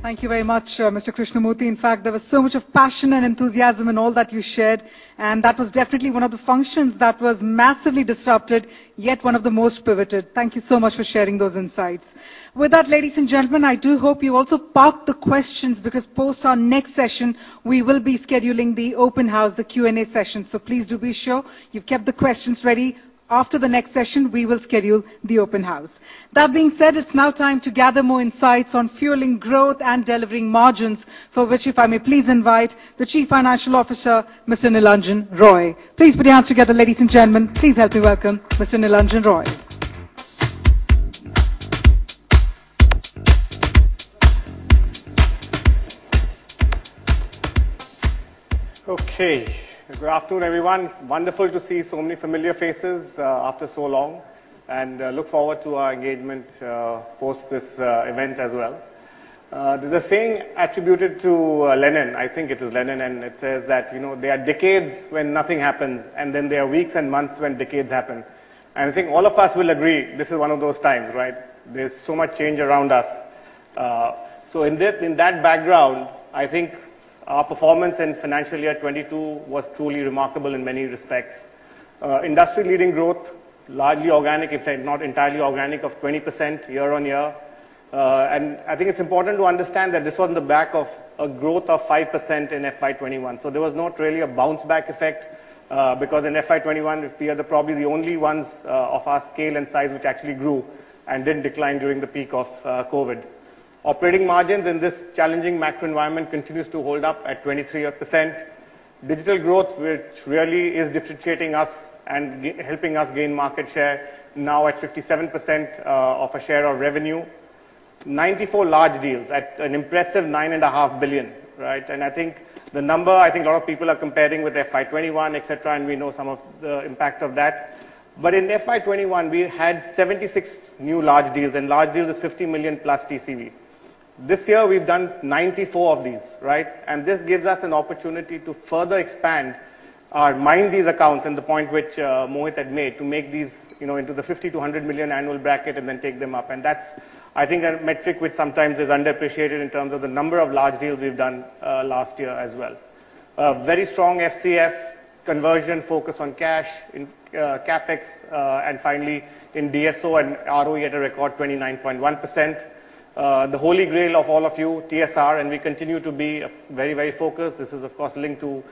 A: Thank you very much, Mr. Krishnamurthy. In fact, there was so much of passion and enthusiasm in all that you shared, and that was definitely one of the functions that was massively disrupted, yet one of the most pivoted. Thank you so much for sharing those insights. With that, ladies and gentlemen, I do hope you also park the questions because post our next session, we will be scheduling the open house, the Q&A session. So please do be sure you've kept the questions ready. After the next session, we will schedule the open house. That being said, it's now time to gather more insights on fueling growth and delivering margins for which, if I may please invite the Chief Financial Officer, Mr. Nilanjan Roy. Please put your hands together, ladies and gentlemen. Please help me welcome Mr. Nilanjan Roy.
G: Okay. Good afternoon, everyone. Wonderful to see so many familiar faces after so long and look forward to our engagement post this event as well. There's a saying attributed to Lenin. I think it is Lenin, and it says that, you know, "There are decades when nothing happens, and then there are weeks and months when decades happen." I think all of us will agree this is one of those times, right? There's so much change around us. In that background, I think our performance in financial year 2022 was truly remarkable in many respects. Industry-leading growth, largely organic, if not entirely organic of 20% year on year. I think it's important to understand that this was on the back of a growth of 5% in FY21. There was not really a bounce back effect, because in FY21, we were probably the only ones of our scale and size which actually grew and didn't decline during the peak of COVID. Operating margins in this challenging macro environment continue to hold up at 23%. Digital growth, which really is differentiating us and helping us gain market share now at 57% of a share of revenue. 94 large deals at an impressive $9.5 billion, right? I think the number, I think a lot of people are comparing with FY21, etc., and we know some of the impact of that. In FY21, we had 76 new large deals, and large deals are $50 million+ TCV. This year we've done 94 of these, right? This gives us an opportunity to further expand or mine these accounts in the point which Mohit had made to make these, you know, into the $50-$100 million annual bracket and then take them up. That's, I think, a metric which sometimes is underappreciated in terms of the number of large deals we've done last year as well. Very strong FCF conversion focus on cash in CapEx, and finally in DSO and ROE at a record 29.1%. The holy grail of all of you, TSR, and we continue to be very, very focused. This is of course linked to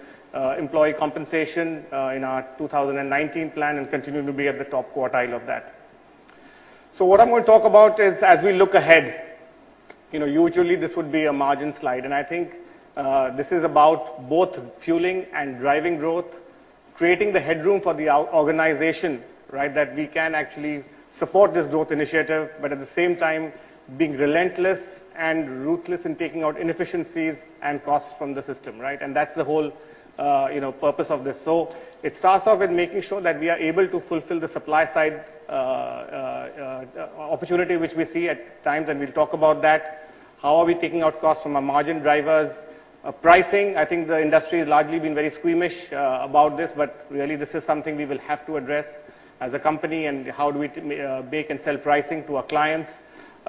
G: employee compensation in our 2019 plan and continue to be at the top quartile of that. What I'm gonna talk about is as we look ahead, you know, usually this would be a margin slide. I think this is about both fueling and driving growth, creating the headroom for the organization, right? That we can actually support this growth initiative, but at the same time being relentless and ruthless in taking out inefficiencies and costs from the system, right? That's the whole, you know, purpose of this. It starts off with making sure that we are able to fulfill the supply side opportunity which we see at times, and we'll talk about that. How are we taking out costs from our margin drivers? Pricing, I think the industry has largely been very squeamish about this, but really this is something we will have to address as a company and how do we bake and sell pricing to our clients.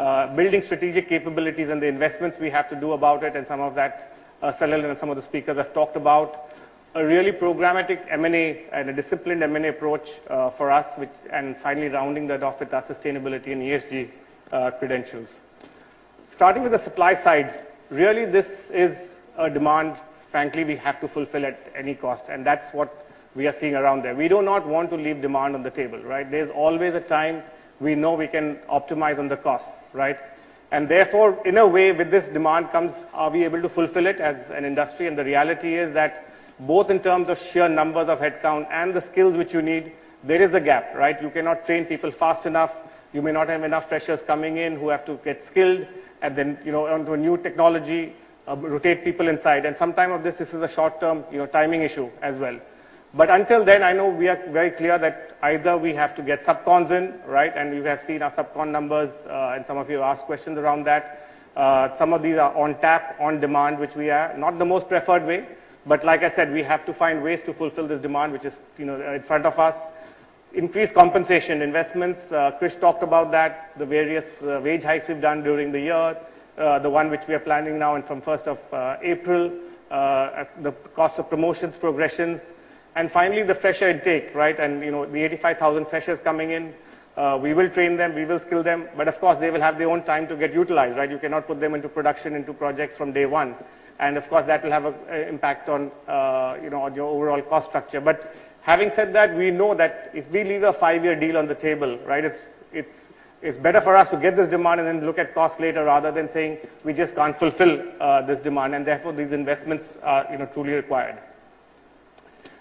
G: Building strategic capabilities and the investments we have to do about it and some of that, some of the speakers have talked about. A really programmatic M&A and a disciplined M&A approach for us and finally rounding that off with our sustainability and ESG credentials. Starting with the supply side, really this is a demand. Frankly, we have to fulfill at any cost, and that's what we are seeing around there. We do not want to leave demand on the table, right? There's always a time we know we can optimize on the costs, right? Therefore, in a way, with this demand comes, are we able to fulfill it as an industry? The reality is that both in terms of sheer numbers of headcount and the skills which you need, there is a gap, right? You cannot train people fast enough. You may not have enough freshers coming in who have to get skilled and then, you know, onto a new technology, rotate people inside. Some of this is a short-term, you know, timing issue as well. But until then, I know we are very clear that either we have to get subcons in, right? We have seen our subcon numbers, and some of you have asked questions around that. Some of these are on tap, on demand, which we are. Not the most preferred way, but like I said, we have to find ways to fulfill this demand, which is, you know, in front of us. Increased compensation investments. Krish talked about that, the various wage hikes we've done during the year. The one which we are planning now and from first of April at the cost of promotions, progressions, and finally the fresher intake, right? You know, the 85,000 freshers coming in, we will train them, we will skill them, but of course, they will have their own time to get utilized, right? You cannot put them into production, into projects from day one. Of course, that will have an impact on, you know, on your overall cost structure. Having said that, we know that if we leave a five-year deal on the table, right, it's better for us to get this demand and then look at costs later rather than saying, we just can't fulfill this demand. Therefore, these investments are, you know, truly required.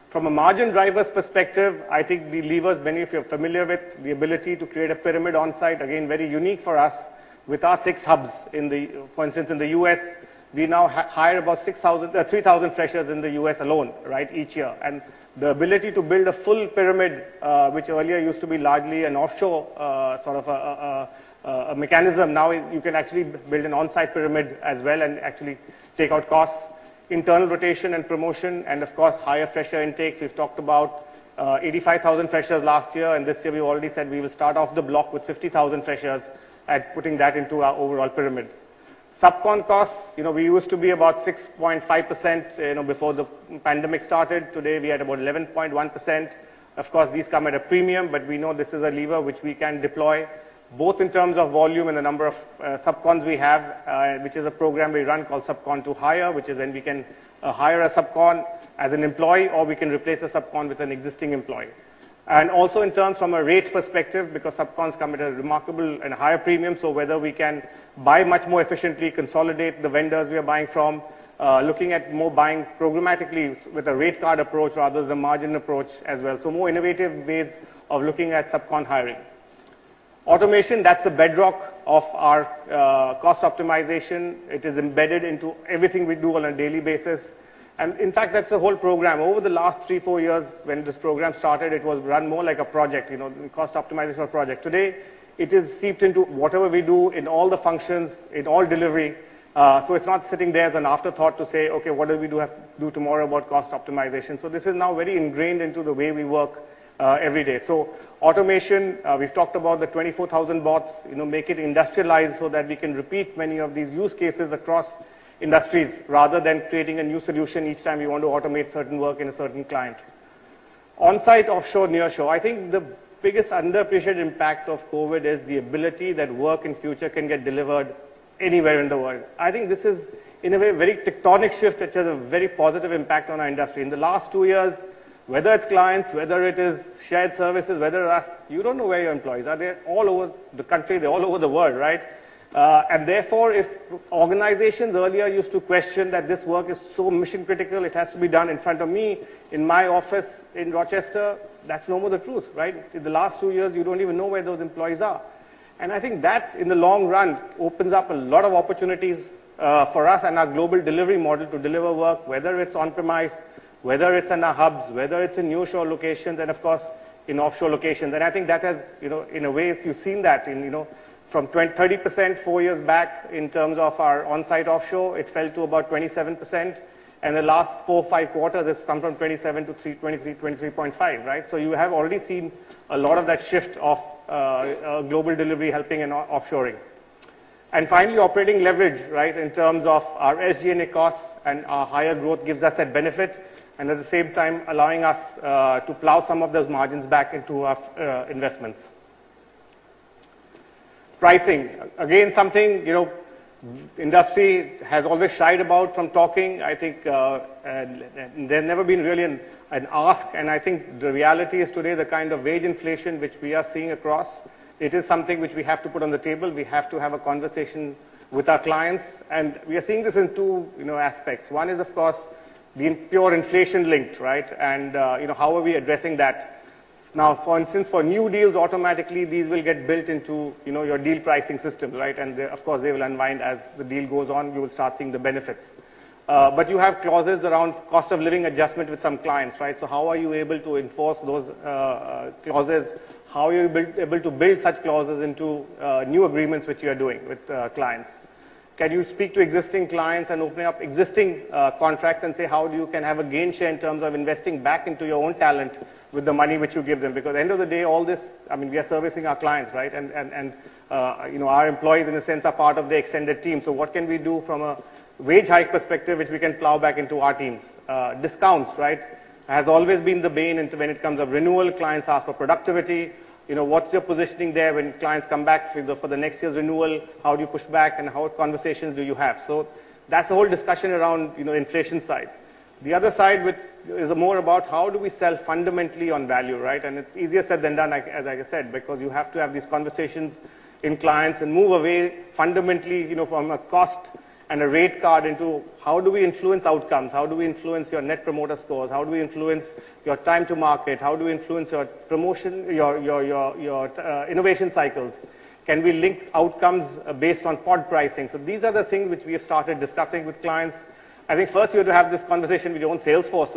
G: From a margin drivers perspective, I think the levers many of you are familiar with, the ability to create a pyramid on-site, again, very unique for us with our six hubs. For instance, in the US, we now hire about 3,000 freshers in the US alone, right, each year. The ability to build a full pyramid, which earlier used to be largely an offshore sort of a mechanism. Now you can actually build an on-site pyramid as well and actually take out costs. Internal rotation and promotion, and of course, higher fresher intakes. We've talked about 85,000 freshers last year, and this year we've already said we will start off the block with 50,000 freshers at putting that into our overall pyramid. Subcon costs. You know, we used to be about 6.5%, you know, before the pandemic started. Today, we are at about 11.1%. Of course, these come at a premium, but we know this is a lever which we can deploy both in terms of volume and the number of subcons we have, which is a program we run called Subcon to Hire. Which is when we can hire a subcon as an employee, or we can replace a subcon with an existing employee. Also in terms from a rate perspective, because subcons come at a remarkably higher premium. Whether we can buy much more efficiently, consolidate the vendors we are buying from, looking at more buying programmatically with a rate card approach rather than margin approach as well. More innovative ways of looking at subcon hiring. Automation, that's the bedrock of our cost optimization. It is embedded into everything we do on a daily basis. In fact, that's the whole program. Over the last 3, 4 years when this program started, it was run more like a project, you know, cost optimization project. Today, it is seeped into whatever we do in all the functions, in all delivery. It's not sitting there as an afterthought to say, "Okay, what do we do tomorrow about cost optimization?" This is now very ingrained into the way we work, every day. Automation, we've talked about the 24,000 bots. You know, make it industrialized so that we can repeat many of these use cases across industries rather than creating a new solution each time you want to automate certain work in a certain client. On-site, offshore, nearshore. I think the biggest underappreciated impact of COVID is the ability that work in future can get delivered anywhere in the world. I think this is in a way a very tectonic shift which has a very positive impact on our industry. In the last two years, whether it's clients, whether it is shared services, whether us, you don't know where your employees are. They're all over the country. They're all over the world, right? Therefore, if organizations earlier used to question that this work is so mission-critical, it has to be done in front of me in my office in Rochester, that's no more the truth, right? In the last two years, you don't even know where those employees are. I think that, in the long run, opens up a lot of opportunities for us and our global delivery model to deliver work, whether it's on-premise, whether it's in our hubs, whether it's in nearshore locations, and of course in offshore locations. I think that has, you know, in a way you've seen that in, you know, from 30%, four years back in terms of our on-site, offshore, it fell to about 27%. The last four or five quarters, it's come from 27% to 23%-23.5%, right? You have already seen a lot of that shift of global delivery helping in offshoring. Finally, operating leverage, right? In terms of our SG&A costs and our higher growth gives us that benefit, and at the same time allowing us to plow some of those margins back into our investments. Pricing. Again, something, you know, industry has always shied about from talking. I think there's never been really an ask. I think the reality is today, the kind of wage inflation which we are seeing across, it is something which we have to put on the table. We have to have a conversation with our clients. We are seeing this in two, you know, aspects. One is, of course, the pure inflation-linked, right? You know, how are we addressing that? Now, for instance, for new deals, automatically these will get built into, you know, your deal pricing system, right? They, of course, will unwind as the deal goes on. We will start seeing the benefits. You have clauses around cost of living adjustment with some clients, right? How are you able to enforce those clauses? How are you able to build such clauses into new agreements which you are doing with clients? Can you speak to existing clients and opening up existing contracts and say how you can have a gain share in terms of investing back into your own talent with the money which you give them? Because at the end of the day, all this, I mean, we are servicing our clients, right? You know, our employees in a sense are part of the extended team. What can we do from a wage hike perspective, which we can plow back into our teams? Discounts, right? Has always been the bane in terms of when it comes to renewal, clients ask for productivity. You know, what's your positioning there when clients come back for the next year's renewal? How do you push back? What conversations do you have? That's the whole discussion around, you know, inflation side. The other side which is more about how do we sell fundamentally on value, right? It's easier said than done, like as I said, because you have to have these conversations with clients and move away fundamentally, you know, from a cost and a rate card into how do we influence outcomes? How do we influence your net promoter scores? How do we influence your time to market? How do we influence your promotion, your innovation cycles? Can we link outcomes based on pod pricing? These are the things which we have started discussing with clients. I think first you have to have this conversation with your own sales force.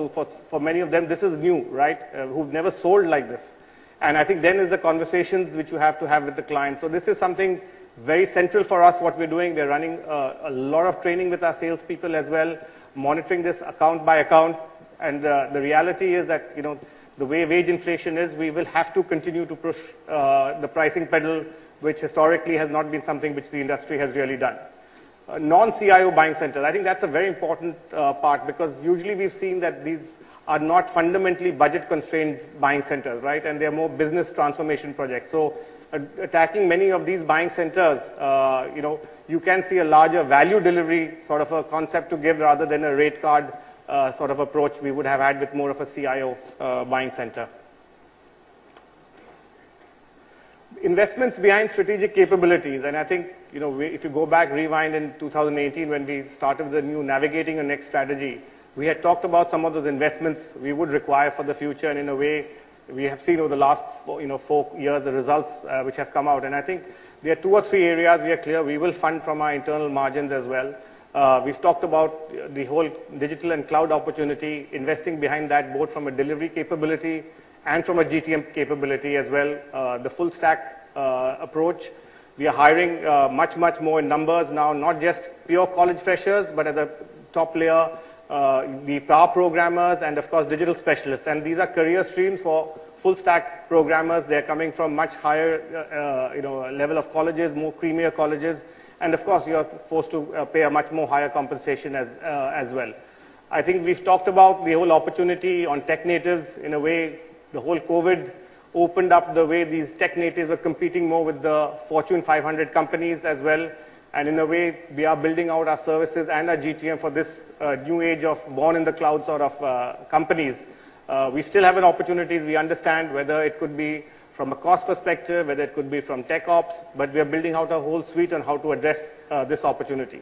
G: For many of them, this is new, right, who've never sold like this. I think then the conversations which you have to have with the client. This is something very central for us, what we're doing. We're running a lot of training with our salespeople as well, monitoring this account by account. The reality is that, you know, the way wage inflation is we will have to continue to push the pricing pedal, which historically has not been something which the industry has really done. Non-CIO buying centers. I think that's a very important part because usually we've seen that these are not fundamentally budget-constrained buying centers, right? They are more business transformation projects. Attacking many of these buying centers, you know, you can see a larger value delivery sort of a concept to give rather than a rate card sort of approach we would have had with more of a CIO buying center. Investments behind strategic capabilities. I think if you go back, rewind in 2018 when we started the new Navigate your Next strategy, we had talked about some of those investments we would require for the future. In a way, we have seen over the last four years, the results which have come out. I think there are two or three areas we are clear we will fund from our internal margins as well. We've talked about the whole digital and cloud opportunity, investing behind that, both from a delivery capability and from a GTM capability as well. The full stack approach. We are hiring much, much more in numbers now, not just pure college freshers, but at the top layer, the power programmers and of course digital specialists. These are career streams for full stack programmers. They're coming from much higher level of colleges, more premier colleges. Of course, you are forced to pay a much more higher compensation as well. I think we've talked about the whole opportunity on tech natives. In a way, the whole COVID opened up the way these tech natives are competing more with the Fortune 500 companies as well. In a way, we are building out our services and our GTM for this new age of born in the cloud sort of companies. We still have an opportunity as we understand whether it could be from a cost perspective, whether it could be from tech ops, but we are building out a whole suite on how to address this opportunity.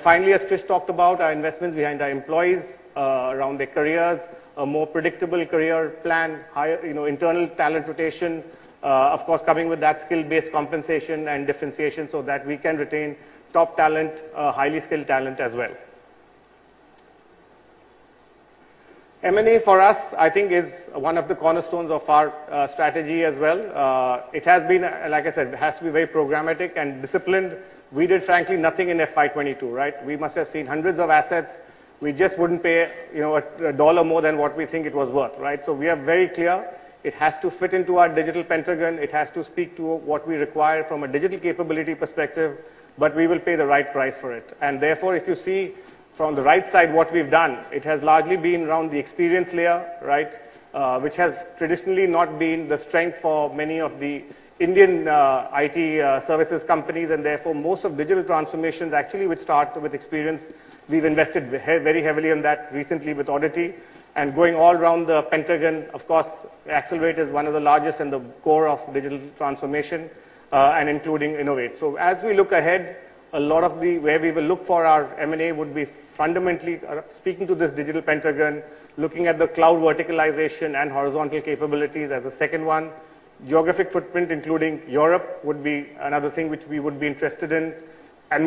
G: Finally, as Krish talked about our investments behind our employees, around their careers, a more predictable career plan, higher, you know, internal talent rotation. Of course, coming with that skill-based compensation and differentiation so that we can retain top talent, highly skilled talent as well. M&A for us, I think is one of the cornerstones of our, strategy as well. It has been, like I said, it has to be very programmatic and disciplined. We did frankly nothing in FY 2022, right? We must have seen hundreds of assets. We just wouldn't pay, you know, a dollar more than what we think it was worth, right? We are very clear it has to fit into our Digital Pentagon. It has to speak to what we require from a digital capability perspective, but we will pay the right price for it. If you see from the right side what we've done, it has largely been around the experience layer, right? Which has traditionally not been the strength for many of the Indian IT services companies. Most of digital transformations actually which start with experience. We've invested very heavily in that recently with oddity. Going all around the Digital Pentagon, of course, Accelerate is one of the largest in the core of digital transformation, and including Innovate. As we look ahead, a lot of where we will look for our M&A would be fundamentally speaking to this Digital Pentagon, looking at the cloud verticalization and horizontal capabilities as a second one. Geographic footprint, including Europe, would be another thing which we would be interested in.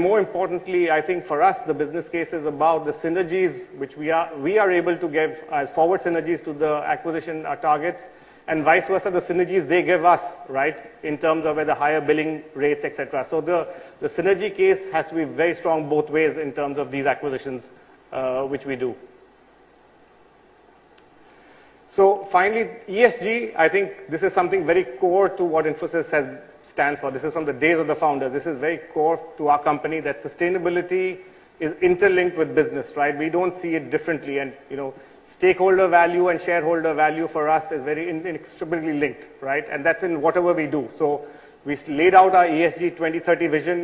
G: More importantly, I think for us, the business case is about the synergies which we are able to give as forward synergies to the acquisition, our targets, and vice versa, the synergies they give us, right, in terms of the higher billing rates, et cetera. The synergy case has to be very strong both ways in terms of these acquisitions, which we do. Finally, ESG, I think this is something very core to what Infosys stands for. This is from the days of the founder. This is very core to our company, that sustainability is interlinked with business, right? We don't see it differently. You know, stakeholder value and shareholder value for us is very inextricably linked, right? That's in whatever we do. We laid out our ESG 2030 vision,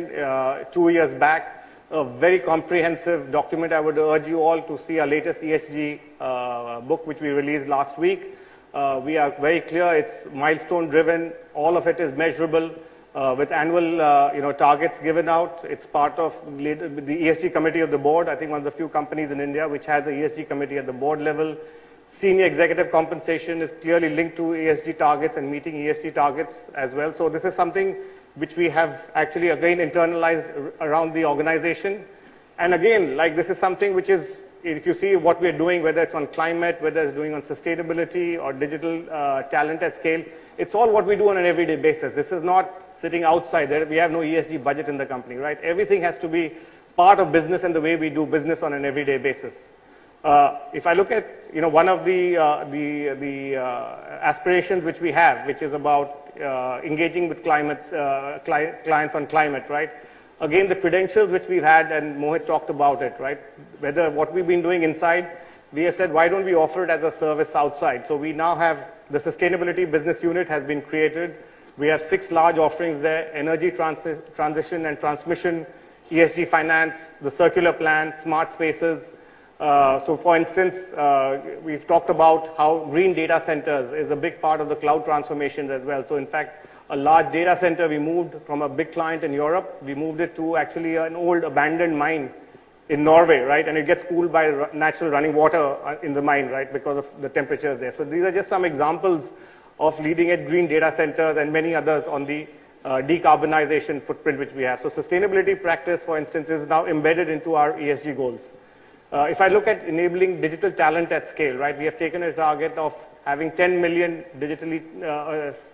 G: two years back. A very comprehensive document. I would urge you all to see our latest ESG book, which we released last week. We are very clear it's milestone driven. All of it is measurable, with annual, you know, targets given out. It's part of the ESG committee of the board. I think one of the few companies in India which has a ESG committee at the board level. Senior executive compensation is clearly linked to ESG targets and meeting ESG targets as well. This is something which we have actually again internalized around the organization. Again, like this is something which is if you see what we're doing, whether it's on climate, whether it's doing on sustainability or digital, talent at scale, it's all what we do on an everyday basis. This is not sitting outside there. We have no ESG budget in the company, right? Everything has to be part of business and the way we do business on an everyday basis. If I look at, you know, one of the aspirations which we have, which is about engaging with clients on climate, right? Again, the credentials which we've had, and Mohit talked about it, right? What we've been doing inside, we have said, "Why don't we offer it as a service outside?" We now have. The sustainability business unit has been created. We have six large offerings there: energy transition and transmission, ESG finance, the circular economy, smart spaces. For instance, we've talked about how green data centers is a big part of the cloud transformations as well. In fact, a large data center we moved from a big client in Europe, we moved it to actually an old abandoned mine in Norway, right? It gets cooled by natural running water in the mine, right? Because of the temperature there. These are just some examples of leading-edge green data centers and many others on the decarbonization footprint which we have. Sustainability practice, for instance, is now embedded into our ESG goals. If I look at enabling digital talent at scale, right? We have taken a target of having 10 million digitally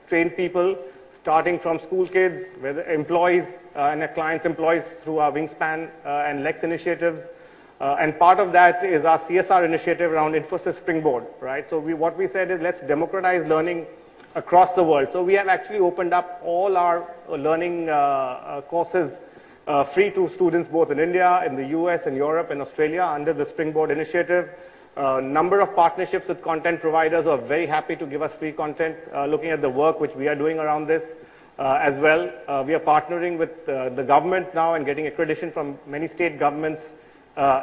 G: trained people starting from school kids, whether employees and their clients' employees through our Wingspan and Lex initiatives. Part of that is our CSR initiative around Infosys Springboard, right? What we said is let's democratize learning across the world. We have actually opened up all our learning courses free to students both in India, in the U.S. and Europe and Australia under the Springboard initiative. A number of partnerships with content providers who are very happy to give us free content, looking at the work which we are doing around this, as well. We are partnering with the government now and getting accreditation from many state governments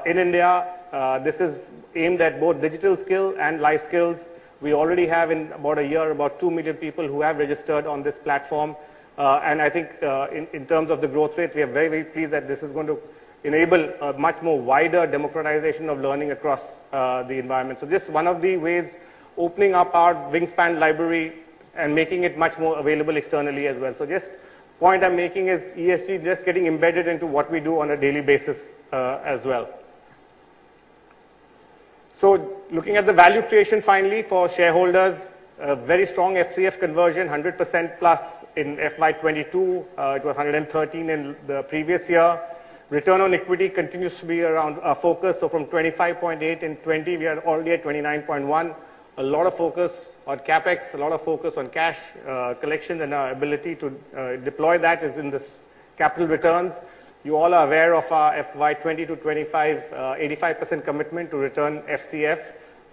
G: in India. This is aimed at both digital skill and life skills. We already have in about a year, about two million people who have registered on this platform. I think in terms of the growth rate, we are very, very pleased that this is going to enable a much more wider democratization of learning across the environment. Just one of the ways, opening up our Wingspan library and making it much more available externally as well. The point I'm making is ESG just getting embedded into what we do on a daily basis, as well. Looking at the value creation finally for shareholders, a very strong FCF conversion, 100%+ in FY22. It was 113 in the previous year. Return on equity continues to be around our focus. From 25.8% in 2020, we are already at 29.1%. A lot of focus on CapEx, a lot of focus on cash collection, and our ability to deploy that is in the capital returns. You all are aware of our FY20 to FY25, 85% commitment to return FCF.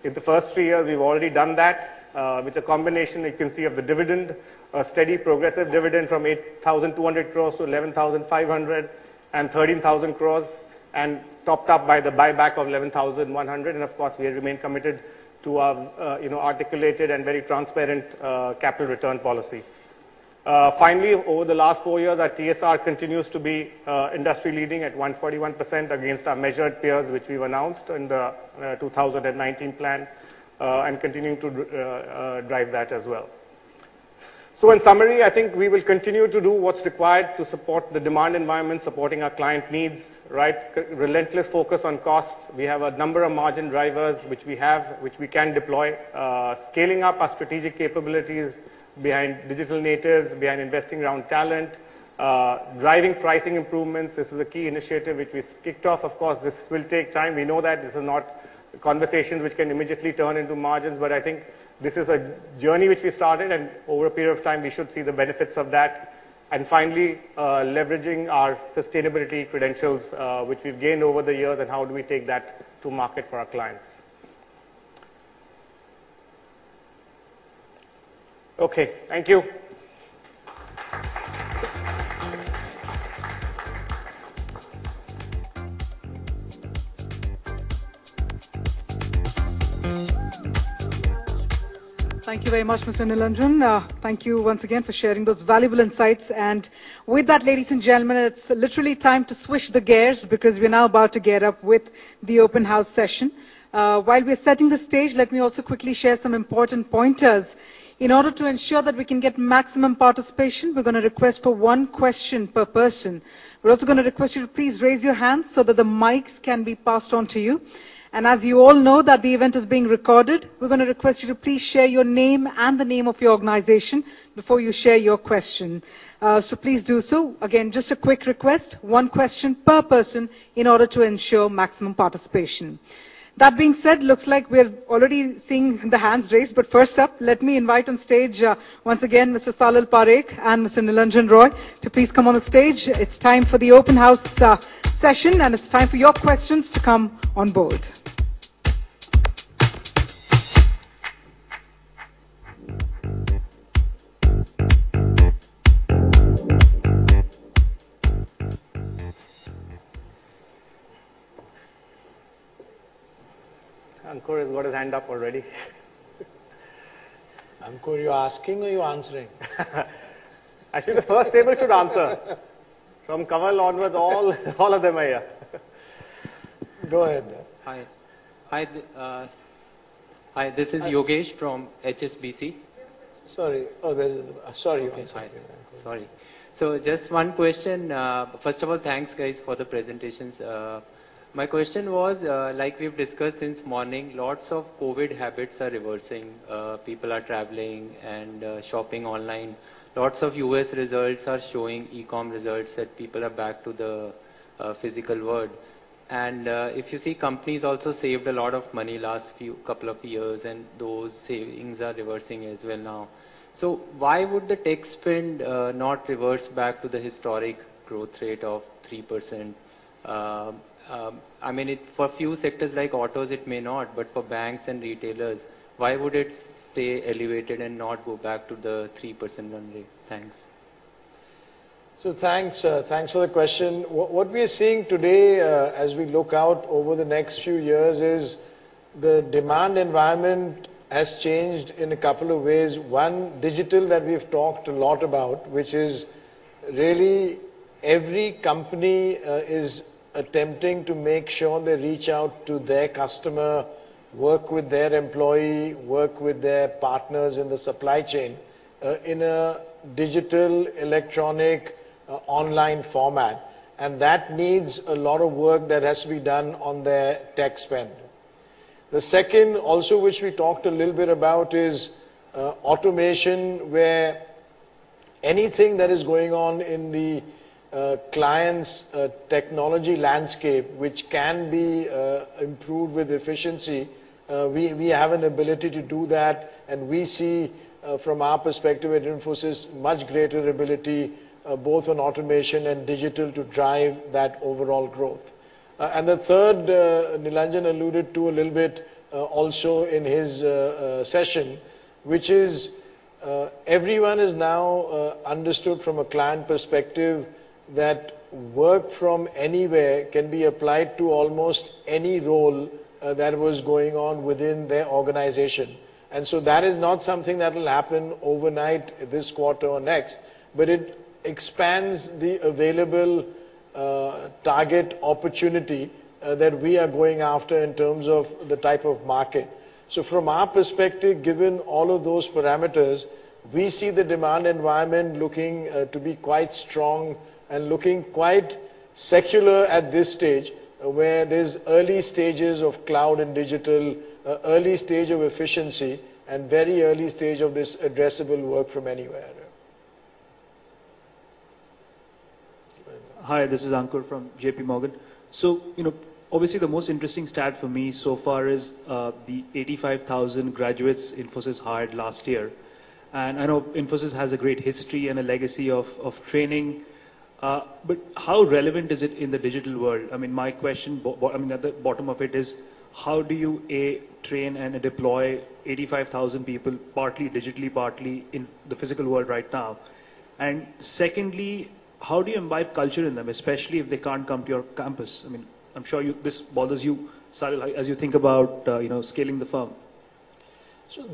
G: In the first three years, we've already done that, with a combination you can see of the dividend, a steady progressive dividend from 8,200 crores to 11,513 crores, and topped up by the buyback of 11,100 crores. Of course, we remain committed to our, you know, articulated and very transparent, capital return policy. Finally, over the last four years, our TSR continues to be industry leading at 141% against our measured peers, which we've announced in the 2019 plan, and continuing to drive that as well. In summary, I think we will continue to do what's required to support the demand environment, supporting our client needs, right? Relentless focus on costs. We have a number of margin drivers which we can deploy. Scaling up our strategic capabilities behind digital natives, behind investing around talent. Driving pricing improvements. This is a key initiative which we kicked off. Of course, this will take time. We know that this is not conversations which can immediately turn into margins, but I think this is a journey which we started, and over a period of time, we should see the benefits of that. Finally, leveraging our sustainability credentials, which we've gained over the years and how do we take that to market for our clients. Okay, thank you.
A: Thank you very much, Mr. Nilanjan Roy. Thank you once again for sharing those valuable insights. With that, ladies and gentlemen, it's literally time to switch the gears because we're now about to get up with the open house session. While we're setting the stage, let me also quickly share some important pointers. In order to ensure that we can get maximum participation, we're gonna request for one question per person. We're also gonna request you to please raise your hand so that the mics can be passed on to you. As you all know that the event is being recorded, we're gonna request you to please share your name and the name of your organization before you share your question. So please do so. Again, just a quick request, one question per person in order to ensure maximum participation. That being said, looks like we're already seeing the hands raised. First up, let me invite on stage, once again, Mr. Salil Parekh and Mr. Nilanjan Roy to please come on the stage. It's time for the open house session, and it's time for your questions to come on board.
B: Ankur has got his hand up already. Ankur, are you asking or are you answering?
G: Actually, the first table should answer. From Kawaljeet onwards, all of them are here.
B: Go ahead.
H: Hi. This is Yogesh from HSBC.
B: Sorry. Okay.
H: Sorry. Just one question. First of all, thanks, guys, for the presentations. My question was, like we've discussed since morning, lots of COVID habits are reversing. People are traveling and shopping online. Lots of U.S. results are showing e-com results that people are back to the physical world. If you see, companies also saved a lot of money last few couple of years, and those savings are reversing as well now. Why would the tech spend not reverse back to the historic growth rate of 3%? I mean, it for a few sectors, like autos, it may not, but for banks and retailers, why would it stay elevated and not go back to the 3% run rate? Thanks.
B: Thanks for the question. What we are seeing today, as we look out over the next few years, is the demand environment has changed in a couple of ways. One, digital, that we've talked a lot about, which is really every company is attempting to make sure they reach out to their customer, work with their employee, work with their partners in the supply chain, in a digital electronic online format. That needs a lot of work that has to be done on their tech spend. The second also, which we talked a little bit about, is automation, where anything that is going on in the client's technology landscape which can be improved with efficiency, we have an ability to do that. We see, from our perspective at Infosys, much greater ability, both on automation and digital to drive that overall growth. The third, Nilanjan alluded to a little bit, also in his session, which is, everyone has now understood from a client perspective that work from anywhere can be applied to almost any role that was going on within their organization. That is not something that will happen overnight, this quarter or next, but it expands the available target opportunity that we are going after in terms of the type of market. From our perspective, given all of those parameters, we see the demand environment looking to be quite strong and looking quite secular at this stage, where there's early stages of cloud and digital, early stage of efficiency and very early stage of this addressable work from anywhere.
I: Hi, this is Ankur from JPMorgan. You know, obviously the most interesting stat for me so far is the 85,000 graduates Infosys hired last year. I know Infosys has a great history and a legacy of training. How relevant is it in the digital world? I mean, my question, but, I mean, at the bottom of it is how do you, A, train and deploy 85,000 people, partly digitally, partly in the physical world right now? Secondly, how do you imbibe culture in them, especially if they can't come to your campus? I mean, I'm sure this bothers you, Salil, as you think about, you know, scaling the firm.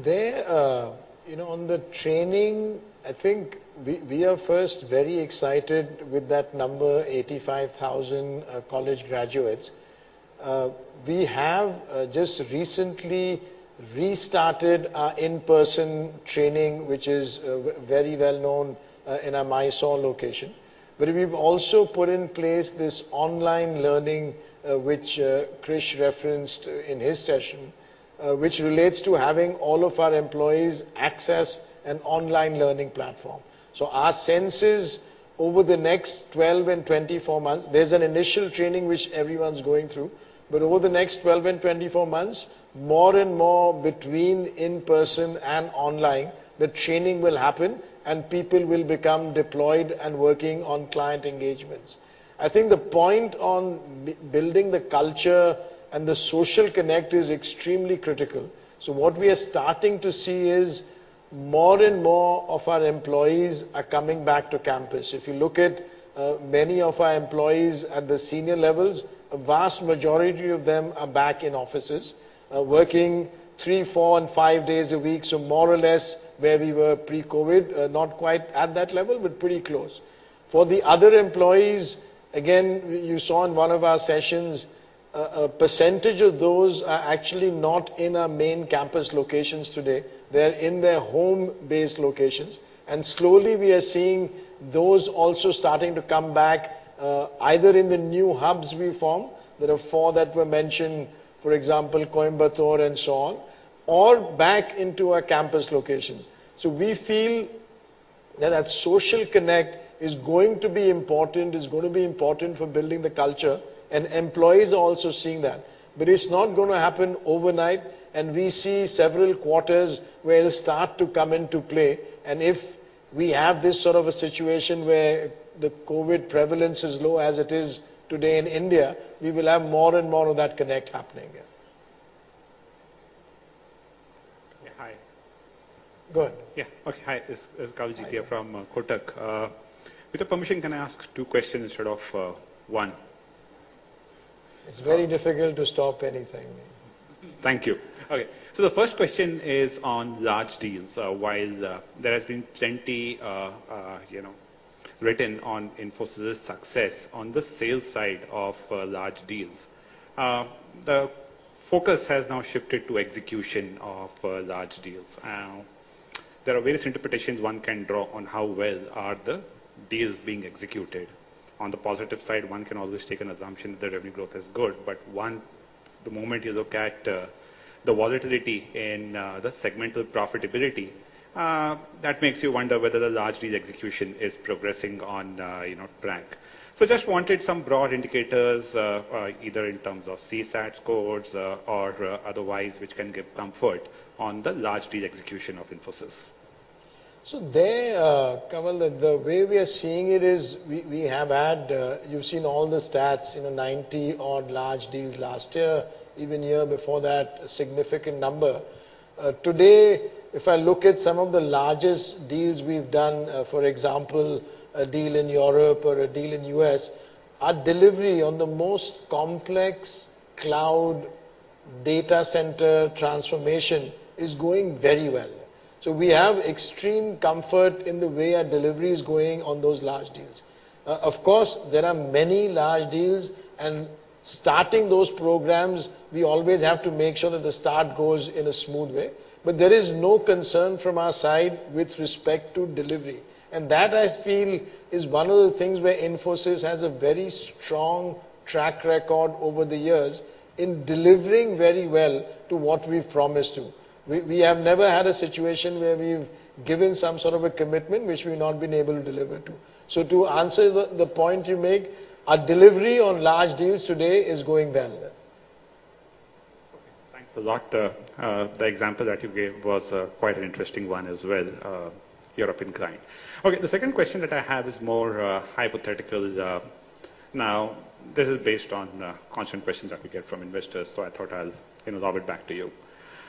B: There you know, on the training, I think we are first very excited with that number, 85,000 college graduates. We have just recently restarted our in-person training, which is very well known in our Mysore location. We've also put in place this online learning, which Krish referenced in his session, which relates to having all of our employees access an online learning platform. Our sense is, over the next 12 and 24 months, there's an initial training which everyone's going through, but over the next 12 and 24 months, more and more between in-person and online, the training will happen and people will become deployed and working on client engagements. I think the point on building the culture and the social connect is extremely critical. What we are starting to see is more and more of our employees are coming back to campus. If you look at many of our employees at the senior levels, a vast majority of them are back in offices, working three, four, and five days a week. More or less where we were pre-COVID, not quite at that level, but pretty close. For the other employees, again, you saw in one of our sessions, a percentage of those are actually not in our main campus locations today. They're in their home-based locations. Slowly we are seeing those also starting to come back, either in the new hubs we form. There are four that were mentioned, for example, Coimbatore and so on, or back into our campus locations. We feel that social connect is going to be important for building the culture. Employees are also seeing that. It's not gonna happen overnight. We see several quarters where it'll start to come into play. If we have this sort of a situation where the COVID prevalence is low, as it is today in India, we will have more and more of that connect happening, yeah.
J: Yeah. Hi.
B: Go ahead.
J: Yeah. Okay. Hi, this is Kawaljeet from Kotak. With your permission, can I ask two questions instead of one?
B: It's very difficult to stop anything.
J: Thank you. Okay. The first question is on large deals. While there has been plenty, you know, written on Infosys' success on the sales side of large deals, the focus has now shifted to execution of large deals. There are various interpretations one can draw on how well the deals are being executed. On the positive side, one can always take an assumption that revenue growth is good, but the moment you look at the volatility in the segmental profitability, that makes you wonder whether the large deal execution is progressing on, you know, track. Just wanted some broad indicators, either in terms of CSAT scores or otherwise, which can give comfort on the large deal execution of Infosys.
B: There, Kawaljeet, the way we are seeing it is we have had, you've seen all the stats, you know, 90-odd large deals last year, even year before that, a significant number. Today, if I look at some of the largest deals we've done, for example, a deal in Europe or a deal in U.S., our delivery on the most complex cloud data center transformation is going very well. We have extreme comfort in the way our delivery is going on those large deals. Of course, there are many large deals, and starting those programs, we always have to make sure that the start goes in a smooth way. There is no concern from our side with respect to delivery. That, I feel, is one of the things where Infosys has a very strong track record over the years in delivering very well to what we've promised to. We have never had a situation where we've given some sort of a commitment which we've not been able to deliver to. To answer the point you make, our delivery on large deals today is going very well.
J: Okay. Thanks a lot. The example that you gave was quite an interesting one as well, European client. Okay, the second question that I have is more hypothetical. Now this is based on constant questions that we get from investors, so I thought I'll, you know, lob it back to you.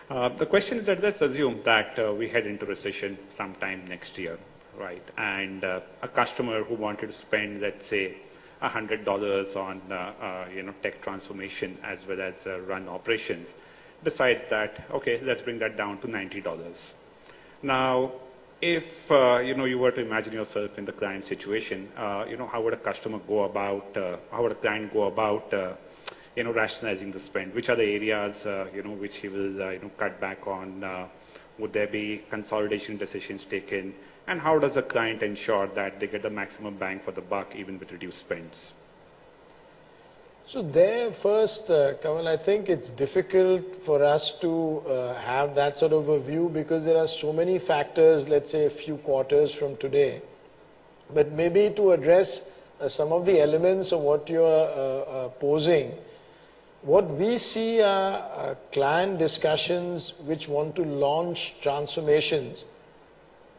J: The question is that let's assume that we head into recession sometime next year, right? A customer who wanted to spend, let's say, $100 on, you know, tech transformation as well as run operations, decides that, okay, let's bring that down to $90. Now, if, you know, you were to imagine yourself in the client's situation, you know, how would a client go about, you know, rationalizing the spend? Which are the areas, you know, which he will, you know, cut back on? Would there be consolidation decisions taken? How does a client ensure that they get the maximum bang for the buck even with reduced spends?
B: To that first, Kawaljeet, I think it's difficult for us to have that sort of a view because there are so many factors, let's say a few quarters from today. Maybe to address some of the elements of what you're posing. What we see are client discussions which want to launch transformations,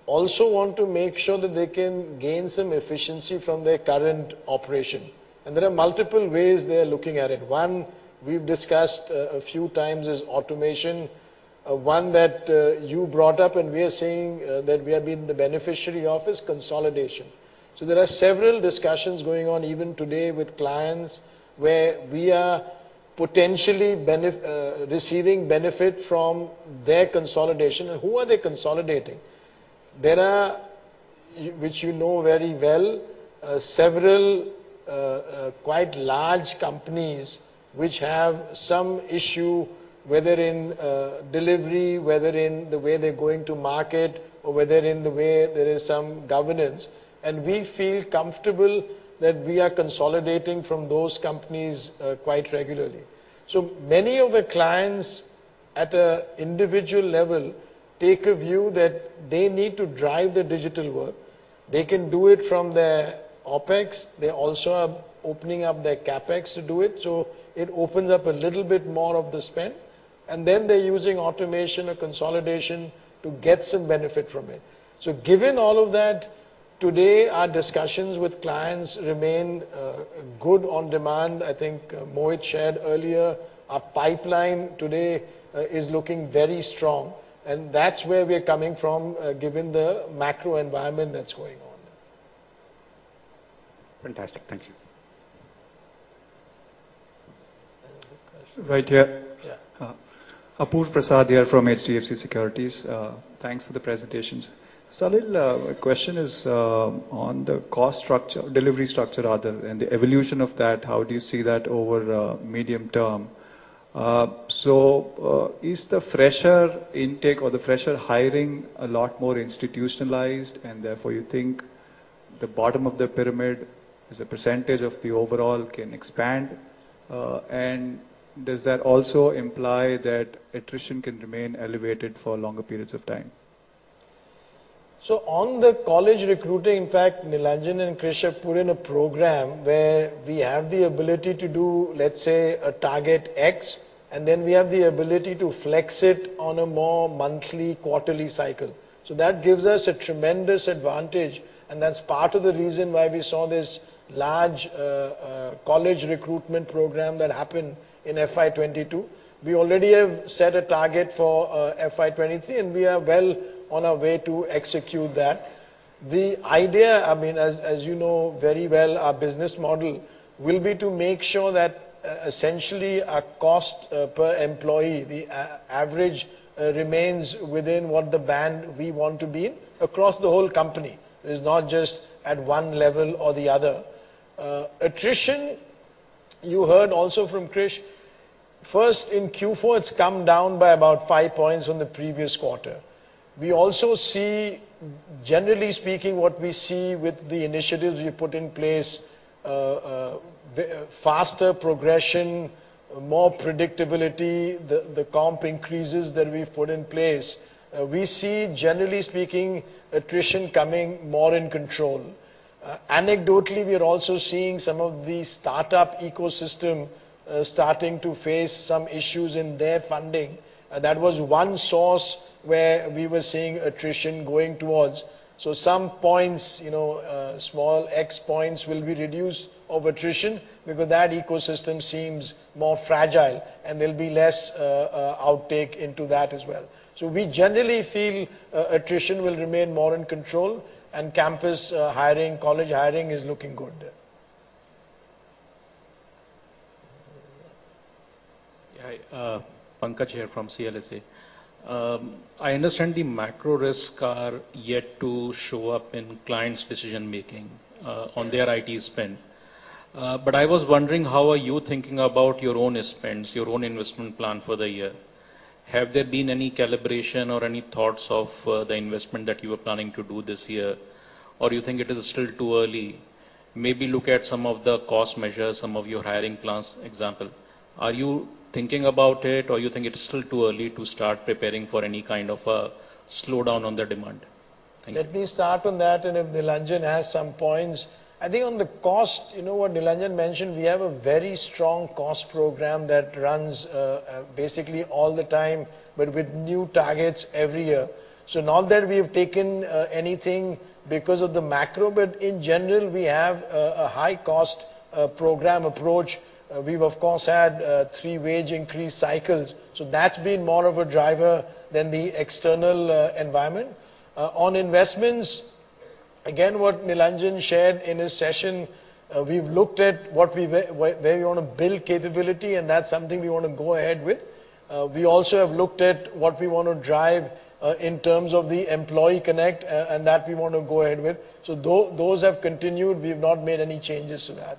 B: also want to make sure that they can gain some efficiency from their current operation. There are multiple ways they're looking at it. One, we've discussed a few times, is automation. One that you brought up and we are seeing that we have been the beneficiary of is consolidation. There are several discussions going on even today with clients where we are potentially receiving benefit from their consolidation. Who are they consolidating? There are, which you know very well, several, quite large companies which have some issue, whether in, delivery, whether in the way they're going to market or whether in the way there is some governance. We feel comfortable that we are consolidating from those companies, quite regularly. Many of the clients at an individual level take a view that they need to drive the digital work. They can do it from their OpEx. They also are opening up their CapEx to do it, so it opens up a little bit more of the spend. Then they're using automation or consolidation to get some benefit from it. Given all of that, today, our discussions with clients remain, good on demand. I think Mohit shared earlier, our pipeline today is looking very strong, and that's where we're coming from, given the macro environment that's going on.
J: Fantastic. Thank you.
B: Any more questions?
K: Right here.
B: Yeah.
K: Apurva Prasad here from HDFC Securities. Thanks for the presentations. Salil, my question is on the cost structure, delivery structure rather, and the evolution of that. How do you see that over medium term? Is the fresher intake or the fresher hiring a lot more institutionalized and therefore you think the bottom of the pyramid as a percentage of the overall can expand? And does that also imply that attrition can remain elevated for longer periods of time?
B: On the college recruiting, in fact, Nilanjan and Krish have put in a program where we have the ability to do, let's say, a target X, and then we have the ability to flex it on a more monthly, quarterly cycle. That gives us a tremendous advantage, and that's part of the reason why we saw this large college recruitment program that happened in FY 2022. We already have set a target for FY 2023, and we are well on our way to execute that. The idea, I mean, as you know very well, our business model will be to make sure that essentially our cost per employee, the average, remains within what the band we want to be in across the whole company. It is not just at one level or the other. Attrition, you heard also from Krish, first in Q4, it's come down by about five points from the previous quarter. We also see generally speaking, what we see with the initiatives we put in place, the faster progression, more predictability, the comp increases that we've put in place, we see generally speaking, attrition coming more in control. Anecdotally, we are also seeing some of the startup ecosystem starting to face some issues in their funding. That was one source where we were seeing attrition going towards. Some points, you know, small x points will be reduced in attrition because that ecosystem seems more fragile and there'll be less uptake into that as well. We generally feel attrition will remain more in control and campus hiring, college hiring is looking good.
L: Yeah. Hi. Pankaj here from CLSA. I understand the macro risks are yet to show up in clients' decision-making on their IT spend. I was wondering how are you thinking about your own spends, your own investment plan for the year? Have there been any calibration or any thoughts of the investment that you are planning to do this year? You think it is still too early, maybe look at some of the cost measures, some of your hiring plans, example. Are you thinking about it or you think it's still too early to start preparing for any kind of a slowdown on the demand? Thank you.
B: Let me start on that, and if Nilanjan has some points. I think on the cost, you know what Nilanjan mentioned, we have a very strong cost program that runs basically all the time, but with new targets every year. Not that we have taken anything because of the macro, but in general, we have a high cost program approach. We've, of course, had three wage increase cycles, so that's been more of a driver than the external environment. On investments, again, what Nilanjan shared in his session, we've looked at what we where we wanna build capability, and that's something we wanna go ahead with. We also have looked at what we wanna drive in terms of the employee connect, and that we wanna go ahead with. Those have continued. We have not made any changes to that.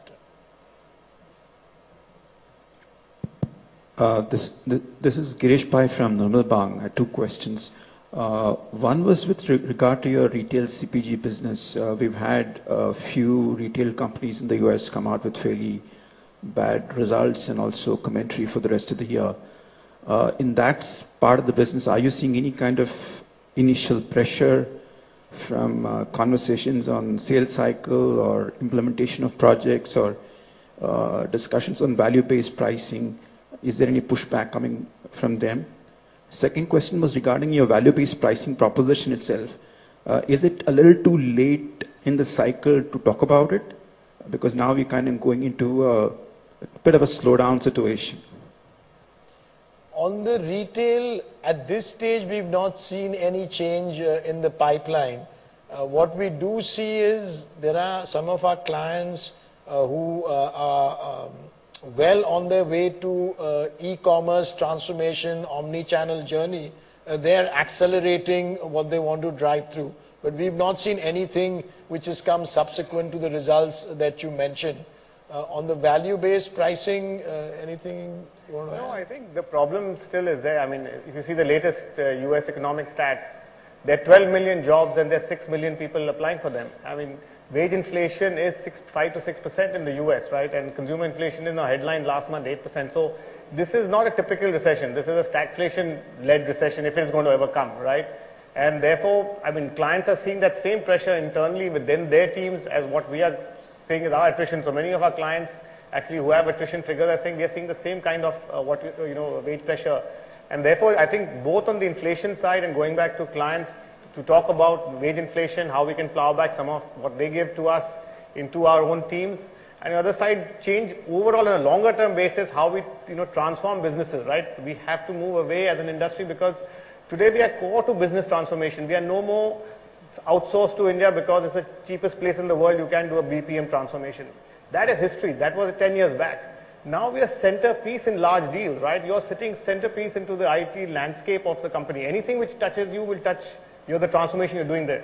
M: This is Girish Pai from Nirmal Bang. I had two questions. One was with regard to your retail CPG business. We've had a few retail companies in the U.S. come out with fairly bad results and also commentary for the rest of the year. In that part of the business, are you seeing any kind of initial pressure from conversations on sales cycle or implementation of projects or discussions on value-based pricing? Is there any pushback coming from them? Second question was regarding your value-based pricing proposition itself. Is it a little too late in the cycle to talk about it? Because now we're kind of going into a bit of a slowdown situation.
B: On the retail, at this stage, we've not seen any change in the pipeline. What we do see is there are some of our clients who are well on their way to e-commerce transformation, omni-channel journey. They are accelerating what they want to drive through. We've not seen anything which has come subsequent to the results that you mentioned. On the value-based pricing, anything you wanna add?
G: No, I think the problem still is there. I mean, if you see the latest, US economic stats, there are 12 million jobs and there are six million people applying for them. I mean, wage inflation is five to six percent in the US, right? Consumer inflation in the headline last month, 8%. This is not a typical recession. This is a stagflation-led recession if it's going to overcome, right? Therefore, I mean, clients are seeing that same pressure internally within their teams as what we are seeing with our attrition. Many of our clients actually who have attrition figures are saying they're seeing the same kind of, what, you know, wage pressure. Therefore, I think both on the inflation side and going back to clients to talk about wage inflation, how we can plow back some of what they give to us into our own teams. The other side, change overall on a longer term basis, how we, you know, transform businesses, right? We have to move away as an industry because today we are core to business transformation. We are no more outsourced to India because it's the cheapest place in the world you can do a BPM transformation. That is history. That was 10 years back. Now we are centerpiece in large deals, right? You're sitting centerpiece into the IT landscape of the company. Anything which touches you will touch, you know, the transformation you're doing there.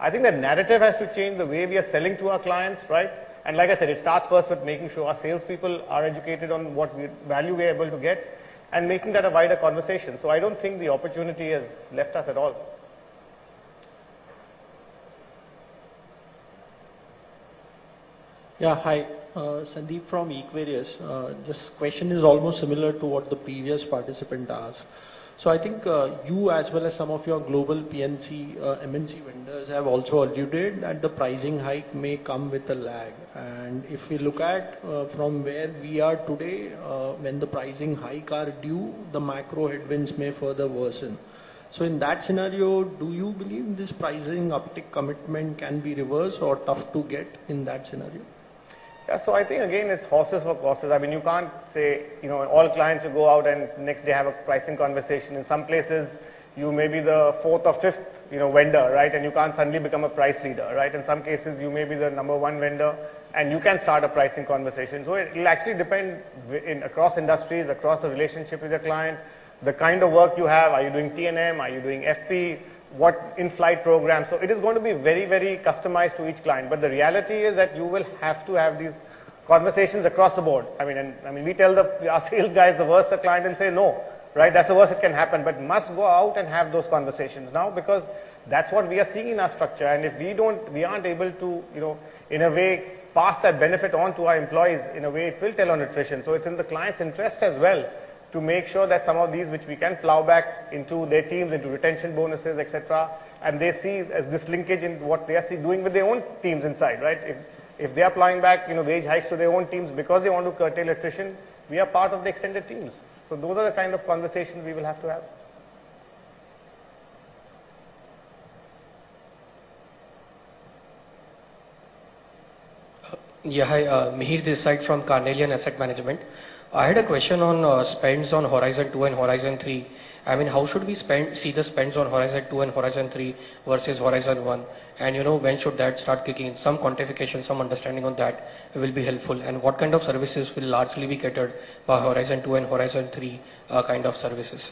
G: I think the narrative has to change the way we are selling to our clients, right? Like I said, it starts first with making sure our salespeople are educated on what value we are able to get and making that a wider conversation. I don't think the opportunity has left us at all.
N: Yeah, hi, Sandeep from Equirus. This question is almost similar to what the previous participant asked. I think you as well as some of your global peers, MNC vendors have also alluded that the pricing hike may come with a lag. If we look at from where we are today, when the pricing hike are due, the macro headwinds may further worsen. In that scenario, do you believe this pricing uptick commitment can be reversed or tough to get in that scenario?
G: Yeah. I think again, it's horses for courses. I mean, you can't say, you know, all clients will go out and next day have a pricing conversation. In some places, you may be the fourth or fifth, you know, vendor, right? You can't suddenly become a price leader, right? In some cases, you may be the number one vendor. You can start a pricing conversation. It will actually depend across industries, across the relationship with your client, the kind of work you have. Are you doing T&M? Are you doing FP? What in-flight program? It is going to be very, very customized to each client. The reality is that you will have to have these conversations across the board. I mean, we tell our sales guys to converse with the client and say no, right? That's the worst that can happen. Must go out and have those conversations now because that's what we are seeing in our structure. If we don't, we aren't able to, you know, in a way pass that benefit on to our employees, in a way it will tell on attrition. It's in the client's interest as well to make sure that some of these which we can plow back into their teams, into retention bonuses, et cetera, and they see as this linkage in what they are doing with their own teams inside, right? If they are plowing back, you know, wage hikes to their own teams because they want to curtail attrition, we are part of the extended teams. Those are the kind of conversations we will have to have.
O: Yeah. Hi, Mihir Desai from Carnelian Asset Management. I had a question on spends on Horizon Two and Horizon Three. I mean, how should we see the spends on Horizon Two and Horizon Three versus Horizon One, and, you know, when should that start kicking in? Some quantification, some understanding on that will be helpful. What kind of services will largely be catered by Horizon Two and Horizon Three, kind of services?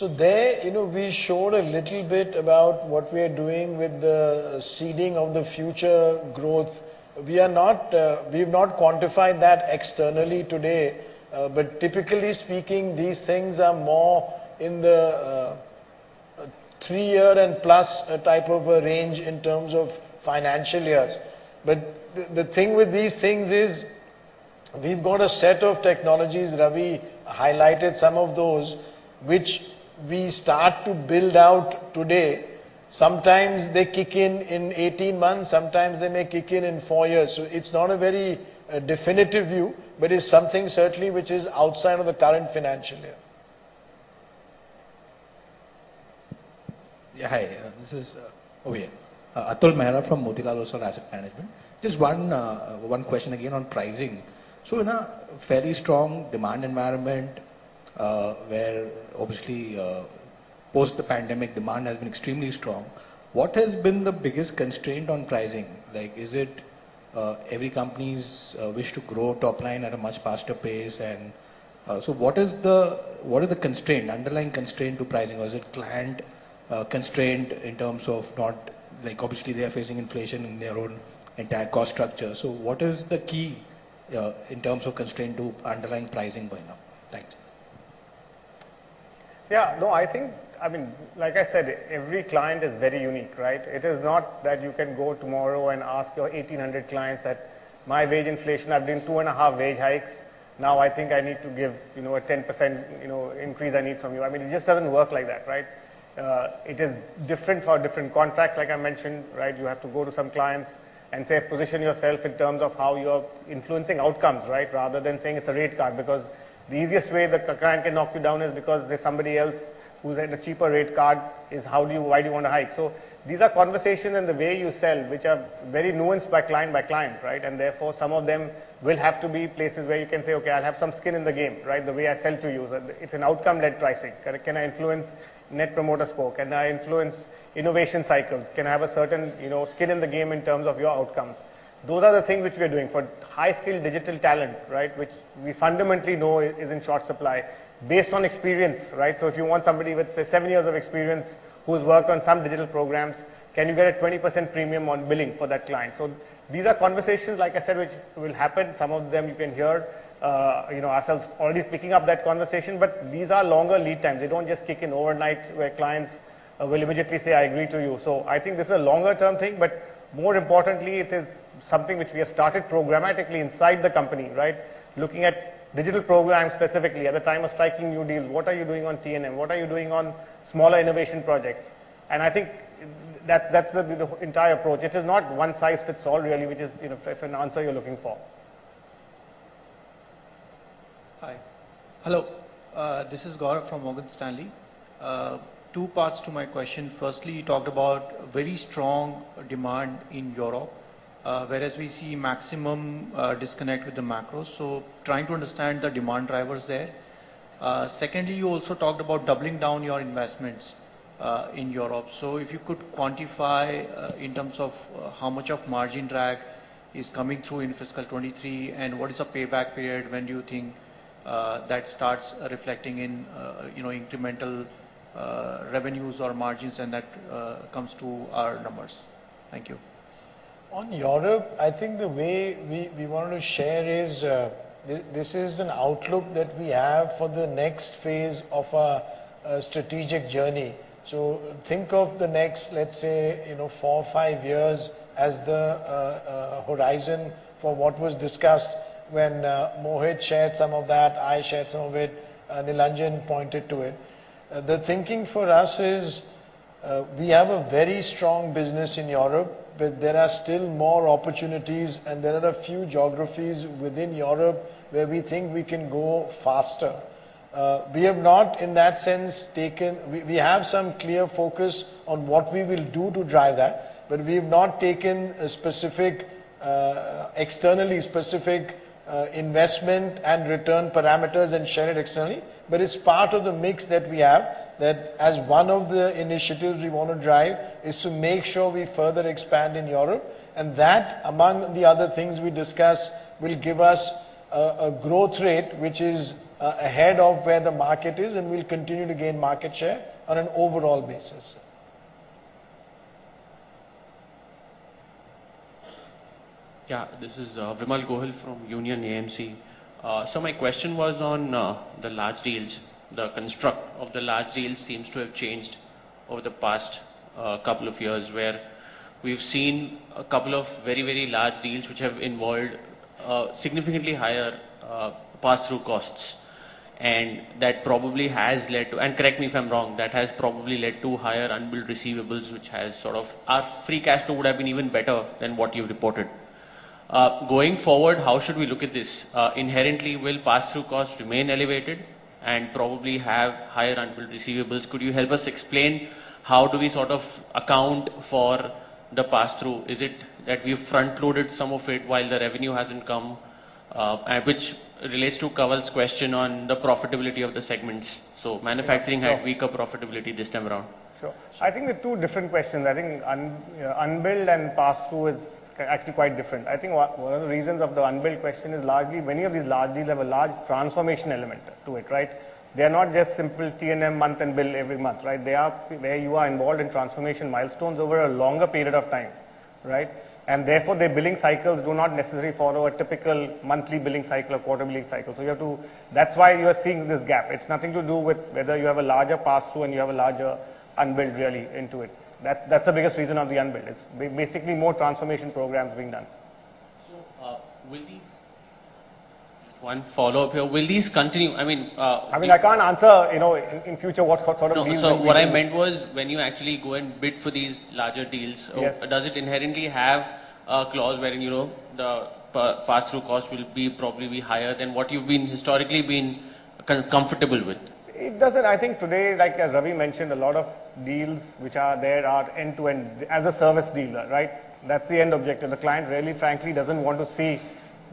B: There, you know, we showed a little bit about what we are doing with the seeding of the future growth. We are not, we've not quantified that externally today, but typically speaking, these things are more in the three-year and plus type of a range in terms of financial years. But the thing with these things is we've got a set of technologies, Ravi highlighted some of those, which we start to build out today. Sometimes they kick in in 18 months, sometimes they may kick in in four years. It's not a very definitive view, but it's something certainly which is outside of the current financial year.
P: Hi, this is Atul Mehra from Motilal Oswal Asset Management. Just one question again on pricing. In a fairly strong demand environment, where obviously, post the pandemic demand has been extremely strong, what has been the biggest constraint on pricing? Like, is it every company's wish to grow top line at a much faster pace and what are the constraint, underlying constraint to pricing? Or is it client constraint in terms of not like, obviously they are facing inflation in their own entire cost structure. What is the key in terms of constraint to underlying pricing going up? Thanks.
G: Yeah. No, I think, I mean, like I said, every client is very unique, right? It is not that you can go tomorrow and ask your 1,800 clients that my wage inflation, I've given two and a half wage hikes. Now I think I need to give, you know, a 10%, you know, increase I need from you. I mean, it just doesn't work like that, right? It is different for different contracts, like I mentioned, right? You have to go to some clients and say, position yourself in terms of how you're influencing outcomes, right? Rather than saying it's a rate card. Because the easiest way that a client can knock you down is because there's somebody else who's at a cheaper rate card. How do you, why do you wanna hike? These are conversations and the way you sell, which are very nuanced by client by client, right? Therefore, some of them will have to be places where you can say, "Okay, I'll have some skin in the game," right? The way I sell to you. That it's an outcome-led pricing. Can I, can I influence Net Promoter Score? Can I influence innovation cycles? Can I have a certain, you know, skin in the game in terms of your outcomes? Those are the things which we are doing. For high-skilled digital talent, right? Which we fundamentally know is in short supply based on experience, right? If you want somebody with, say, seven years of experience who's worked on some digital programs, can you get a 20% premium on billing for that client? These are conversations, like I said, which will happen. Some of them you can hear, you know, ourselves already picking up that conversation, but these are longer lead times. They don't just kick in overnight where clients will immediately say, "I agree to you." So I think this is a longer term thing, but more importantly it is something which we have started programmatically inside the company, right? Looking at digital programs specifically at the time of striking new deals. What are you doing on T&M? What are you doing on smaller innovation projects? I think that's the entire approach. It is not one size fits all really, which is, you know, if an answer you're looking for.
Q: Hi. Hello. This is Gaurav from Morgan Stanley. Two parts to my question. Firstly, you talked about very strong demand in Europe, whereas we see maximum disconnect with the macro. Trying to understand the demand drivers there. Secondly, you also talked about doubling down your investments in Europe. If you could quantify in terms of how much of margin drag is coming through in fiscal 2023, and what is the payback period when you think that starts reflecting in you know, incremental revenues or margins and that comes to our numbers? Thank you.
B: On Europe, I think the way we wanted to share is, this is an outlook that we have for the next phase of our strategic journey. Think of the next, let's say, you know, four or five years as the horizon for what was discussed when Mohit shared some of that, I shared some of it, Nilanjan pointed to it. The thinking for us is, we have a very strong business in Europe, but there are still more opportunities and there are a few geographies within Europe where we think we can go faster. We have some clear focus on what we will do to drive that, but we've not taken a specific external investment and return parameters and share it externally. It's part of the mix that we have, that as one of the initiatives we wanna drive is to make sure we further expand in Europe, and that among the other things we discuss, will give us a growth rate which is ahead of where the market is, and we'll continue to gain market share on an overall basis.
R: Yeah. This is Vimal Gohil from Union AMC. My question was on the large deals. The construct of the large deals seems to have changed over the past couple of years, where we've seen a couple of very, very large deals which have involved significantly higher pass-through costs. Correct me if I'm wrong, that has probably led to higher unbilled receivables, which has sort of our free cash flow would have been even better than what you've reported. Going forward, how should we look at this? Inherently, will pass-through costs remain elevated and probably have higher unbilled receivables? Could you help us explain how do we sort of account for the pass-through? Is it that we've front-loaded some of it while the revenue hasn't come? Which relates to Kawaljeet's question on the profitability of the segments. Manufacturing-
B: Yeah. Sure.
R: had weaker profitability this time around.
B: Sure. I think they're two different questions. I think unbilled and pass-through is actually quite different. I think one of the reasons of the unbilled question is largely many of these large deals have a large transformation element to it, right? They're not just simple T&M month-end bill every month, right? They are where you are involved in transformation milestones over a longer period of time, right? Therefore, their billing cycles do not necessarily follow a typical monthly billing cycle or quarterly billing cycle. That's why you are seeing this gap. It's nothing to do with whether you have a larger pass-through and you have a larger unbilled relative to it. That's the biggest reason of the unbilled. It's basically more transformation programs being done.
R: Sure. One follow-up here. Will these continue? I mean,
B: I mean, I can't answer, you know, in future what sort of deals we're doing.
R: No. What I meant was, when you actually go and bid for these larger deals.
B: Yes
R: Does it inherently have a clause wherein, you know, the pass-through cost will be probably higher than what you've been historically comfortable with?
B: It doesn't. I think today, like as Ravi mentioned, a lot of deals which are there are end-to-end as a service deals, right? That's the end objective. The client really frankly doesn't want to see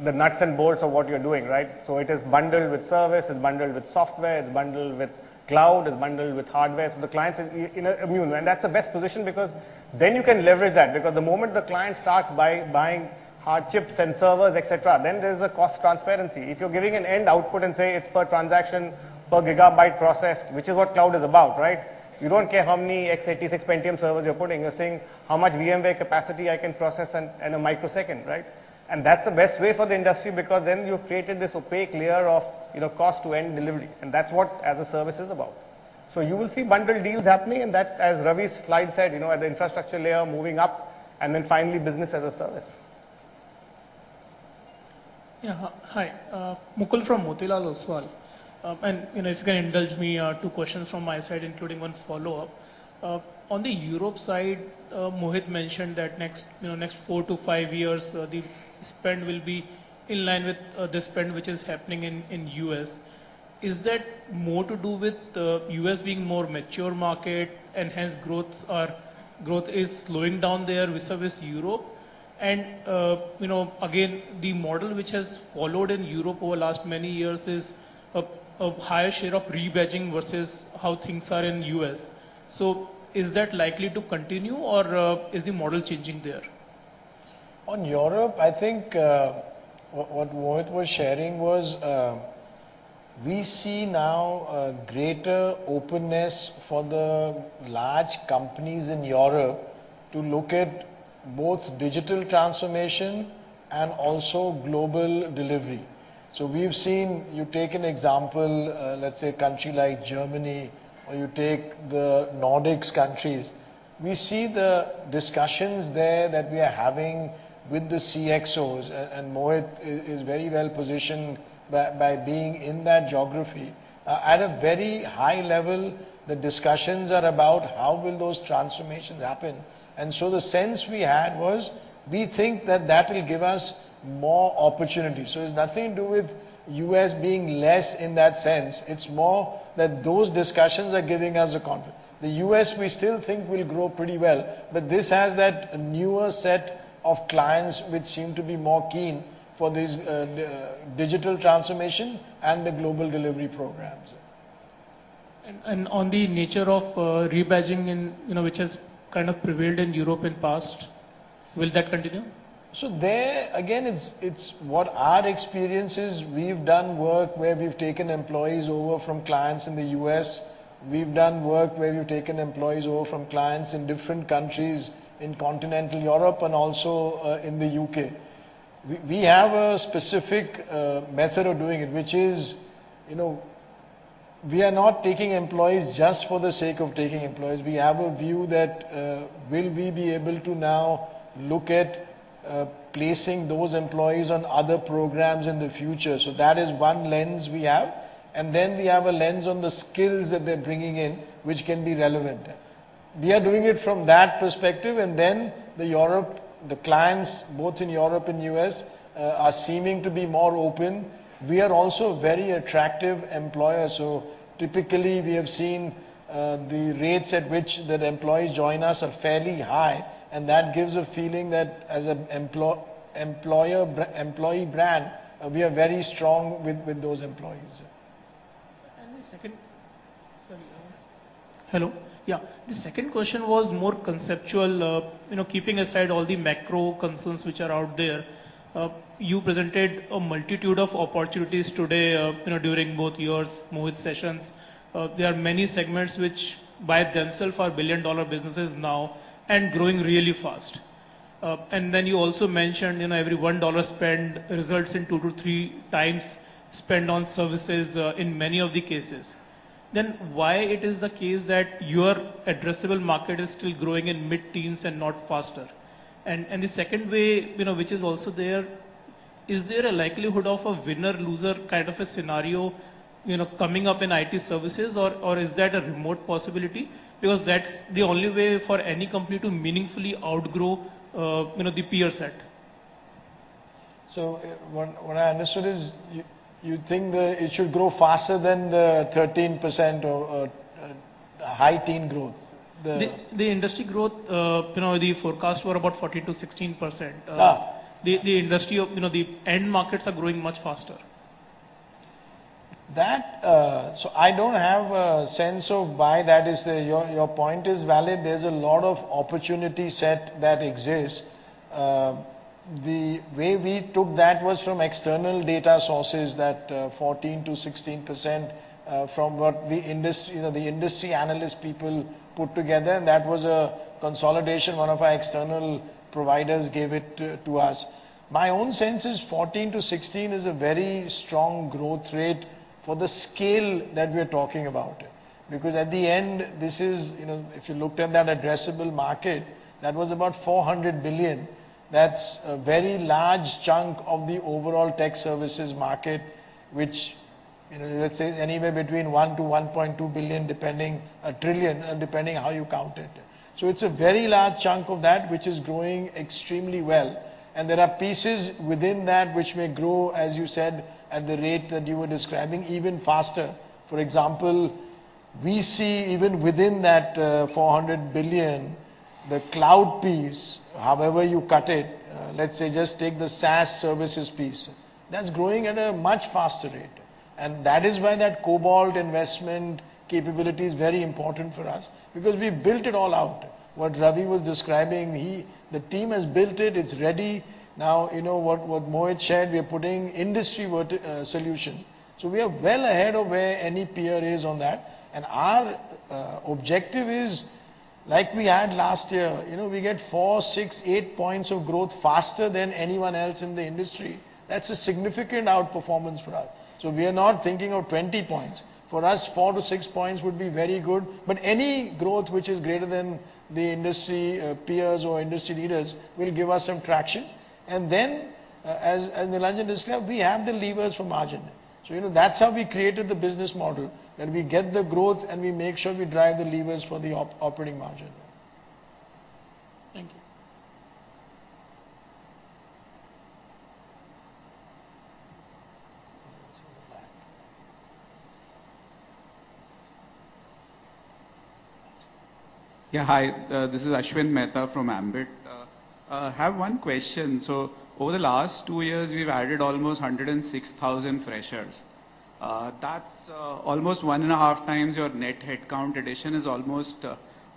B: the nuts and bolts of what you're doing, right? It is bundled with service, it's bundled with software, it's bundled with cloud, it's bundled with hardware. The client is immune. That's the best position because then you can leverage that because the moment the client starts buying hardware chips and servers, et cetera, then there's a cost transparency. If you're giving an end output and say it's per transaction, per gigabyte processed, which is what cloud is about, right? You don't care how many x86 Pentium servers you're putting. You're saying, "How much VMware capacity I can process in a microsecond," right? That's the best way for the industry because then you've created this opaque layer of, you know, end-to-end delivery, and that's what as a service is about. You will see bundled deals happening, and that, as Ravi's slide said, you know, at the infrastructure layer moving up, and then finally business as a service.
S: Hi. Mukul from Motilal Oswal. You know, if you can indulge me, two questions from my side, including one follow-up. On the Europe side, Mohit mentioned that next, you know, next four to five years, the spend will be in line with the spend which is happening in the US. Is that more to do with US being more mature market, growth is slowing down there vis-à-vis Europe? You know, again, the model which has followed in Europe over last many years is a higher share of rebadging versus how things are in US. Is that likely to continue or is the model changing there?
B: On Europe, I think what Mohit was sharing was, we see now a greater openness for the large companies in Europe to look at both digital transformation and also global delivery. We've seen, you take an example, let's say a country like Germany or you take the Nordics countries, we see the discussions there that we are having with the CxOs. Mohit is very well positioned by being in that geography. At a very high level, the discussions are about how will those transformations happen. The sense we had was we think that that will give us more opportunity. It's nothing to do with U.S. being less in that sense. It's more that those discussions are giving us the confidence. The US, we still think will grow pretty well, but this has that newer set of clients which seem to be more keen for this, digital transformation and the global delivery programs.
S: On the nature of rebadging in, you know, which has kind of prevailed in Europe in the past, will that continue?
B: What our experience is we've done work where we've taken employees over from clients in the US. We've done work where we've taken employees over from clients in different countries, in continental Europe and also in the UK. We have a specific method of doing it, which is, you know, we are not taking employees just for the sake of taking employees. We have a view that will we be able to now look at placing those employees on other programs in the future? That is one lens we have. Then we have a lens on the skills that they're bringing in which can be relevant. We are doing it from that perspective. Then the clients both in Europe and US are seeming to be more open. We are also a very attractive employer, so typically we have seen the rates at which the employees join us are fairly high, and that gives a feeling that as an employee brand, we are very strong with those employees.
S: The second question was more conceptual. You know, keeping aside all the macro concerns which are out there, you presented a multitude of opportunities today, you know, during both yours, Mohit's sessions. There are many segments which by themselves are billion-dollar businesses now and growing really fast. Then you also mentioned, you know, every $1 spent results in 2-3 times spent on services, in many of the cases. Then why it is the case that your addressable market is still growing in mid-teens% and not faster? The second way, you know, which is also there, is there a likelihood of a winner-loser kind of a scenario, you know, coming up in IT services or is that a remote possibility? Because that's the only way for any company to meaningfully outgrow, you know, the peer set.
B: What I understood is you think that it should grow faster than the 13% or high-teens growth.
S: The industry growth, you know, the forecast were about 14%-16%.
B: Ah.
S: You know, the end markets are growing much faster.
B: Your point is valid. There's a lot of opportunity set that exists. The way we took that was from external data sources that 14%-16%, from what the industry, you know, the industry analyst people put together, and that was a consolidation. One of our external providers gave it to us. My own sense is 14%-16% is a very strong growth rate for the scale that we're talking about. Because at the end, this is, you know, if you looked at that addressable market, that was about $400 billion. That's a very large chunk of the overall tech services market which, you know, let's say anywhere between $1 trillion-$1.2 trillion depending how you count it. It's a very large chunk of that which is growing extremely well, and there are pieces within that which may grow, as you said, at the rate that you were describing, even faster. For example, we see even within that, $400 billion, the cloud piece, however you cut it, let's say just take the SaaS services piece, that's growing at a much faster rate. That is why that Cobalt investment capability is very important for us because we built it all out. What Ravi was describing, the team has built it. It's ready now. You know, what Mohit shared, we are putting industry solution. We are well ahead of where any peer is on that. Our objective is like we had last year. You know, we get 4%, 6%, 8% growth faster than anyone else in the industry. That's a significant outperformance for us. We are not thinking of 20 points. For us, 4%-6% would be very good. Any growth which is greater than the industry, peers or industry leaders will give us some traction. As Nilanjan described, we have the levers for margin. You know, that's how we created the business model. That we get the growth, and we make sure we drive the levers for the operating margin.
S: Thank you.
B: In the back.
T: Yeah, hi. This is Ashwin Mehta from Ambit. I have one question. Over the last two years, we've added almost 106,000 freshers. That's almost 1.5x your net headcount. Addition is almost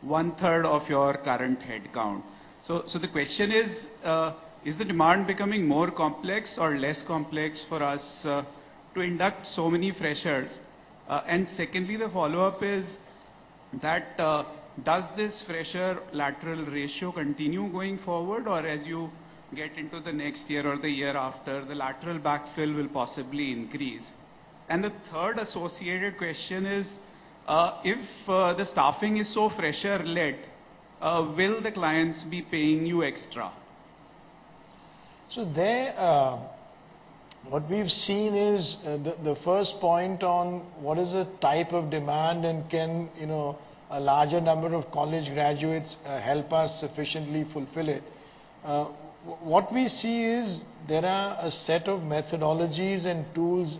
T: one-third of your current headcount. The question is the demand becoming more complex or less complex for us to induct so many freshers? Secondly, the follow-up is that, does this fresher lateral ratio continue going forward? Or as you get into the next year or the year after, the lateral backfill will possibly increase. The third associated question is, if the staffing is so fresher-led, will the clients be paying you extra?
B: What we've seen is the first point on what is the type of demand and can, you know, a larger number of college graduates help us sufficiently fulfill it. What we see is there are a set of methodologies and tools.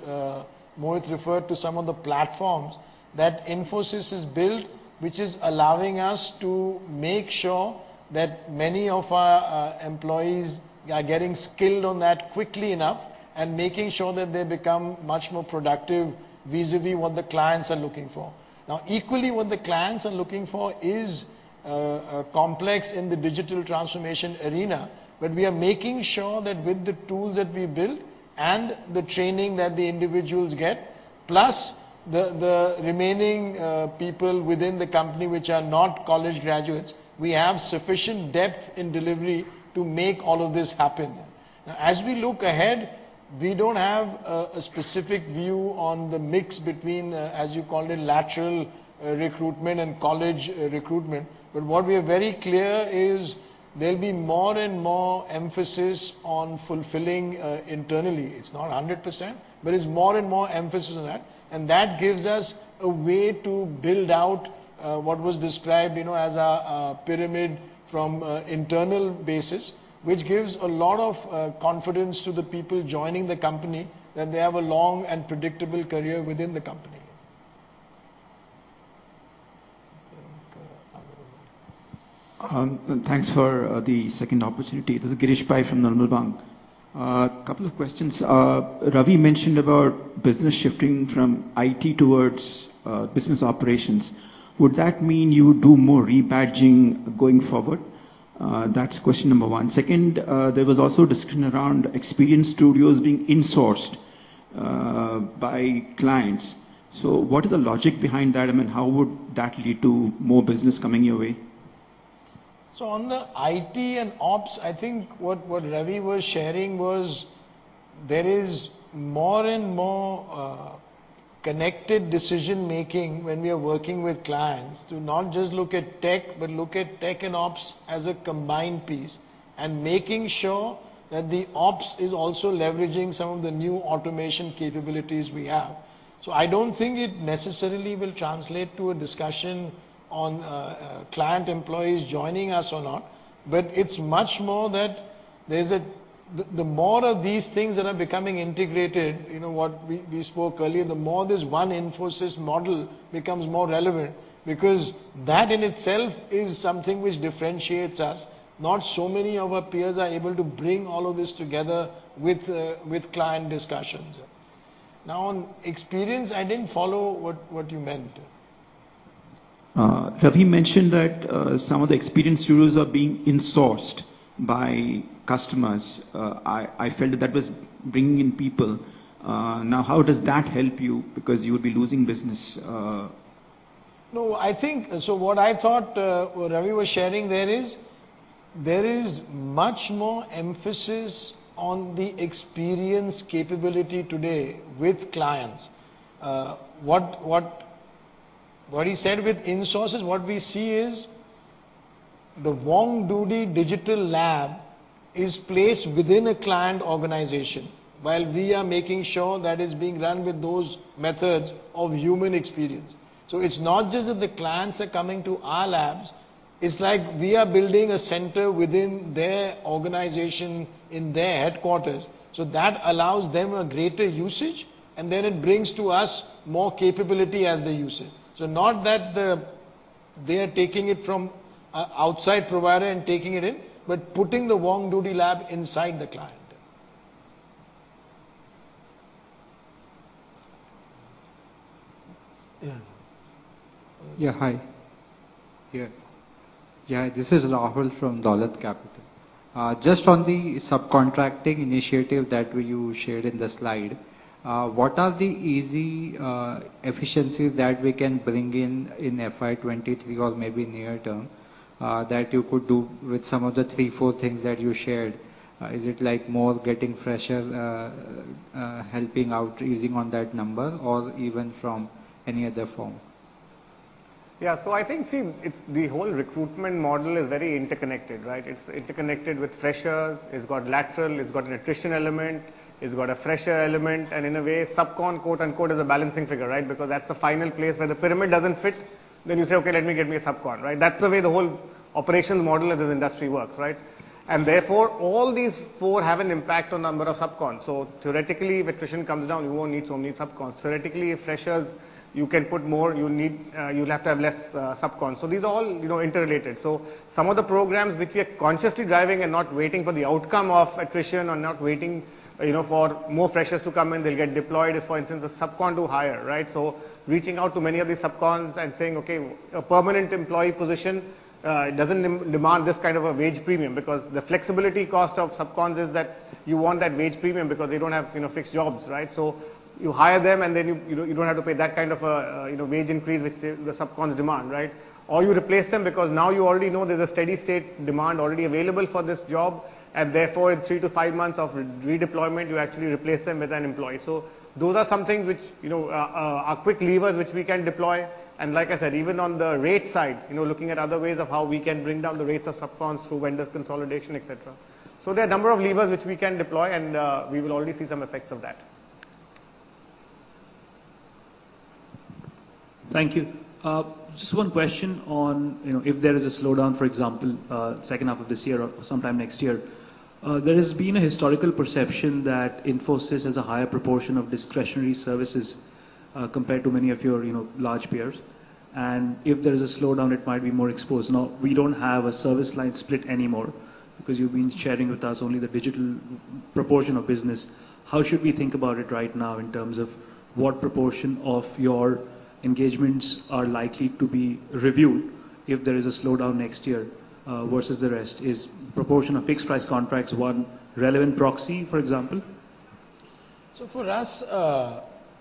B: Mohit referred to some of the platforms that Infosys has built, which is allowing us to make sure that many of our employees are getting skilled on that quickly enough and making sure that they become much more productive vis-à-vis what the clients are looking for. Now, equally, what the clients are looking for is complex in the digital transformation arena. We are making sure that with the tools that we build and the training that the individuals get, plus the remaining people within the company which are not college graduates, we have sufficient depth in delivery to make all of this happen. Now, as we look ahead, we don't have a specific view on the mix between as you called it, lateral recruitment and college recruitment. What we are very clear is there'll be more and more emphasis on fulfilling internally. It's not 100%, but it's more and more emphasis on that. That gives us a way to build out what was described, you know, as a pyramid from internal basis, which gives a lot of confidence to the people joining the company that they have a long and predictable career within the company.
M: Thanks for the second opportunity. This is Girish Pai from Nirmal Bang. Couple of questions. Ravi mentioned about business shifting from IT towards business operations. Would that mean you do more rebadging going forward? That's question number one. Second, there was also discussion around experience studios being insourced by clients. What is the logic behind that? I mean, how would that lead to more business coming your way?
B: On the IT and ops, I think what Ravi was sharing was there is more and more connected decision-making when we are working with clients to not just look at tech, but look at tech and ops as a combined piece, and making sure that the ops is also leveraging some of the new automation capabilities we have. I don't think it necessarily will translate to a discussion on client employees joining us or not, but it's much more that there's a. The more of these things that are becoming integrated, you know, what we spoke earlier, the more this one Infosys model becomes more relevant because that in itself is something which differentiates us. Not so many of our peers are able to bring all of this together with client discussions. Now on experience, I didn't follow what you meant.
M: Ravi mentioned that some of the experience studios are being insourced by customers. I felt that was bringing in people. Now, how does that help you because you would be losing business?
B: No, I think what I thought Ravi was sharing there is there is much more emphasis on the experience capability today with clients. What he said with insource is what we see is the WongDoody Digital Lab is placed within a client organization while we are making sure that it's being run with those methods of human experience. It's not just that the clients are coming to our labs, it's like we are building a center within their organization in their headquarters, so that allows them a greater usage, and then it brings to us more capability as they use it. Not that they are taking it from an outside provider and taking it in, but putting the WongDoody Lab inside the client.
M: Yeah.
U: Hi. This is Rahul from Dolat Capital. Just on the subcontracting initiative that you shared in the slide, what are the easy efficiencies that we can bring in in FY 2023 or maybe near term, that you could do with some of the three or four things that you shared? Is it like more getting freshers, helping out, easing on that number or even from any other form?
B: Yeah. I think, see, it's the whole recruitment model is very interconnected, right? It's interconnected with freshers, it's got lateral, it's got an attrition element, it's got a fresher element, and in a way, subcon, quote-unquote, "is a balancing figure," right? Because that's the way the whole operations model of this industry works, right? Therefore, all these four have an impact on number of subcons. Theoretically, if attrition comes down, you won't need so many subcons. Theoretically, if freshers, you can put more, you need, you'll have to have less subcons. These are all, you know, interrelated. Some of the programs which we are consciously driving and not waiting for the outcome of attrition or not waiting, you know, for more freshers to come in, they'll get deployed, is for instance, the subcon to Hire, right? Reaching out to many of these subcons and saying, "Okay, a permanent employee position, it doesn't demand this kind of a wage premium," because the flexibility cost of subcons is that you want that wage premium because they don't have, you know, fixed jobs, right? You hire them, and then you don't have to pay that kind of a, you know, wage increase which the subcons demand, right? You replace them because now you already know there's a steady state demand already available for this job, and therefore in three-five months of redeployment, you actually replace them with an employee. Those are some things which, you know, are quick levers which we can deploy. Like I said, even on the rate side, you know, looking at other ways of how we can bring down the rates of subcons through vendor consolidation, et cetera. There are a number of levers which we can deploy, and we will already see some effects of that.
M: Thank you. Just one question on, you know, if there is a slowdown, for example, second half of this year or sometime next year. There has been a historical perception that Infosys has a higher proportion of discretionary services, compared to many of your, you know, large peers. If there is a slowdown, it might be more exposed. Now, we don't have a service line split anymore because you've been sharing with us only the digital proportion of business. How should we think about it right now in terms of what proportion of your engagements are likely to be reviewed if there is a slowdown next year, versus the rest? Is proportion of fixed price contracts one relevant proxy, for example?
B: For us,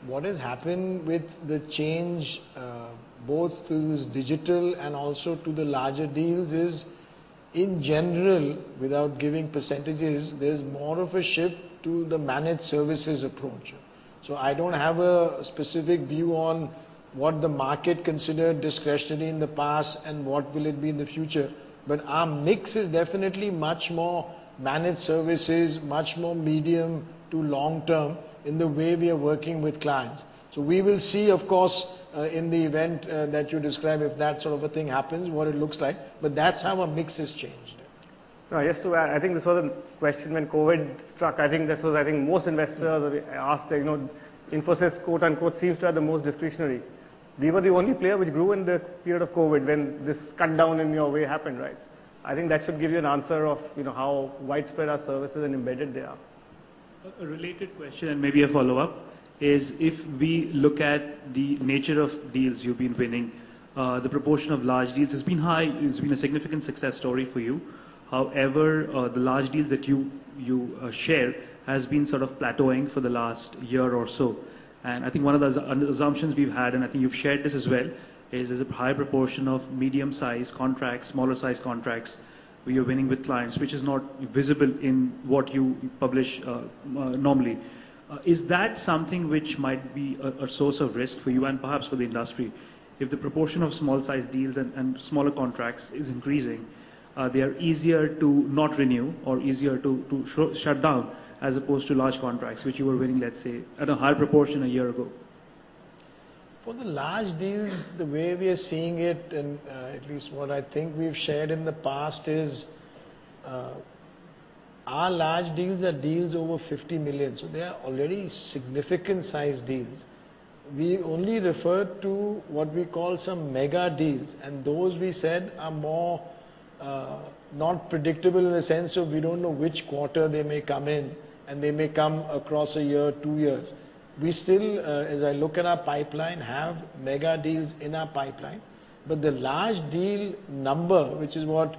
B: what has happened with the change, both to this digital and also to the larger deals is, in general, without giving percentages, there's more of a shift to the managed services approach. I don't have a specific view on what the market considered discretionary in the past and what will it be in the future. Our mix is definitely much more managed services, much more medium to long term in the way we are working with clients. We will see, of course, in the event that you describe, if that sort of a thing happens, what it looks like. That's how our mix has changed.
G: No, just to add, I think this was a question when COVID struck. I think most investors asked, you know, Infosys, quote-unquote, seems to have the most discretionary. We were the only player which grew in the period of COVID when this cut down in runway happened, right? I think that should give you an answer of, you know, how widespread our services and embedded they are.
V: A related question, maybe a follow-up, is if we look at the nature of deals you've been winning, the proportion of large deals has been high. It's been a significant success story for you. However, the large deals that you share has been sort of plateauing for the last year or so. I think one of the assumptions we've had, and I think you've shared this as well, is there's a high proportion of medium-sized contracts, smaller-sized contracts where you're winning with clients, which is not visible in what you publish, normally. Is that something which might be a source of risk for you and perhaps for the industry? If the proportion of small-sized deals and smaller contracts is increasing, they are easier to not renew or easier to shut down as opposed to large contracts which you were winning, let's say, at a higher proportion a year ago.
B: For the large deals, the way we are seeing it, at least what I think we've shared in the past is, our large deals are deals over $50 million. They are already significant sized deals. We only refer to what we call some mega deals, and those we said are more, not predictable in the sense of we don't know which quarter they may come in and they may come across a year, two years. We still, as I look at our pipeline, have mega deals in our pipeline. The large deal number, which is what,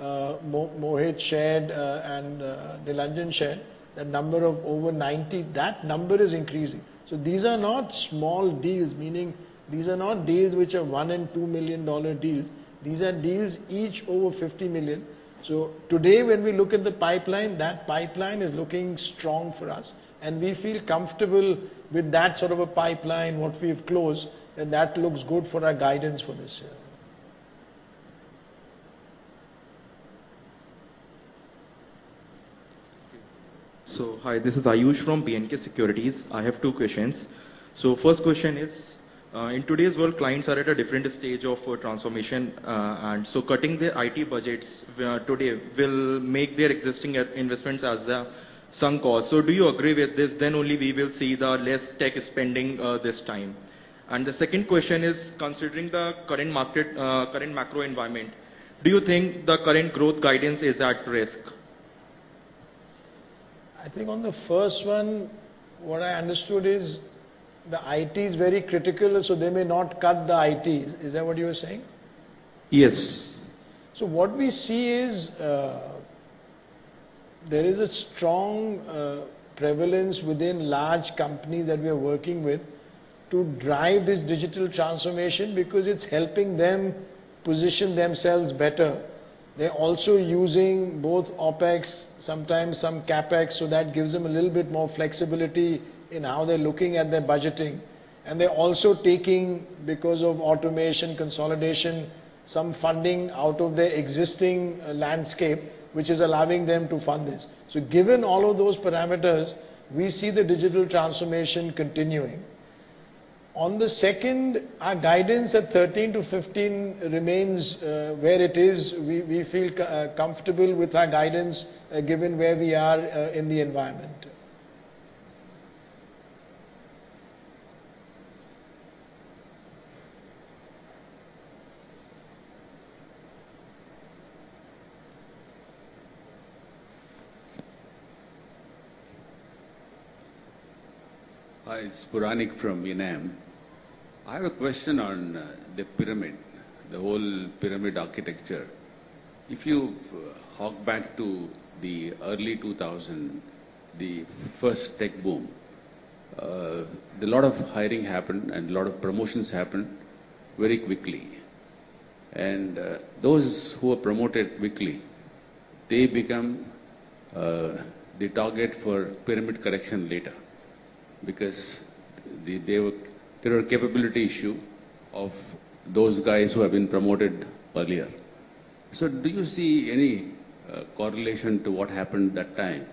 B: Mohit shared, and, Nilanjan shared, the number of over 90, that number is increasing. These are not small deals. Meaning these are not deals which are $1 million and $2 million dollar deals. These are deals each over $50 million. Today when we look at the pipeline, that pipeline is looking strong for us, and we feel comfortable with that sort of a pipeline, what we've closed, and that looks good for our guidance for this year.
V: Okay.
W: Hi, this is Ayush from BNP Paribas. I have two questions. First question is, in today's world, clients are at a different stage of transformation, and so cutting their IT budgets today will make their existing investments as a sunk cost. Do you agree with this? Then only we will see the less tech spending this time. The second question is considering the current market, current macro environment, do you think the current growth guidance is at risk?
B: I think on the first one, what I understood is the IT is very critical, so they may not cut the IT. Is that what you were saying?
W: Yes.
B: What we see is, there is a strong prevalence within large companies that we are working with to drive this digital transformation because it's helping them position themselves better. They're also using both OpEx, sometimes some CapEx, so that gives them a little bit more flexibility in how they're looking at their budgeting. They're also taking, because of automation, consolidation, some funding out of their existing landscape, which is allowing them to fund this. Given all of those parameters, we see the digital transformation continuing. On the second, our guidance at 13%-15% remains where it is. We feel comfortable with our guidance given where we are in the environment.
X: Hi, it's Puranik from INM. I have a question on the pyramid, the whole pyramid architecture. If you hop back to the early 2000, the first tech boom, a lot of hiring happened and a lot of promotions happened very quickly. Those who were promoted quickly, they become the target for pyramid correction later because there were capability issue of those guys who have been promoted earlier. Do you see any correlation to what happened that time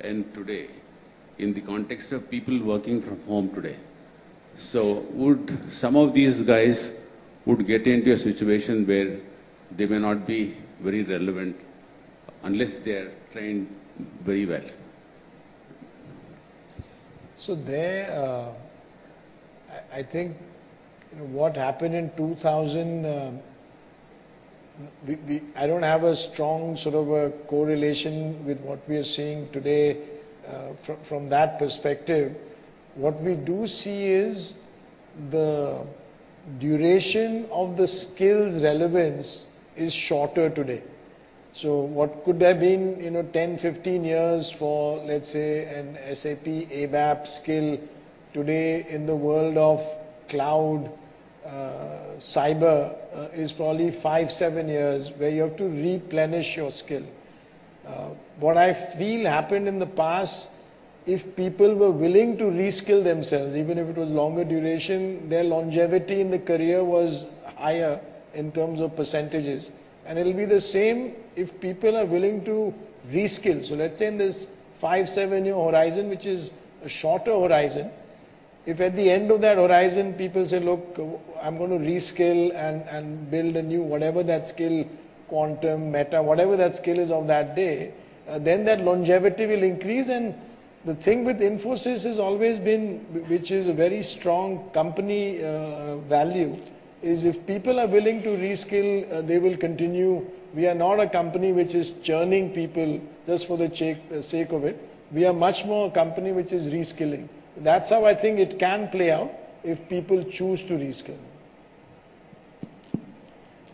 X: and today in the context of people working from home today? Would some of these guys would get into a situation where they may not be very relevant unless they are trained very well?
B: I think what happened in 2000, I don't have a strong sort of a correlation with what we are seeing today from that perspective. What we do see is the duration of the skills relevance is shorter today. What could have been, you know, 10, 15 years for, let's say, an SAP ABAP skill, today in the world of cloud, cyber, is probably five, seven years where you have to replenish your skill. What I feel happened in the past, if people were willing to reskill themselves, even if it was longer duration, their longevity in the career was higher in terms of percentages. It'll be the same if people are willing to reskill. Let's say in this five-seven-year horizon, which is a shorter horizon. If at the end of that horizon people say, "Look, I'm gonna reskill and build a new whatever that skill, quantum, meta, whatever that skill is of that day, then that longevity will increase. The thing with Infosys has always been, which is a very strong company value, is if people are willing to reskill, they will continue. We are not a company which is churning people just for the sake of it. We are much more a company which is reskilling. That's how I think it can play out if people choose to reskill.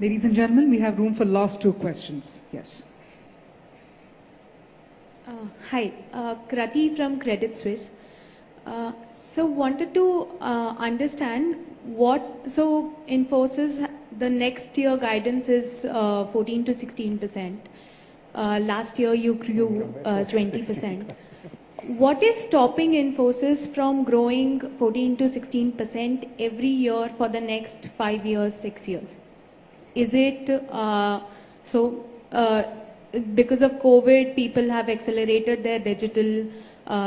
A: Ladies and gentlemen, we have room for last two questions. Yes.
Y: Hi. Krati from Credit Suisse. Wanted to understand what... Infosys, the next year guidance is 14%-16%. Last year you grew-
B: Twenty.
Y: 20%. What is stopping Infosys from growing 14%-16% every year for the next five years, six years? Is it? Because of COVID, people have accelerated their digital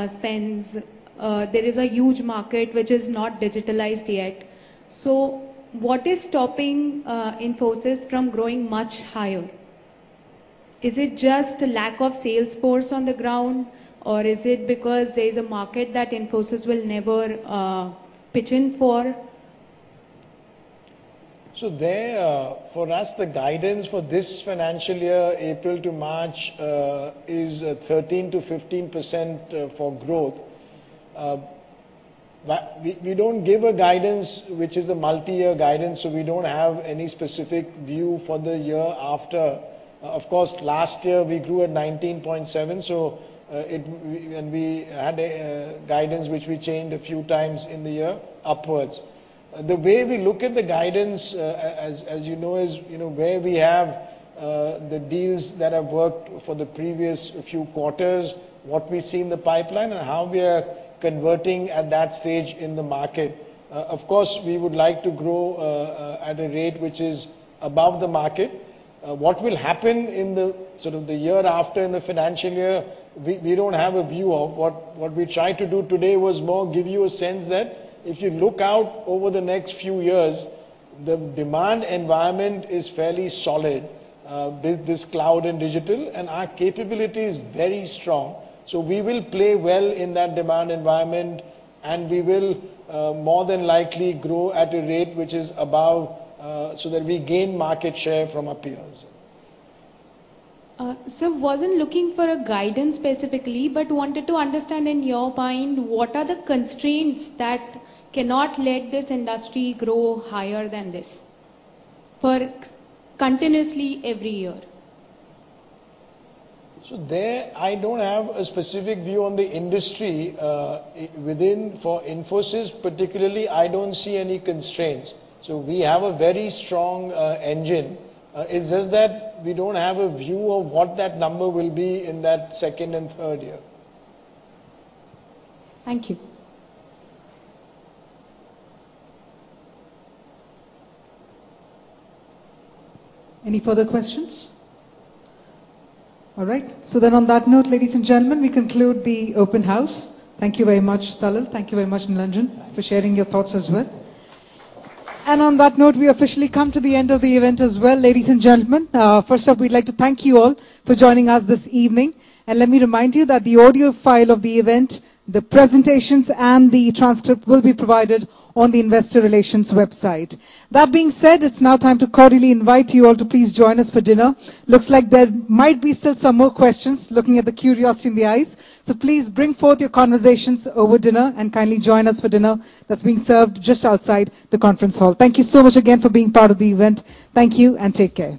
Y: spends. There is a huge market which is not digitalized yet. What is stopping Infosys from growing much higher? Is it just lack of sales force on the ground, or is it because there is a market that Infosys will never pitch in for?
B: For us, the guidance for this financial year, April to March, is 13%-15% for growth. We don't give a guidance which is a multi-year guidance, so we don't have any specific view for the year after. Of course, last year we grew at 19.7%. We had a guidance which we changed a few times in the year upwards. The way we look at the guidance, as you know, is, you know, where we have the deals that have worked for the previous few quarters, what we see in the pipeline and how we are converting at that stage in the market. Of course, we would like to grow at a rate which is above the market. What will happen in the sort of the year after in the financial year, we don't have a view of. What we tried to do today was more give you a sense that if you look out over the next few years, the demand environment is fairly solid, with this cloud and digital, and our capability is very strong. We will play well in that demand environment, and we will more than likely grow at a rate which is above, so that we gain market share from our peers.
Y: Wasn't looking for a guidance specifically, but wanted to understand, in your mind, what are the constraints that cannot let this industry grow higher than this for continuously every year?
B: I don't have a specific view on the industry. For Infosys particularly, I don't see any constraints. We have a very strong engine. It's just that we don't have a view of what that number will be in that second and third year.
Y: Thank you.
A: Any further questions? All right. On that note, ladies and gentlemen, we conclude the open house. Thank you very much, Salil. Thank you very much, Nilanjan-
B: Thanks.
A: For sharing your thoughts as well. On that note, we officially come to the end of the event as well, ladies and gentlemen. First up, we'd like to thank you all for joining us this evening. Let me remind you that the audio file of the event, the presentations, and the transcript will be provided on the investor relations website. That being said, it's now time to cordially invite you all to please join us for dinner. Looks like there might be still some more questions, looking at the curiosity in the eyes. Please bring forth your conversations over dinner, and kindly join us for dinner that's being served just outside the conference hall. Thank you so much again for being part of the event. Thank you, and take care.